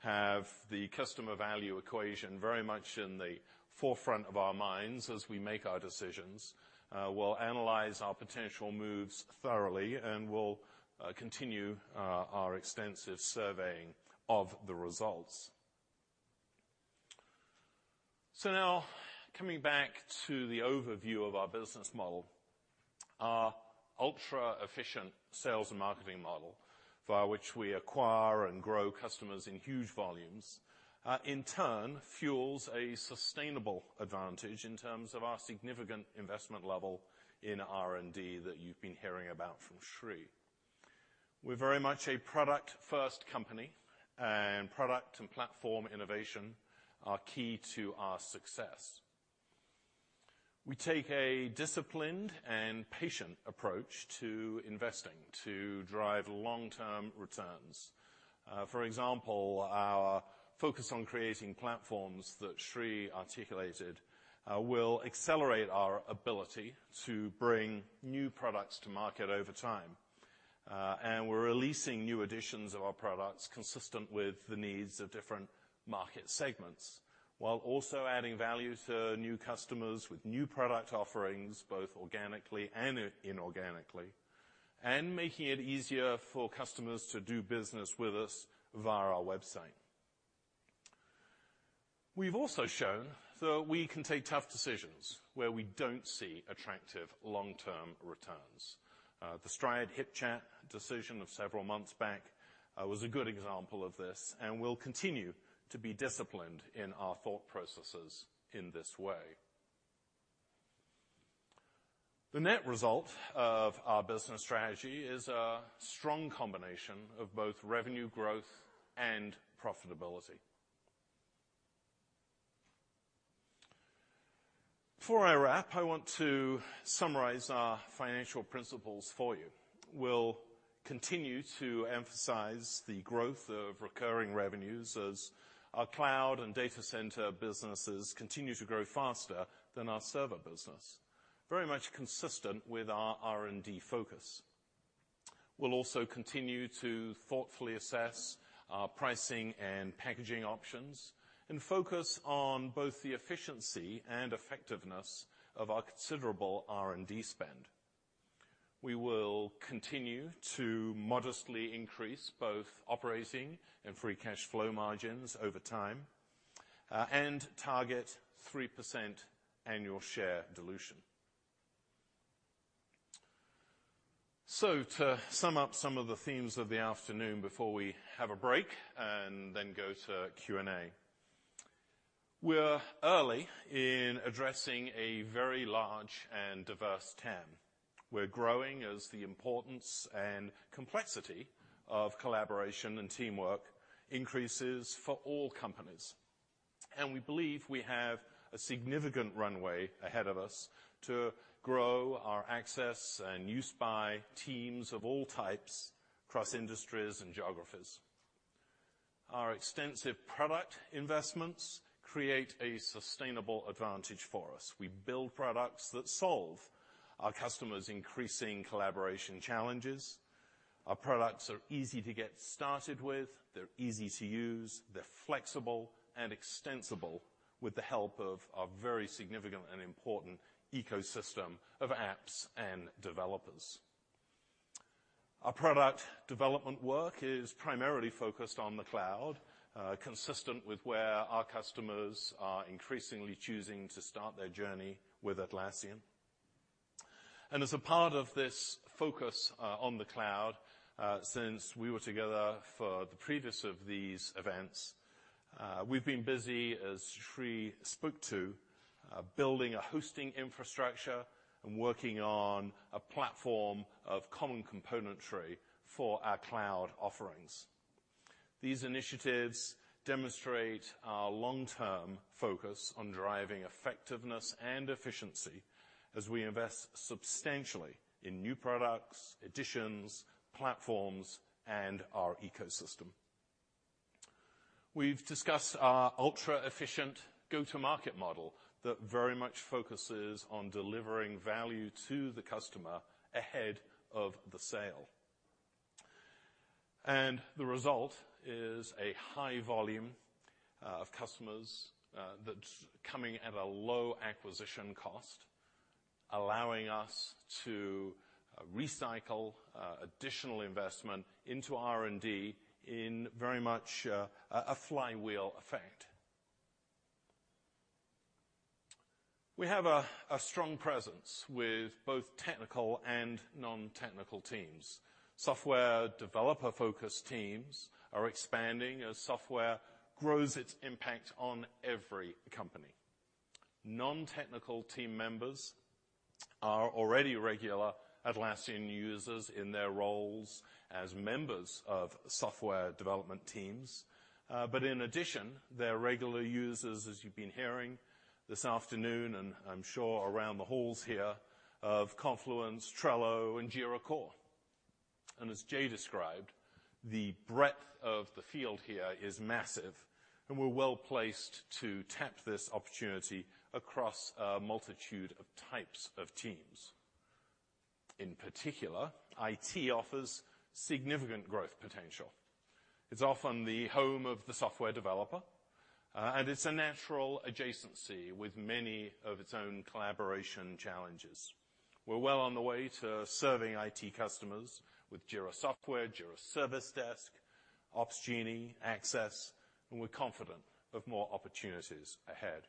have the customer value equation very much in the forefront of our minds as we make our decisions. We'll analyze our potential moves thoroughly, and we'll continue our extensive surveying of the results. Now, coming back to the overview of our business model. Our ultra-efficient sales and marketing model, via which we acquire and grow customers in huge volumes, in turn fuels a sustainable advantage in terms of our significant investment level in R&D that you've been hearing about from Sri. We're very much a product-first company, and product and platform innovation are key to our success. We take a disciplined and patient approach to investing to drive long-term returns. For example, our focus on creating platforms that Sri articulated will accelerate our ability to bring new products to market over time. We're releasing new editions of our products consistent with the needs of different market segments, while also adding value to new customers with new product offerings, both organically and inorganically, and making it easier for customers to do business with us via our website. We've also shown that we can take tough decisions where we don't see attractive long-term returns. The Stride HipChat decision of several months back was a good example of this. We'll continue to be disciplined in our thought processes in this way. The net result of our business strategy is a strong combination of both revenue growth and profitability. Before I wrap, I want to summarize our financial principles for you. We'll continue to emphasize the growth of recurring revenues as our cloud and data center businesses continue to grow faster than our server business, very much consistent with our R&D focus. We'll also continue to thoughtfully assess our pricing and packaging options and focus on both the efficiency and effectiveness of our considerable R&D spend. We will continue to modestly increase both operating and free cash flow margins over time, and target 3% annual share dilution. To sum up some of the themes of the afternoon before we have a break and then go to Q&A. We're early in addressing a very large and diverse TAM. We're growing as the importance and complexity of collaboration and teamwork increases for all companies. We believe we have a significant runway ahead of us to grow our access and use by teams of all types across industries and geographies. Our extensive product investments create a sustainable advantage for us. We build products that solve our customers' increasing collaboration challenges. Our products are easy to get started with. They're easy to use. They're flexible and extensible with the help of our very significant and important ecosystem of apps and developers. Our product development work is primarily focused on the cloud, consistent with where our customers are increasingly choosing to start their journey with Atlassian. As a part of this focus on the cloud, since we were together for the previous of these events, we've been busy, as Sri spoke to, building a hosting infrastructure and working on a platform of common componentry for our cloud offerings. These initiatives demonstrate our long-term focus on driving effectiveness and efficiency as we invest substantially in new products, additions, platforms, and our ecosystem. We've discussed our ultra-efficient go-to-market model that very much focuses on delivering value to the customer ahead of the sale. The result is a high volume of customers that's coming at a low acquisition cost, allowing us to recycle additional investment into R&D in very much a flywheel effect. We have a strong presence with both technical and non-technical teams. Software developer-focused teams are expanding as software grows its impact on every company. Non-technical team members are already regular Atlassian users in their roles as members of software development teams. In addition, they're regular users, as you've been hearing this afternoon, and I'm sure around the halls here, of Confluence, Trello and Jira Core. As Jay described, the breadth of the field here is massive, and we're well-placed to tap this opportunity across a multitude of types of teams. In particular, IT offers significant growth potential. It's often the home of the software developer, and it's a natural adjacency with many of its own collaboration challenges. We're well on the way to serving IT customers with Jira Software, Jira Service Management, Opsgenie, Access, and we're confident of more opportunities ahead.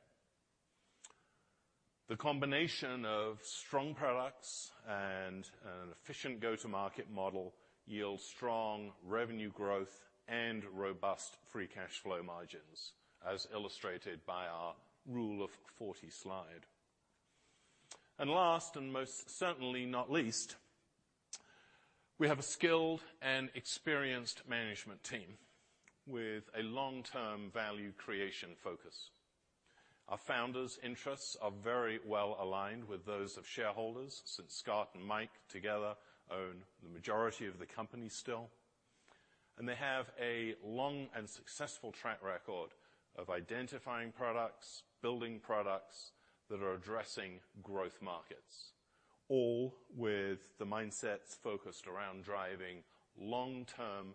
The combination of strong products and an efficient go-to-market model yields strong revenue growth and robust free cash flow margins, as illustrated by our rule of 40 slide. Last, and most certainly not least, we have a skilled and experienced management team with a long-term value creation focus. Our founders' interests are very well aligned with those of shareholders, since Scott and Mike together own the majority of the company still. They have a long and successful track record of identifying products, building products that are addressing growth markets, all with the mindsets focused around driving long-term,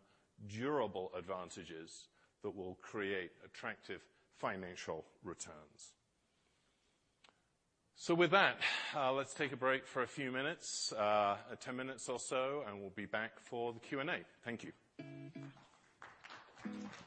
durable advantages that will create attractive financial returns. With that, let's take a break for a few minutes, 10 minutes or so, and we'll be back for the Q&A. Thank you. Scott,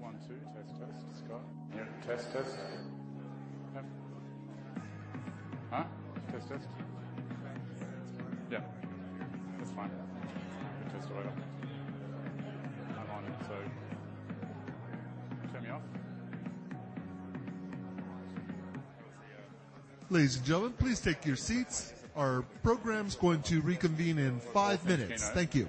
one, two. Test, test. Scott. Yeah. Test, test. Huh? Test, test. Yeah, that's fine. Test all right. I'm on it, count me off. Ladies and gentlemen, please take your seats. Our program's going to reconvene in five minutes. Thank you.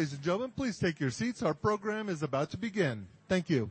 Ladies and gentlemen, please take your seats. Our program is about to begin. Thank you.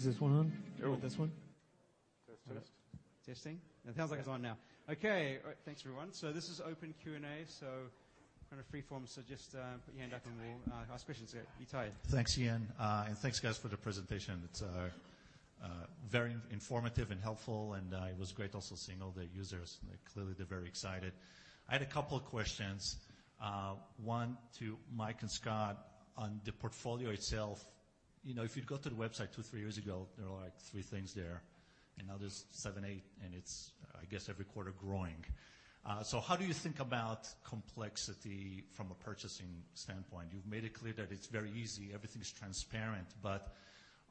Is this one on? No. This one? Test. Testing. It sounds like it's on now. Okay. Thanks, everyone. This is open Q&A, kind of free form. Just put your hand up and we'll ask questions. Yeah, Ittai. Thanks, Ian. Thanks guys for the presentation. It's very informative and helpful, it was great also seeing all the users. Clearly, they're very excited. I had a couple of questions. One to Mike and Scott on the portfolio itself. If you'd go to the website two, three years ago, there were like three things there, now there's seven, eight, it's, I guess, every quarter growing. How do you think about complexity from a purchasing standpoint? You've made it clear that it's very easy, everything's transparent,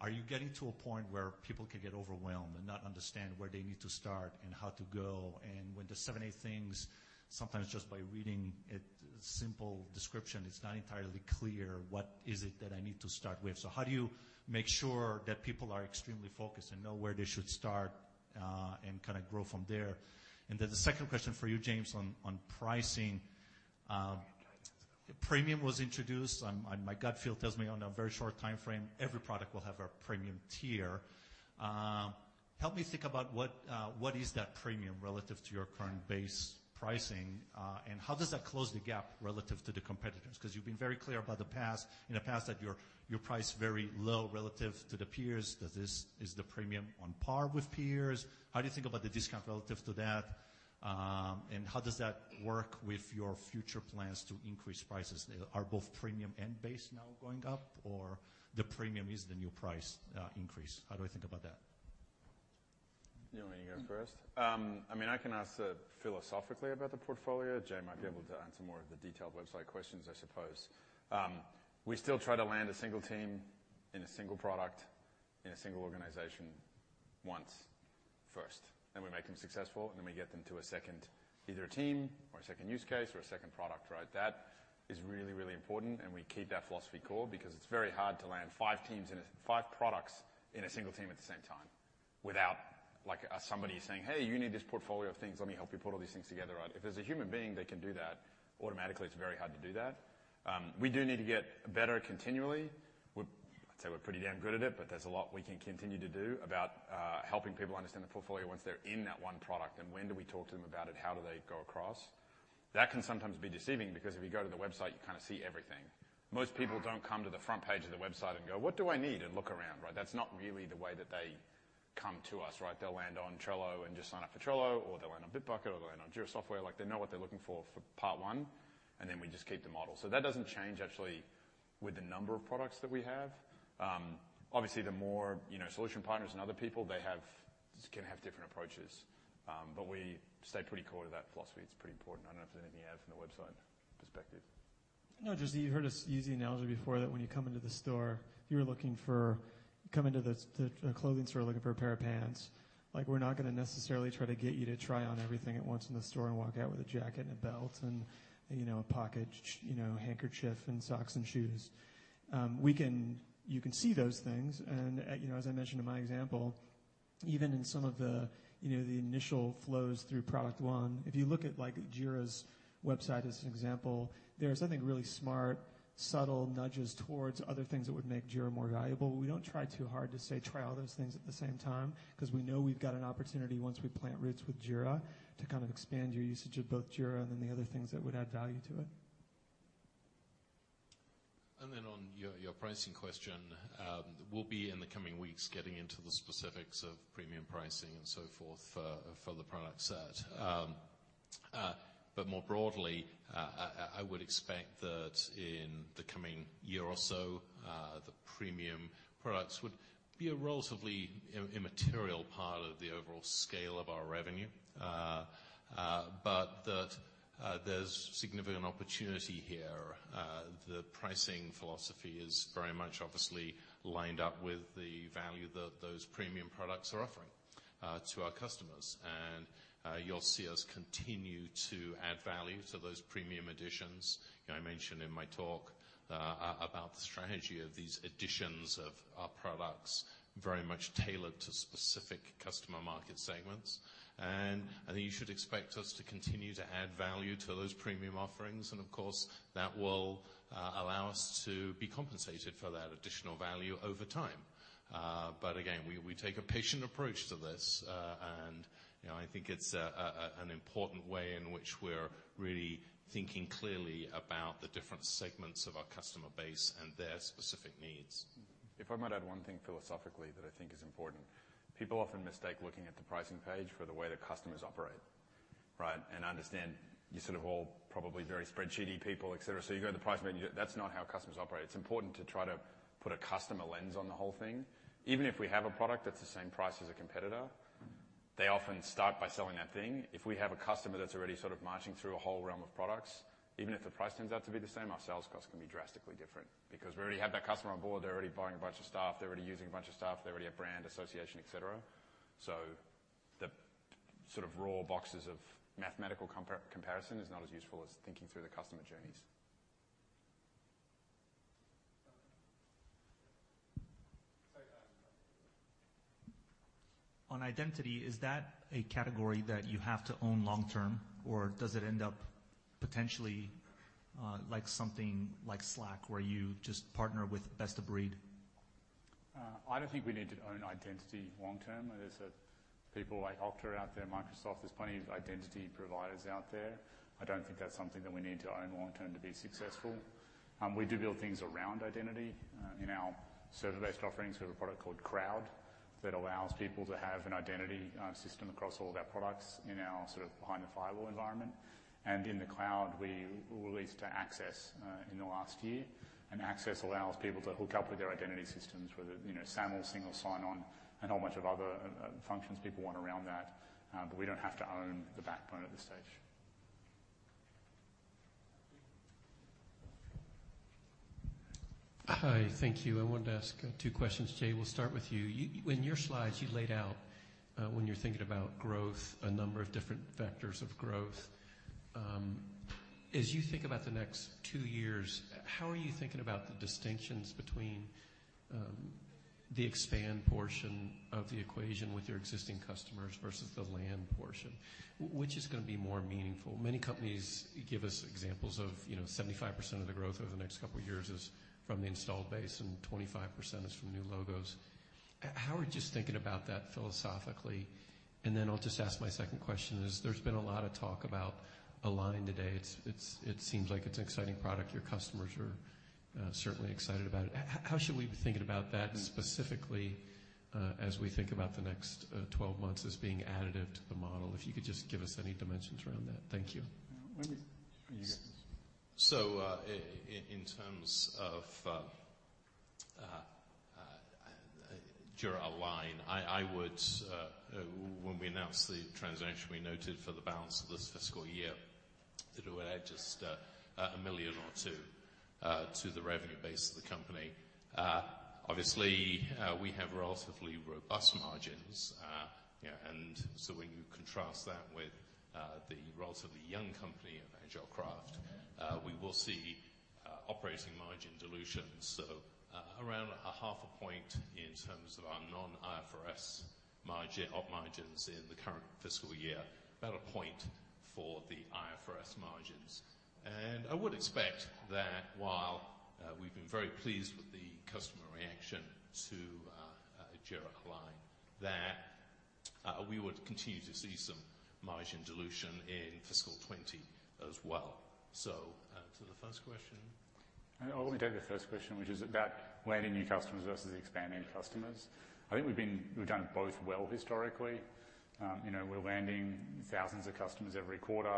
are you getting to a point where people could get overwhelmed and not understand where they need to start and how to go? When there's seven, eight things, sometimes just by reading a simple description, it's not entirely clear what is it that I need to start with. How do you make sure that people are extremely focused and know where they should start, and kind of grow from there? The second question for you, James, on pricing. Premium was introduced. My gut feel tells me on a very short timeframe, every product will have a Premium tier. Help me think about what is that Premium relative to your current base pricing, and how does that close the gap relative to the competitors? You've been very clear in the past that your price is very low relative to the peers. Is the Premium on par with peers? How do you think about the discount relative to that? How does that work with your future plans to increase prices? Are both Premium and base now going up, or the Premium is the new price increase? How do I think about that? You want me to go first? I can answer philosophically about the portfolio. Jay might be able to answer more of the detailed website questions, I suppose. We still try to land a single team in a single product in a single organization once first. We make them successful, and then we get them to a second, either a team or a second use case or a second product. That is really, really important. We keep that philosophy core because it's very hard to land five products in a single team at the same time without somebody saying, "Hey, you need this portfolio of things. Let me help you put all these things together." If there's a human being that can do that, automatically it's very hard to do that. We do need to get better continually. I'd say we're pretty damn good at it. There's a lot we can continue to do about helping people understand the portfolio once they're in that one product. When do we talk to them about it, how do they go across? That can sometimes be deceiving because if you go to the website, you kind of see everything. Most people don't come to the front page of the website and go, "What do I need?" Look around. That's not really the way that they come to us. They'll land on Trello and just sign up for Trello, or they'll land on Bitbucket, or they'll land on Jira Software. They know what they're looking for part one. We just keep the model. That doesn't change actually with the number of products that we have. Obviously, the more solution partners and other people they have, can have different approaches. We stay pretty core to that philosophy. It's pretty important. I don't know if there's anything you have from the website perspective. You've heard us use the analogy before that when you come into the store, you come into the clothing store looking for a pair of pants. We're not going to necessarily try to get you to try on everything at once in the store and walk out with a jacket and a belt and a pocket handkerchief and socks and shoes. You can see those things. As I mentioned in my example, even in some of the initial flows through product 1. If you look at Jira's website as an example, there's something really smart, subtle nudges towards other things that would make Jira more valuable. We don't try too hard to say try all those things at the same time, because we know we've got an opportunity once we plant roots with Jira to expand your usage of both Jira then the other things that would add value to it. Then on your pricing question, we'll be, in the coming weeks, getting into the specifics of premium pricing and so forth for the product set. More broadly, I would expect that in the coming year or so, the premium products would be a relatively immaterial part of the overall scale of our revenue. That there's significant opportunity here. The pricing philosophy is very much obviously lined up with the value that those premium products are offering to our customers. You'll see us continue to add value to those premium editions. I mentioned in my talk about the strategy of these editions of our products very much tailored to specific customer market segments. I think you should expect us to continue to add value to those premium offerings, of course, that will allow us to be compensated for that additional value over time. Again, we take a patient approach to this, and I think it's an important way in which we're really thinking clearly about the different segments of our customer base and their specific needs. If I might add one thing philosophically that I think is important. People often mistake looking at the pricing page for the way that customers operate. Right. I understand you're all probably very spreadsheet-y people, et cetera, you go to the pricing menu. That's not how customers operate. It's important to try to put a customer lens on the whole thing. Even if we have a product that's the same price as a competitor, they often start by selling that thing. If we have a customer that's already sort of marching through a whole realm of products, even if the price turns out to be the same, our sales cost can be drastically different. We already have that customer on board, they're already buying a bunch of stuff, they're already using a bunch of stuff, they already have brand association, et cetera. The sort of raw boxes of mathematical comparison is not as useful as thinking through the customer journeys. On identity, is that a category that you have to own long term, or does it end up potentially like something like Slack where you just partner with best of breed? I don't think we need to own identity long term. There's people like Okta out there, Microsoft. There's plenty of identity providers out there. I don't think that's something that we need to own long term to be successful. We do build things around identity. In our server-based offerings, we have a product called Crowd that allows people to have an identity system across all of our products in our behind the firewall environment. In the cloud, we released Access in the last year. Access allows people to hook up with their identity systems, whether SAML single sign-on and a whole bunch of other functions people want around that. We don't have to own the backbone at this stage. Hi, thank you. I wanted to ask two questions. Jay, we'll start with you. In your slides, you laid out when you're thinking about growth, a number of different vectors of growth. As you think about the next two years, how are you thinking about the distinctions between the expand portion of the equation with your existing customers versus the land portion? Which is going to be more meaningful? Many companies give us examples of 75% of the growth over the next couple of years is from the installed base, and 25% is from new logos. How are you just thinking about that philosophically? I'll just ask my second question is, there's been a lot of talk about Align today. It seems like it's an exciting product. Your customers are certainly excited about it. How should we be thinking about that specifically, as we think about the next 12 months as being additive to the model? If you could just give us any dimensions around that. Thank you. In terms of Jira Align, when we announced the transaction, we noted for the balance of this fiscal year, it would add just a million or two to the revenue base of the company. Obviously, we have relatively robust margins, when you contrast that with the relatively young company of AgileCraft, we will see operating margin dilution. Around a half a point in terms of our non-IFRS op margins in the current fiscal year. About a point for the IFRS margins. I would expect that while we've been very pleased with the customer reaction to Jira Align, that we would continue to see some margin dilution in fiscal 2020 as well. To the first question? I want me to take the first question, which is about landing new customers versus expanding customers. I think we've done both well historically. We're landing thousands of customers every quarter.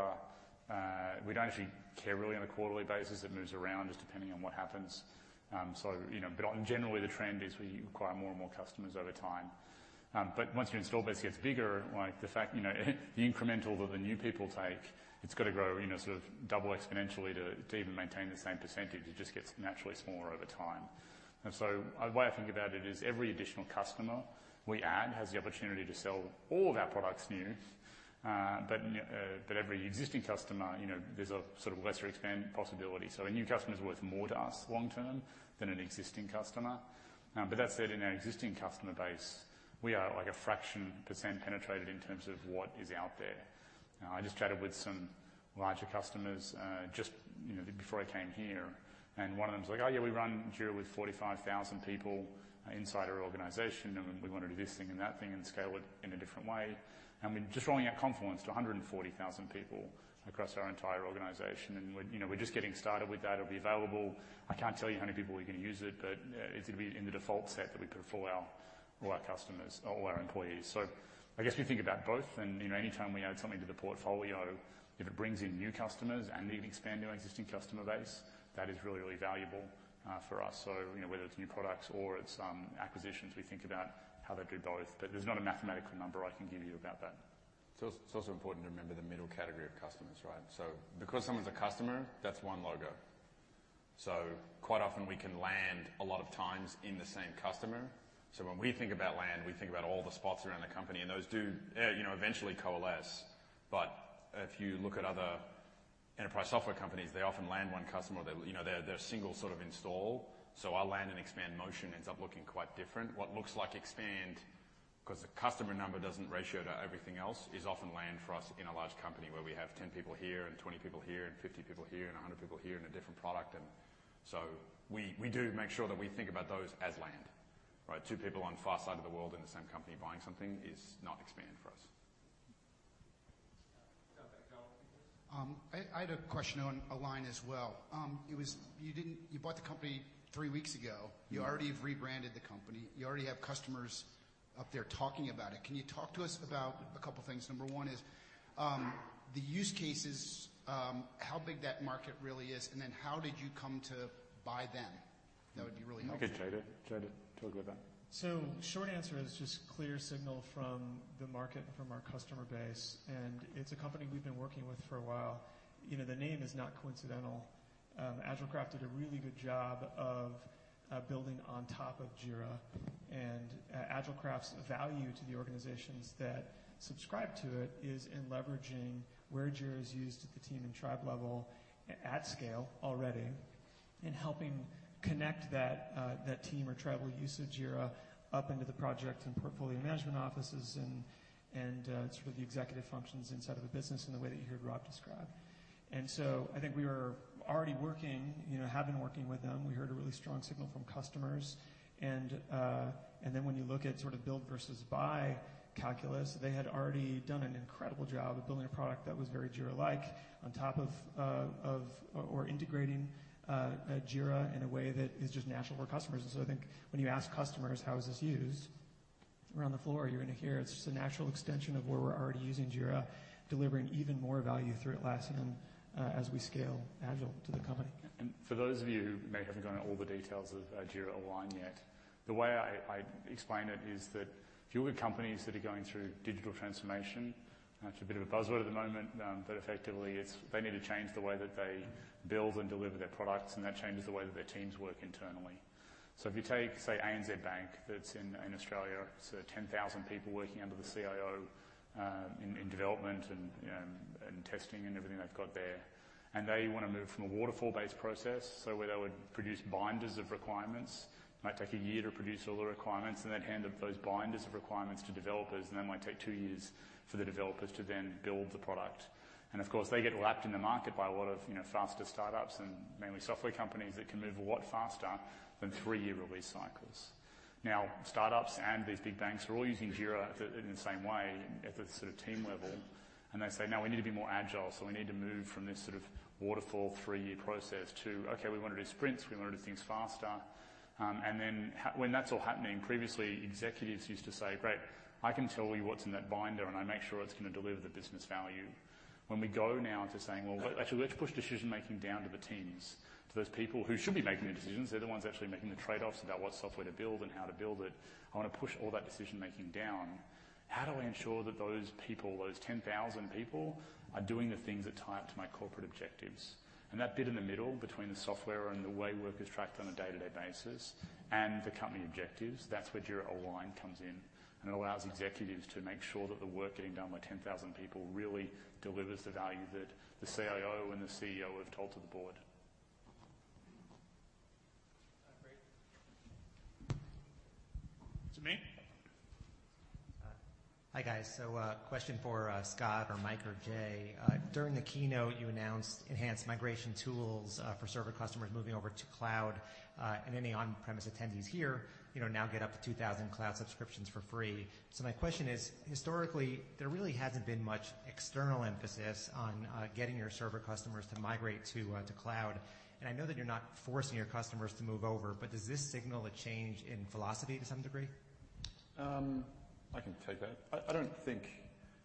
We don't actually care really on a quarterly basis. It moves around just depending on what happens. Generally, the trend is we acquire more and more customers over time. Once your install base gets bigger, the incremental that the new people take, it's got to grow double exponentially to even maintain the same percentage. It just gets naturally smaller over time. The way I think about it is every additional customer we add has the opportunity to sell all of our products new. Every existing customer, there's a sort of lesser expand possibility. A new customer is worth more to us long term than an existing customer. That said, in our existing customer base, we are a fraction percent penetrated in terms of what is out there. I just chatted with some larger customers just before I came here, and one of them was like, "Oh, yeah, we run Jira with 45,000 people inside our organization, and we want to do this thing and that thing and scale it in a different way." We're just rolling out Confluence to 140,000 people across our entire organization, and we're just getting started with that. It'll be available. I can't tell you how many people are going to use it'll be in the default set that we put for all our customers, all our employees. I guess we think about both, anytime we add something to the portfolio, if it brings in new customers and even expand our existing customer base, that is really valuable for us. Whether it's new products or it's acquisitions, we think about how they do both. There's not a mathematical number I can give you about that. It's also important to remember the middle category of customers, right? Because someone's a customer, that's one logo. Quite often we can land a lot of times in the same customer. When we think about land, we think about all the spots around the company, and those do eventually coalesce. If you look at other enterprise software companies, they often land one customer. They're a single sort of install. Our land and expand motion ends up looking quite different. What looks like expand, because the customer number doesn't ratio to everything else, is often land for us in a large company where we have 10 people here and 20 people here and 50 people here and 100 people here in a different product. We do make sure that we think about those as land, right? Two people on far side of the world in the same company buying something is not expand for us. I had a question on Align as well. You bought the company three weeks ago. You already have rebranded the company. You already have customers up there talking about it. Can you talk to us about a couple of things? Number one is, the use cases, how big that market really is, and then how did you come to buy them? That would be really helpful. Okay. Jay, do you want to talk about that? Short answer is just clear signal from the market and from our customer base, and it's a company we've been working with for a while. The name is not coincidental. AgileCraft did a really good job of building on top of Jira, and AgileCraft's value to the organizations that subscribe to it is in leveraging where Jira is used at the team and tribe level at scale already and helping connect that team or tribal usage Jira up into the project and portfolio management offices and sort of the executive functions inside of the business in the way that you heard Rob describe. I think we were already working, have been working with them. We heard a really strong signal from customers. When you look at sort of build versus buy calculus, they had already done an incredible job of building a product that was very Jira-like on top of, or integrating Jira in a way that is just natural for customers. I think when you ask customers, how is this used, around the floor, you're going to hear it's just a natural extension of where we're already using Jira, delivering even more value through Atlassian as we scale Agile to the company. For those of you who may haven't gone to all the details of Jira Align yet, the way I explain it is that if you look at companies that are going through digital transformation, it's a bit of a buzzword at the moment, but effectively, they need to change the way that they build and deliver their products, and that changes the way that their teams work internally. If you take, say, ANZ Bank that's in Australia, 10,000 people working under the CIO in development and testing and everything they've got there. They want to move from a waterfall-based process, where they would produce binders of requirements, might take a year to produce all the requirements, and they'd hand up those binders of requirements to developers, and that might take two years for the developers to then build the product. Of course, they get lapped in the market by a lot of faster startups and mainly software companies that can move a lot faster than three-year release cycles. Now, startups and these big banks are all using Jira in the same way at the team level. They say, "Now we need to be more Agile, we need to move from this sort of waterfall three-year process to, okay, we want to do sprints, we want to do things faster." When that's all happening, previously, executives used to say, "Great, I can tell you what's in that binder, and I make sure it's going to deliver the business value." When we go now to saying, "Well, actually, let's push decision-making down to the teams, to those people who should be making the decisions. They're the ones actually making the trade-offs about what software to build and how to build it. I want to push all that decision-making down. How do I ensure that those people, those 10,000 people, are doing the things that tie up to my corporate objectives?" That bit in the middle between the software and the way work is tracked on a day-to-day basis and the company objectives, that's where Jira Align comes in and allows executives to make sure that the work getting done by 10,000 people really delivers the value that the CIO and the CEO have told to the board. Great. Is it me? Hi, guys. Question for Scott or Mike or Jay. During the keynote, you announced enhanced migration tools for server customers moving over to cloud. And any on-premise attendees here now get up to 2,000 cloud subscriptions for free. My question is, historically, there really hasn't been much external emphasis on getting your server customers to migrate to cloud. I know that you're not forcing your customers to move over, but does this signal a change in philosophy to some degree? I can take that.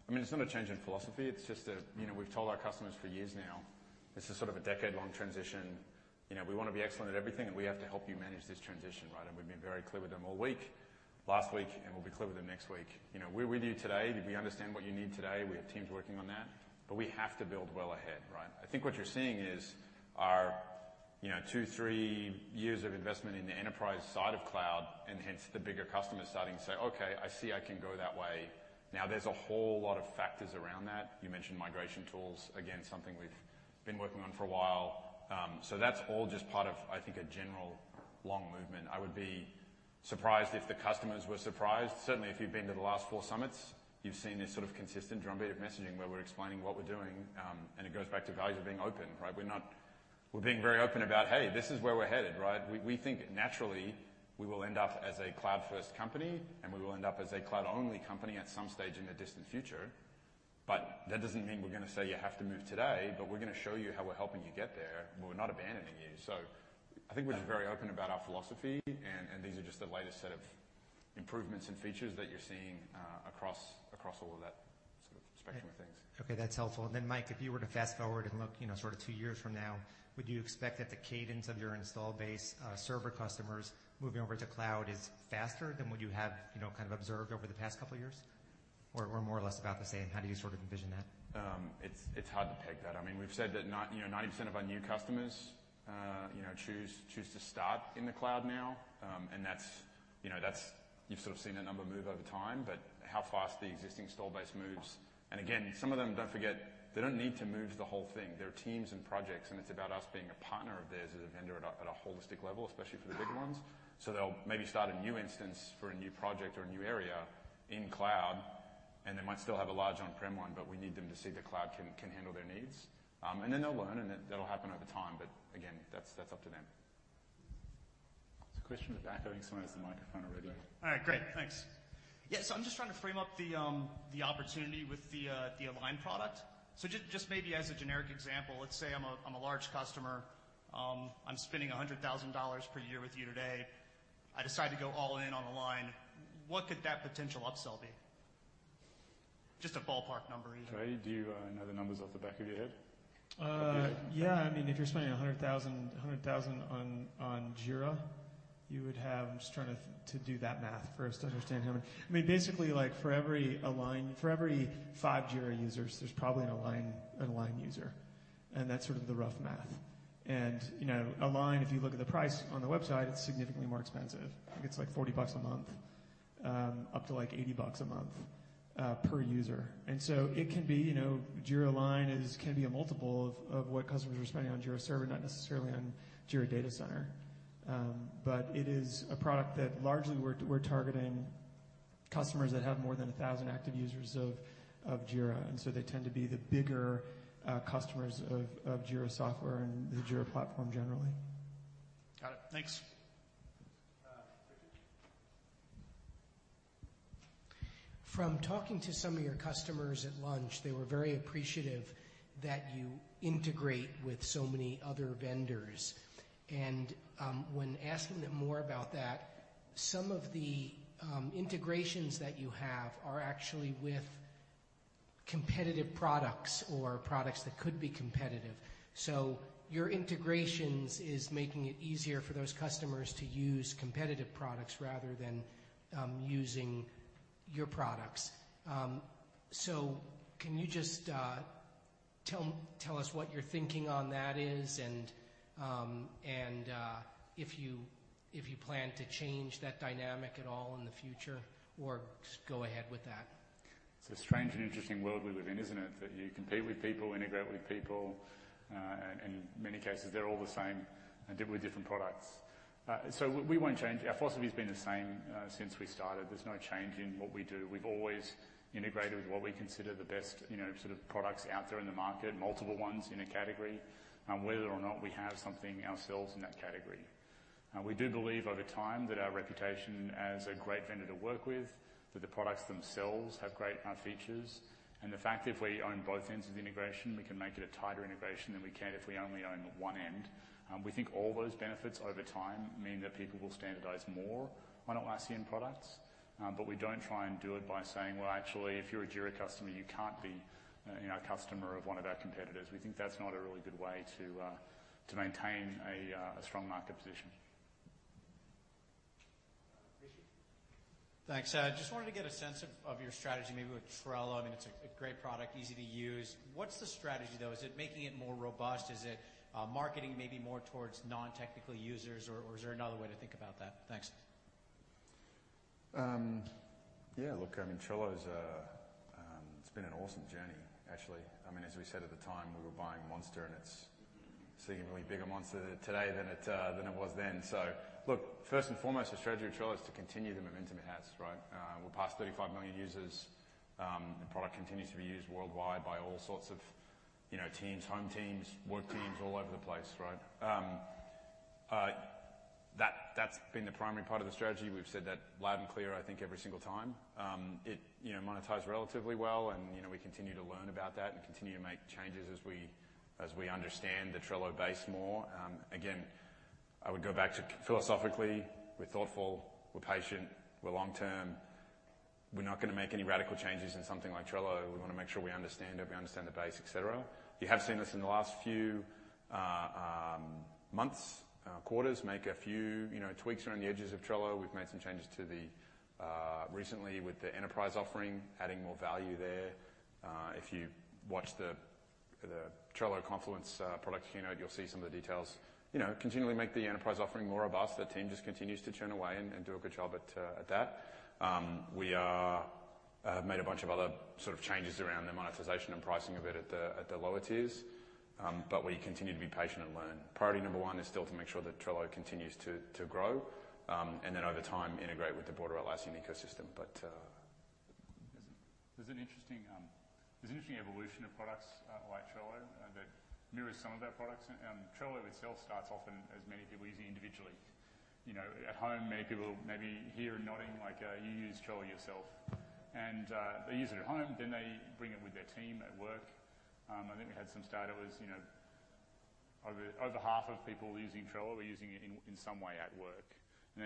It's not a change in philosophy. It's just that we've told our customers for years now, this is sort of a decade long transition. We want to be excellent at everything, and we have to help you manage this transition, right? We've been very clear with them all week, last week, and we'll be clear with them next week. We're with you today. We understand what you need today. We have teams working on that, but we have to build well ahead, right? I think what you're seeing is our two, three years of investment in the enterprise side of cloud, and hence the bigger customers starting to say, "Okay, I see I can go that way." There's a whole lot of factors around that. You mentioned migration tools, again, something we've been working on for a while. That's all just part of, I think, a general long movement. I would be surprised if the customers were surprised. Certainly, if you've been to the last four summits, you've seen this sort of consistent drumbeat of messaging where we're explaining what we're doing, and it goes back to values of being open, right? We're being very open about, "Hey, this is where we're headed," right? We think naturally we will end up as a cloud-first company, and we will end up as a cloud-only company at some stage in the distant future. That doesn't mean we're going to say you have to move today, but we're going to show you how we're helping you get there, and we're not abandoning you. I think we're just very open about our philosophy, and these are just the latest set of improvements and features that you're seeing across all of that sort of spectrum of things. Okay, that's helpful. Mike, if you were to fast-forward and look 2 years from now, would you expect that the cadence of your install base server customers moving over to cloud is faster than what you have kind of observed over the past couple of years? Or more or less about the same? How do you sort of envision that? It's hard to peg that. We've said that 90% of our new customers choose to start in the cloud now. You've sort of seen that number move over time, but how fast the existing install base moves. Again, some of them, don't forget, they don't need to move the whole thing. There are teams and projects, and it's about us being a partner of theirs as a vendor at a holistic level, especially for the big ones. They'll maybe start a new instance for a new project or a new area in cloud, and they might still have a large on-prem one, but we need them to see that cloud can handle their needs. They'll learn, and that'll happen over time. Again, that's up to them. There's a question at the back. I think someone has the microphone already. All right, great. Thanks. I'm just trying to frame up the opportunity with the Align product. Just maybe as a generic example, let's say I'm a large customer. I'm spending $100,000 per year with you today. I decide to go all in on Align. What could that potential upsell be? Just a ballpark number even. Troy, do you know the numbers off the back of your head? Yeah. If you're spending $100,000 on Jira, I'm just trying to do that math first to understand how many. Basically, like for every five Jira users, there's probably an Align user, that's sort of the rough math. Align, if you look at the price on the website, it's significantly more expensive. I think it's like $40 a month, up to like $80 a month per user. It can be Jira Align can be a multiple of what customers are spending on Jira Server, not necessarily on Jira Data Center. It is a product that largely we're targeting customers that have more than 1,000 active users of Jira, they tend to be the bigger customers of Jira Software and the Jira platform generally. Got it. Thanks. Richard. From talking to some of your customers at lunch, they were very appreciative that you integrate with so many other vendors. When asking them more about that, some of the integrations that you have are actually with competitive products or products that could be competitive. Your integrations is making it easier for those customers to use competitive products rather than using your products. Can you just tell us what your thinking on that is, and if you plan to change that dynamic at all in the future, or just go ahead with that? It's a strange and interesting world we live in, isn't it? That you compete with people, integrate with people, and in many cases, they're all the same with different products. We won't change. Our philosophy has been the same since we started. There's no change in what we do. We've always integrated with what we consider the best sort of products out there in the market, multiple ones in a category, whether or not we have something ourselves in that category. We do believe over time that our reputation as a great vendor to work with, that the products themselves have great features, and the fact if we own both ends of the integration, we can make it a tighter integration than we can if we only own one end. We think all those benefits over time mean that people will standardize more on Atlassian products. We don't try and do it by saying, "Well, actually, if you're a Jira customer, you can't be a customer of one of our competitors." We think that's not a really good way to maintain a strong market position. Richard. Thanks. I just wanted to get a sense of your strategy, maybe with Trello. I mean, it's a great product, easy to use. What's the strategy, though? Is it making it more robust? Is it marketing maybe more towards non-technical users, or is there another way to think about that? Thanks. Yeah, look, I mean, Trello, it's been an awesome journey, actually. As we said at the time, we were buying Monster, and it's seemingly bigger Monster today than it was then. Look, first and foremost, the strategy of Trello is to continue the momentum it has, right? We're past 35 million users. The product continues to be used worldwide by all sorts of- Teams, home teams, work teams all over the place, right? That's been the primary part of the strategy. We've said that loud and clear, I think every single time. It monetized relatively well, and we continue to learn about that and continue to make changes as we understand the Trello base more. I would go back to philosophically, we're thoughtful, we're patient, we're long-term. We're not going to make any radical changes in something like Trello. We want to make sure we understand it, we understand the base, et cetera. You have seen us in the last few months, quarters, make a few tweaks around the edges of Trello. We've made some changes recently with the enterprise offering, adding more value there. If you watch the Trello Confluence product keynote, you'll see some of the details. Continually make the enterprise offering more robust. The team just continues to churn away and do a good job at that. We have made a bunch of other sort of changes around the monetization and pricing of it at the lower tiers. We continue to be patient and learn. Priority number 1 is still to make sure that Trello continues to grow, and then over time, integrate with the broader Atlassian ecosystem. There's an interesting evolution of products like Trello that mirrors some of our products. Trello itself starts often as many people using individually. At home, many people maybe hear and nodding like you use Trello yourself. They use it at home, then they bring it with their team at work. I think we had some data was over half of people using Trello are using it in some way at work.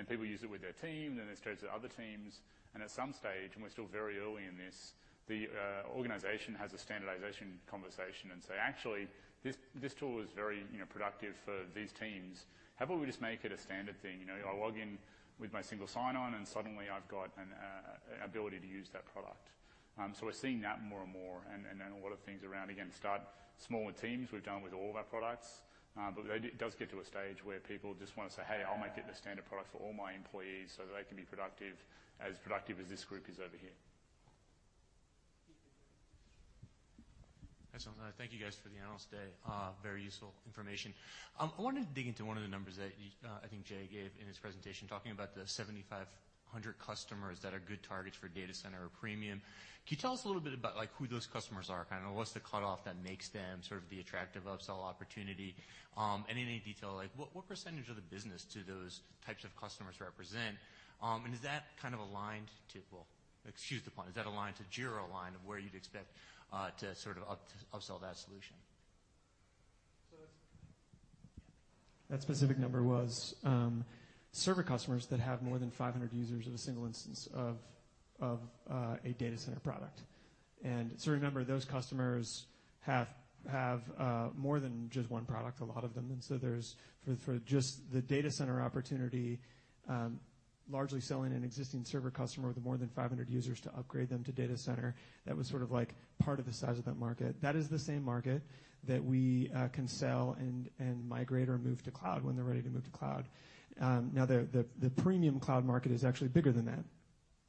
People use it with their team, then it spreads to other teams. At some stage, we're still very early in this, the organization has a standardization conversation and say, "Actually, this tool is very productive for these teams. How about we just make it a standard thing? I log in with my single sign-on and suddenly I've got an ability to use that product." We're seeing that more and more, and then a lot of things around, again, start smaller teams. We've done with all of our products. It does get to a stage where people just want to say, "Hey, I'll make it the standard product for all my employees so that they can be as productive as this group is over here. Excellent. Thank you guys for the analyst day. Very useful information. I wanted to dig into one of the numbers that I think Jay gave in his presentation, talking about the 7,500 customers that are good targets for Data Center or Premium. Can you tell us a little bit about who those customers are? Kind of what's the cutoff that makes them sort of the attractive upsell opportunity? Any detail like what % of the business do those types of customers represent? Is that kind of aligned to, well, excuse the pun, is that aligned to Jira Align of where you'd expect to sort of upsell that solution? That specific number was server customers that have more than 500 users of a single instance of a Data Center product. Remember, those customers have more than just one product, a lot of them. For just the Data Center opportunity, largely selling an existing server customer with more than 500 users to upgrade them to Data Center, that was sort of part of the size of that market. That is the same market that we can sell and migrate or move to Cloud when they're ready to move to Cloud. The Premium Cloud market is actually bigger than that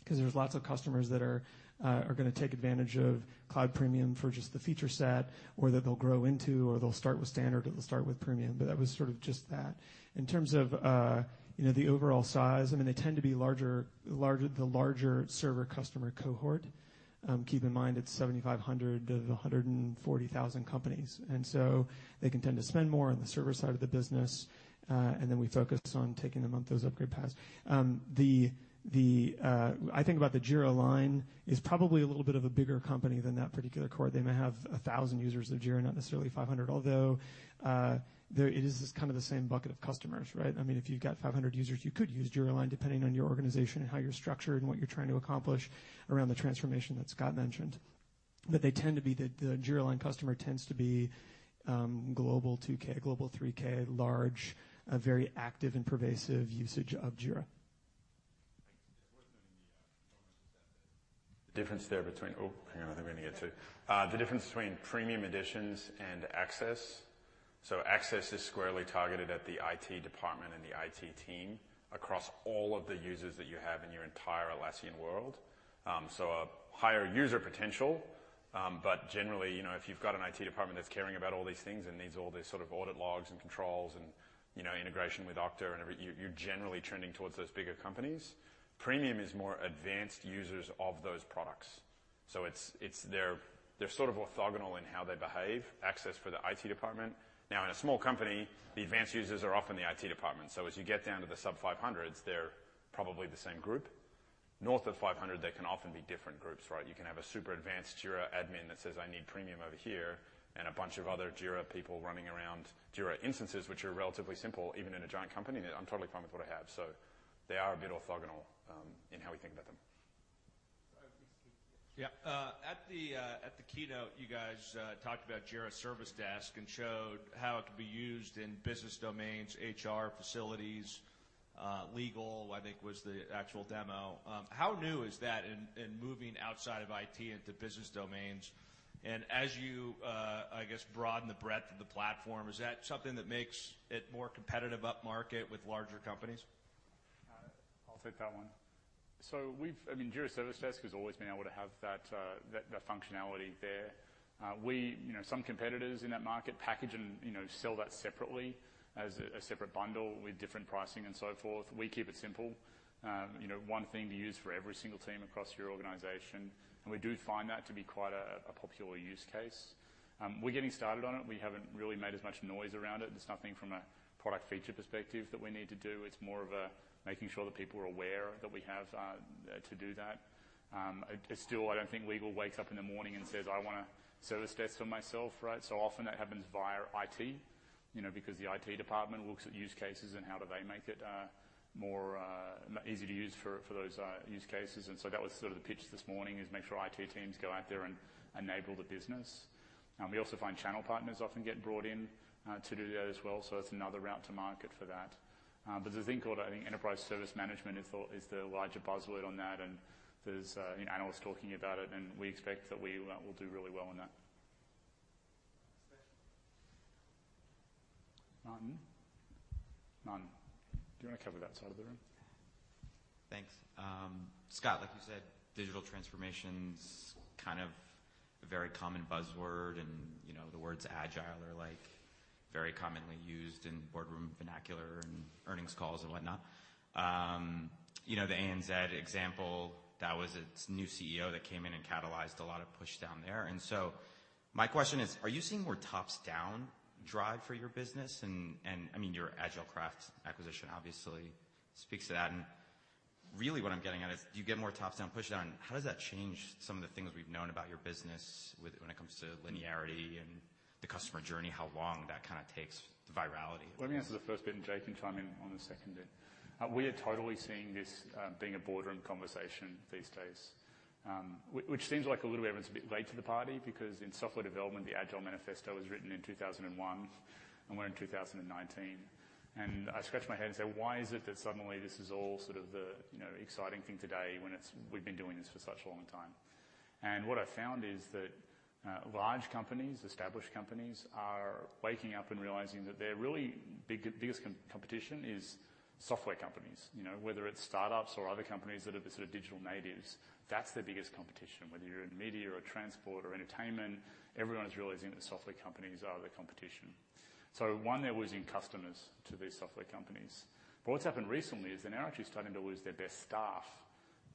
because there's lots of customers that are going to take advantage of Cloud Premium for just the feature set or that they'll grow into, or they'll start with Standard or they'll start with Premium. That was sort of just that. In terms of the overall size, I mean, they tend to be the larger server customer cohort. Keep in mind it's 7,500 of 140,000 companies. They can tend to spend more on the server side of the business, and then we focus on taking them on those upgrade paths. I think about the Jira Align is probably a little bit of a bigger company than that particular cohort. They may have 1,000 users of Jira, not necessarily 500. It is kind of the same bucket of customers, right? I mean, if you've got 500 users, you could use Jira Align depending on your organization and how you're structured and what you're trying to accomplish around the transformation that Scott mentioned. The Jira Align customer tends to be global 2K, global 3K, large, very active and pervasive usage of Jira. It was mentioned in the comments that the difference there between The difference between Premium editions and Access. Access is squarely targeted at the IT department and the IT team across all of the users that you have in your entire Atlassian world. A higher user potential, but generally, if you've got an IT department that's caring about all these things and needs all these sort of audit logs and controls and integration with Okta and every, you're generally trending towards those bigger companies. Premium is more advanced users of those products. They're sort of orthogonal in how they behave, Access for the IT department. In a small company, the advanced users are often the IT department. As you get down to the sub 500s, they're probably the same group. North of 500, they can often be different groups, right? You can have a super advanced Jira admin that says, "I need Premium over here," and a bunch of other Jira people running around Jira instances, which are relatively simple, even in a giant company, that I'm totally fine with what I have. They are a bit orthogonal in how we think about them. Yeah. At the keynote, you guys talked about Jira Service Desk and showed how it could be used in business domains, HR, facilities, legal, I think was the actual demo. How new is that in moving outside of IT into business domains? As you, I guess broaden the breadth of the platform, is that something that makes it more competitive up market with larger companies? I'll take that one. We've, I mean, Jira Service Desk has always been able to have that functionality there. Some competitors in that market package and sell that separately as a separate bundle with different pricing and so forth. We keep it simple. One thing to use for every single team across your organization, we do find that to be quite a popular use case. We're getting started on it. We haven't really made as much noise around it. There's nothing from a product feature perspective that we need to do. It's more of making sure that people are aware that we have to do that. I don't think legal wakes up in the morning and says, "I want a service desk for myself." Right? Often that happens via IT, because the IT department looks at use cases and how do they make it more easy to use for those use cases. That was sort of the pitch this morning, is make sure IT teams go out there and enable the business. We also find channel partners often get brought in to do that as well, it's another route to market for that. There's a thing called, I think, enterprise service management is the larger buzzword on that, there's analysts talking about it, we expect that we will do really well on that. Martin? Martin. Do you want to cover that side of the room? Yeah. Thanks. Scott, like you said, digital transformation's kind of a very common buzzword, the words agile are very commonly used in boardroom vernacular and earnings calls and whatnot. The ANZ example, that was its new CEO that came in and catalyzed a lot of push down there. My question is, are you seeing more tops-down drive for your business? I mean, your AgileCraft acquisition obviously speaks to that. Really what I'm getting at is, do you get more tops-down push-down? How does that change some of the things we've known about your business when it comes to linearity and the customer journey, how long that takes, the virality of it? Let me answer the first bit, and Jay can chime in on the second bit. We are totally seeing this being a boardroom conversation these days. Which seems like a little bit late to the party, because in software development, the Agile Manifesto was written in 2001, and we're in 2019. I scratch my head and say, "Why is it that suddenly this is all sort of the exciting thing today when we've been doing this for such a long time?" What I've found is that large companies, established companies, are waking up and realizing that their really biggest competition is software companies. Whether it's startups or other companies that are the sort of digital natives, that's their biggest competition. Whether you're in media or transport or entertainment, everyone's realizing that software companies are the competition. One, they're losing customers to these software companies. What's happened recently is they're now actually starting to lose their best staff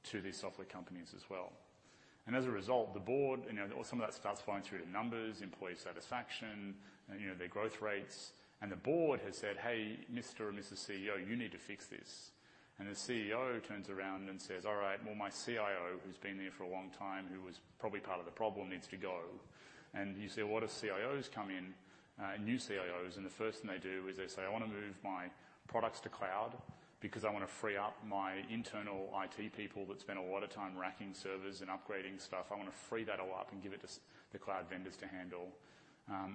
to these software companies as well. As a result, the board, some of that stuff's flowing through to numbers, employee satisfaction, their growth rates, and the board has said, "Hey, Mr. or Mrs. CEO, you need to fix this." The CEO turns around and says, "All right, well, my CIO, who's been there for a long time, who was probably part of the problem, needs to go." You see a lot of CIOs come in, new CIOs, and the first thing they do is they say, "I want to move my products to cloud because I want to free up my internal IT people that spend a lot of time racking servers and upgrading stuff. I want to free that all up and give it to the cloud vendors to handle.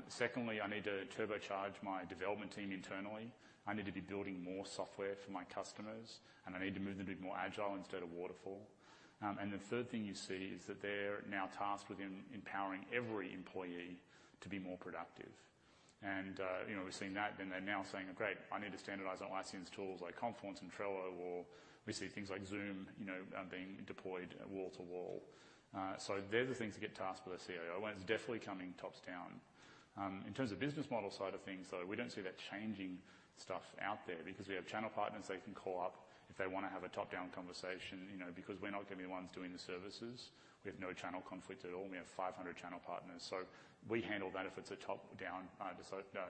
Secondly, I need to turbocharge my development team internally. I need to be building more software for my customers, and I need to move them to be more agile instead of waterfall." The third thing you see is that they're now tasked with empowering every employee to be more productive. We've seen that, then they're now saying, "Great, I need to standardize on Atlassian's tools like Confluence and Trello," or we see things like Zoom being deployed wall to wall. They're the things that get tasked by the CIO. It's definitely coming tops down. In terms of business model side of things, though, we don't see that changing stuff out there because we have channel partners they can call up if they want to have a top-down conversation, because we're not going to be the ones doing the services. We have no channel conflict at all. We have 500 channel partners. We handle that if it's a top-down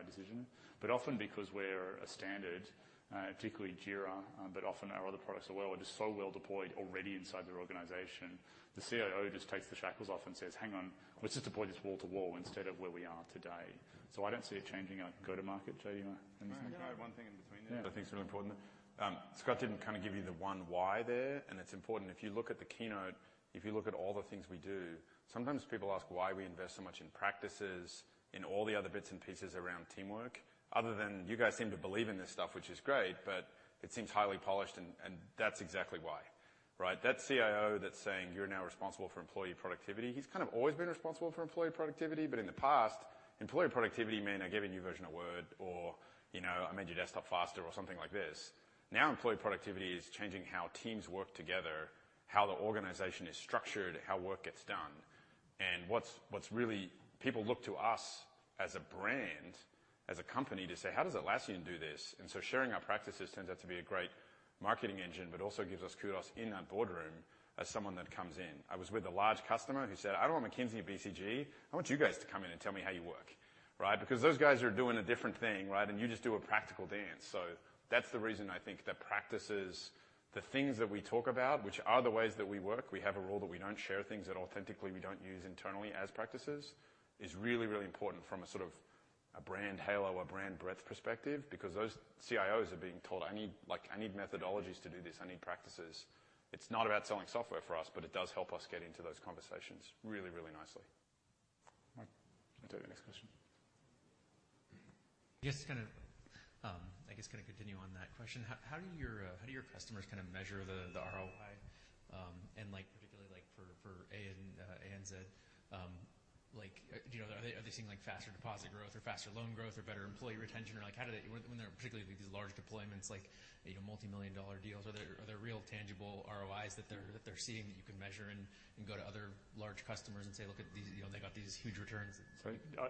decision. Often because we're a standard, particularly Jira, but often our other products as well, are just so well deployed already inside their organization, the CIO just takes the shackles off and says, "Hang on. Let's just deploy this wall to wall instead of where we are today." I don't see it changing our go to market. Jay, do you want to add anything? No. Can I add one thing in between there that I think is really important? Scott didn't give you the one why there. It's important. If you look at the keynote, if you look at all the things we do, sometimes people ask why we invest so much in practices, in all the other bits and pieces around teamwork, other than you guys seem to believe in this stuff, which is great, but it seems highly polished, and that's exactly why, right? That CIO that's saying you're now responsible for employee productivity, he's kind of always been responsible for employee productivity, but in the past, employee productivity meant I gave a new version of Word or I made your desktop faster or something like this. Employee productivity is changing how teams work together, how the organization is structured, how work gets done. People look to us as a brand, as a company, to say, "How does Atlassian do this?" Sharing our practices turns out to be a great marketing engine, but also gives us kudos in that boardroom as someone that comes in. I was with a large customer who said, "I don't want McKinsey or BCG. I want you guys to come in and tell me how you work." Right? Those guys are doing a different thing, right, and you just do a practical dance. That's the reason I think that practices, the things that we talk about, which are the ways that we work, we have a rule that we don't share things that authentically we don't use internally as practices, is really, really important from a sort of a brand halo or brand breadth perspective. Those CIOs are being told, "I need methodologies to do this. I need practices." It's not about selling software for us, but it does help us get into those conversations really, really nicely. All right. Do the next question. I guess to kind of continue on that question, how do your customers kind of measure the- Particularly for ANZ, are they seeing faster deposit growth or faster loan growth or better employee retention? Or when there are particularly these large deployments, like multimillion-dollar deals, are there real tangible ROIs that they're seeing that you can measure and go to other large customers and say, "Look, they got these huge returns?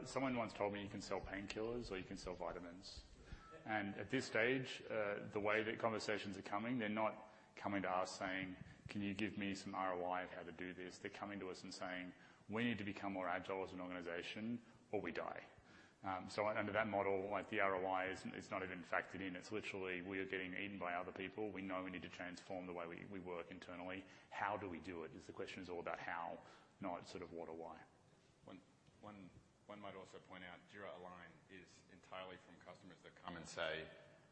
Someone once told me you can sell painkillers or you can sell vitamins. At this stage, the way that conversations are coming, they're not coming to us saying, "Can you give me some ROI of how to do this?" They're coming to us and saying, "We need to become more agile as an organization or we die." Under that model, the ROI is not even factored in. It's literally we are getting eaten by other people. We know we need to transform the way we work internally. How do we do it? Because the question is all about how, not what or why. One might also point out Jira Align is entirely from customers that come and say,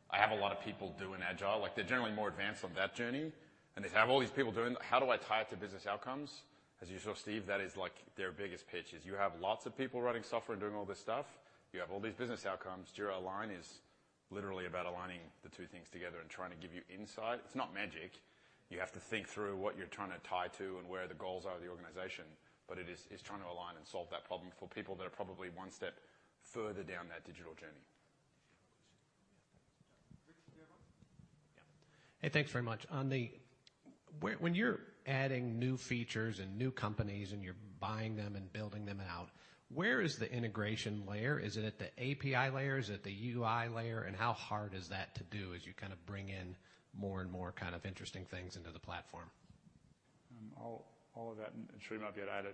"I have a lot of people doing Agile." They're generally more advanced on that journey, and they have all these people doing How do I tie it to business outcomes? As you saw, Steve, that is their biggest pitch is you have lots of people writing software and doing all this stuff. You have all these business outcomes. Jira Align is literally about aligning the two things together and trying to give you insight. It's not magic. You have to think through what you're trying to tie to and where the goals are of the organization, but it is trying to align and solve that problem for people that are probably one step further down that digital journey. Richard, do you have one? Yeah. Hey, thanks very much. When you're adding new features and new companies and you're buying them and building them out, where is the integration layer? Is it at the API layer? Is it at the UI layer? How hard is that to do as you bring in more and more kind of interesting things into the platform? All of that, and Sri might be able to add.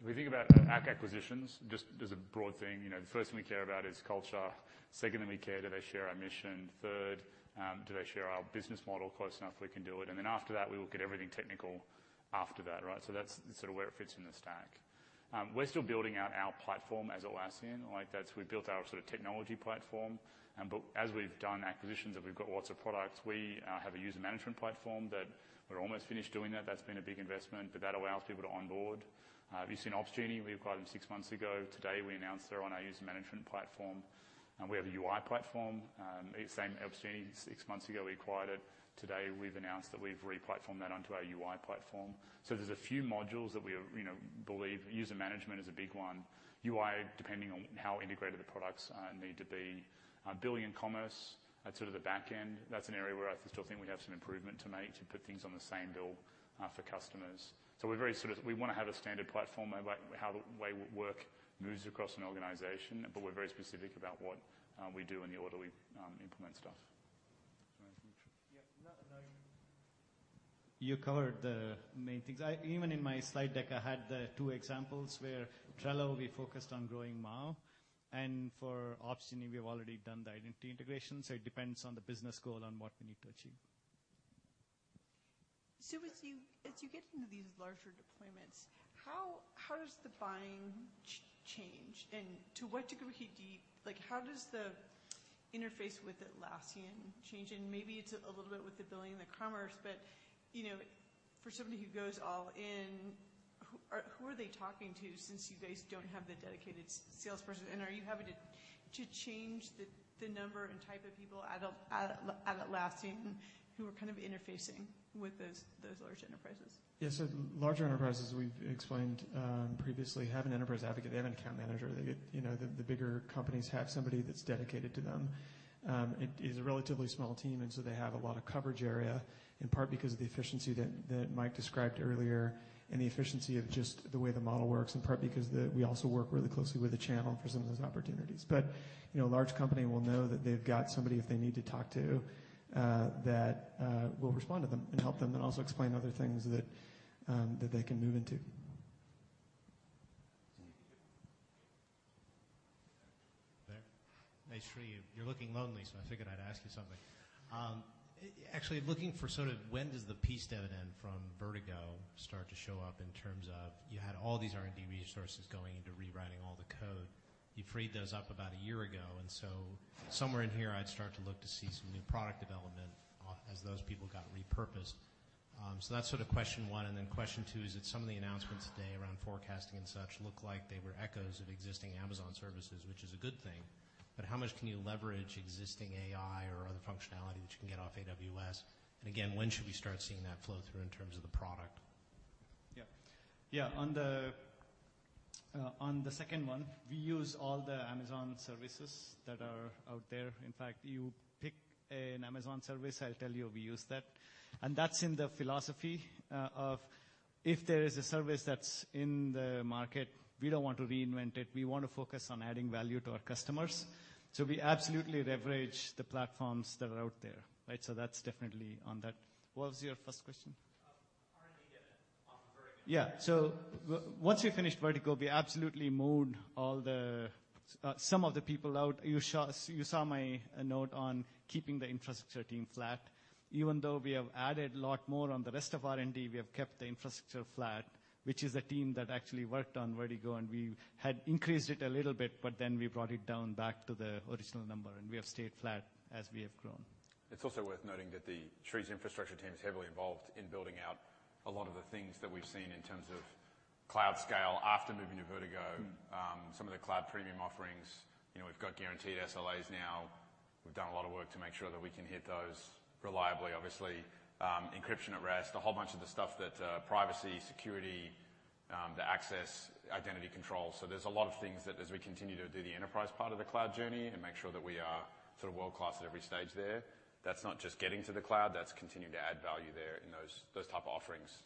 If we think about acquisitions, just as a broad thing, the first thing we care about is culture. Secondly, we care do they share our mission? Third, do they share our business model close enough we can do it? After that, we look at everything technical after that. That's sort of where it fits in the stack. We're still building out our platform as Atlassian. We've built our technology platform, but as we've done acquisitions, and we've got lots of products, we have a user management platform that we're almost finished doing that. That's been a big investment, but that allows people to onboard. We've seen Opsgenie, we acquired them six months ago. Today, we announced they're on our user management platform, and we have a UI platform. Same Opsgenie, six months ago, we acquired it. Today, we've announced that we've re-platformed that onto our UI platform. There's a few modules that we believe user management is a big one. UI, depending on how integrated the products need to be. Billing and commerce, that's sort of the back end. That's an area where I still think we have some improvement to make to put things on the same bill for customers. We want to have a standard platform, how the way work moves across an organization, but we're very specific about what we do and the order we implement stuff. Do you want to add anything, Sri? Yeah, no. You covered the main things. Even in my slide deck, I had the two examples where Trello, we focused on growing MAU, and for Opsgenie, we have already done the identity integration. It depends on the business goal on what we need to achieve. Sri, as you get into these larger deployments, how does the buying change? To what degree How does the interface with Atlassian change? Maybe it's a little bit with the billing and the commerce, but for somebody who goes all in, who are they talking to since you guys don't have the dedicated salesperson? Are you having to change the number and type of people at Atlassian who are kind of interfacing with those large enterprises? Yeah. Larger enterprises, we've explained previously, have an enterprise advocate. They have an account manager. The bigger companies have somebody that's dedicated to them. It is a relatively small team, they have a lot of coverage area, in part because of the efficiency that Mike described earlier and the efficiency of just the way the model works, in part because we also work really closely with the channel for some of those opportunities. A large company will know that they've got somebody if they need to talk to that will respond to them and help them, and also explain other things that they can move into. There. Hey, Sriram. You're looking lonely, so I figured I'd ask you something. Actually, looking for sort of when does the peace dividend from Project Vertigo start to show up in terms of you had all these R&D resources going into rewriting all the code. You freed those up about a year ago, somewhere in here, I'd start to look to see some new product development as those people got repurposed. That's sort of question one, then question two is that some of the announcements today around forecasting and such look like they were echoes of existing Amazon services, which is a good thing, but how much can you leverage existing AI or other functionality that you can get off AWS? Again, when should we start seeing that flow through in terms of the product? Yeah. On the second one, we use all the Amazon services that are out there. In fact, you pick an Amazon service, I'll tell you we use that. That's in the philosophy of if there is a service that's in the market, we don't want to reinvent it. We want to focus on adding value to our customers. We absolutely leverage the platforms that are out there. That's definitely on that. What was your first question? R&D dividend on Vertigo. Yeah. Once we finished Vertigo, we absolutely moved some of the people out. You saw my note on keeping the infrastructure team flat. Even though we have added a lot more on the rest of R&D, we have kept the infrastructure flat, which is a team that actually worked on Vertigo. We had increased it a little bit, we brought it down back to the original number, we have stayed flat as we have grown. It's also worth noting that Srir's infrastructure team is heavily involved in building out a lot of the things that we've seen in terms of. Cloud scale after moving to Project Vertigo. Some of the Cloud Premium offerings, we've got guaranteed SLAs now. We've done a lot of work to make sure that we can hit those reliably. Obviously, encryption at rest, a whole bunch of the stuff that privacy, security, the Access, identity control. There's a lot of things that as we continue to do the enterprise part of the cloud journey and make sure that we are sort of world-class at every stage there, that's not just getting to the cloud, that's continuing to add value there in those type of offerings.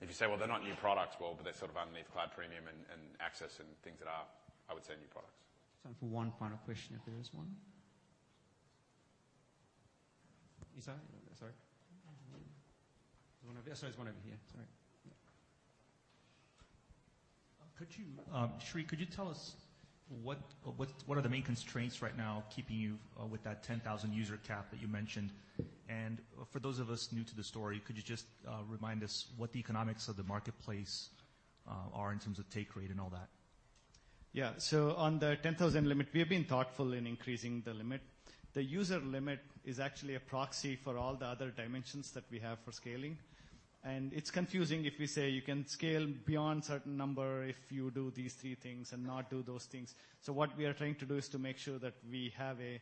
If you say, "Well, they're not new products," well, but they're sort of underneath Cloud Premium and Access and things that are, I would say, new products. Time for one final question, if there is one. You, sir? Sorry. There's one over here. Sorry. Yeah. Sri, could you tell us what are the main constraints right now keeping you with that 10,000 user cap that you mentioned? For those of us new to the story, could you just remind us what the economics of the marketplace are in terms of take rate and all that? On the 10,000 limit, we have been thoughtful in increasing the limit. The user limit is actually a proxy for all the other dimensions that we have for scaling, and it's confusing if we say you can scale beyond certain number if you do these three things and not do those things. What we are trying to do is to make sure that we have an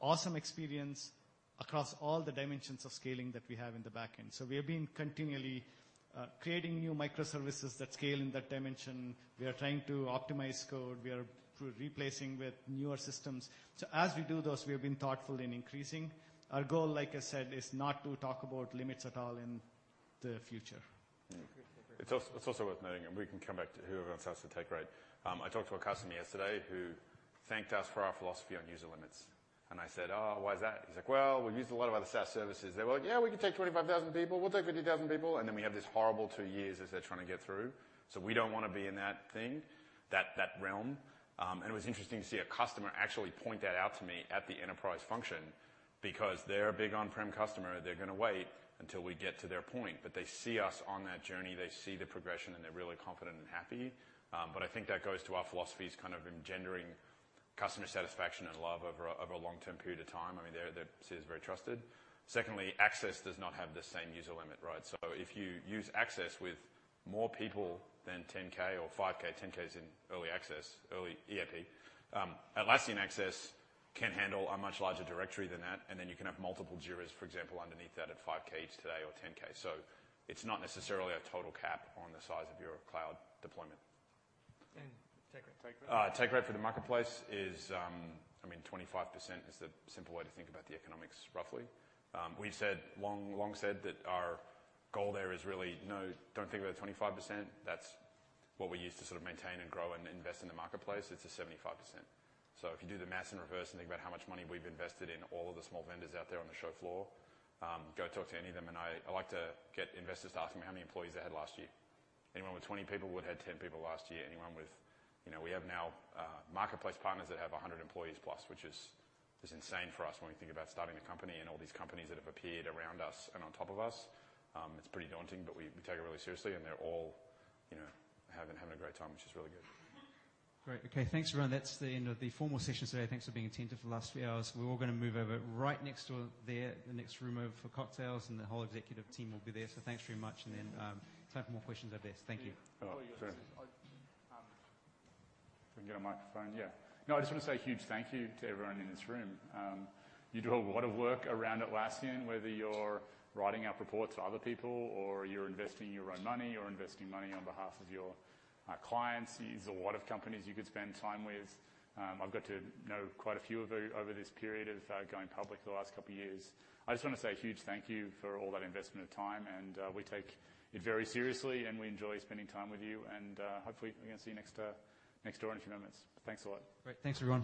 awesome experience across all the dimensions of scaling that we have in the back end. We have been continually creating new microservices that scale in that dimension. We are trying to optimize code. We are replacing with newer systems. As we do those, we have been thoughtful in increasing. Our goal, like I said, is not to talk about limits at all in the future. It's also worth noting, we can come back to whoever wants us to take rate. I talked to a customer yesterday who thanked us for our philosophy on user limits, and I said, "Oh, why is that?" He's like, "Well, we've used a lot of other SaaS services. They're like, 'Yeah, we can take 25,000 people. We'll take 50,000 people,' and then we have this horrible two years as they're trying to get through." We don't want to be in that thing, that realm. It was interesting to see a customer actually point that out to me at the enterprise function because they're a big on-prem customer. They're going to wait until we get to their point. They see us on that journey, they see the progression, and they're really confident and happy. I think that goes to our philosophy is kind of engendering customer satisfaction and love over a long-term period of time. They see us very trusted. Secondly, Access does not have the same user limit, right? If you use Access with more people than 10K or 5K, 10K is in early access, early EAP. Atlassian Guard can handle a much larger directory than that, and then you can have multiple Jiras, for example, underneath that at 5K today or 10K. It's not necessarily a total cap on the size of your cloud deployment. Take rate? Take rate for the marketplace is 25%, is the simple way to think about the economics, roughly. We've long said that our goal there is really, no, don't think about the 25%. That's what we use to sort of maintain and grow and invest in the marketplace. It's a 75%. If you do the math in reverse and think about how much money we've invested in all of the small vendors out there on the show floor, go talk to any of them, and I like to get investors to ask me how many employees they had last year. Anyone with 20 people would've had 10 people last year. We have now marketplace partners that have 100 employees plus, which is insane for us when we think about starting the company and all these companies that have appeared around us and on top of us. It's pretty daunting, we take it really seriously, and they're all having a great time, which is really good. Great. Okay. Thanks, everyone. That's the end of the formal session today. Thanks for being attentive for the last few hours. We're all going to move over right next door there, the next room over for cocktails, and the whole executive team will be there. Thanks very much. Time for more questions out there. Thank you. Fair enough. If we can get a microphone, yeah. I just want to say a huge thank you to everyone in this room. You do a lot of work around Atlassian, whether you're writing up reports for other people or you're investing your own money or investing money on behalf of your clients. There's a lot of companies you could spend time with. I've got to know quite a few of you over this period of going public the last couple of years. I just want to say a huge thank you for all that investment of time, and we take it very seriously, and we enjoy spending time with you, and hopefully, we're going to see you next door in a few moments. Thanks a lot. Great. Thanks, everyone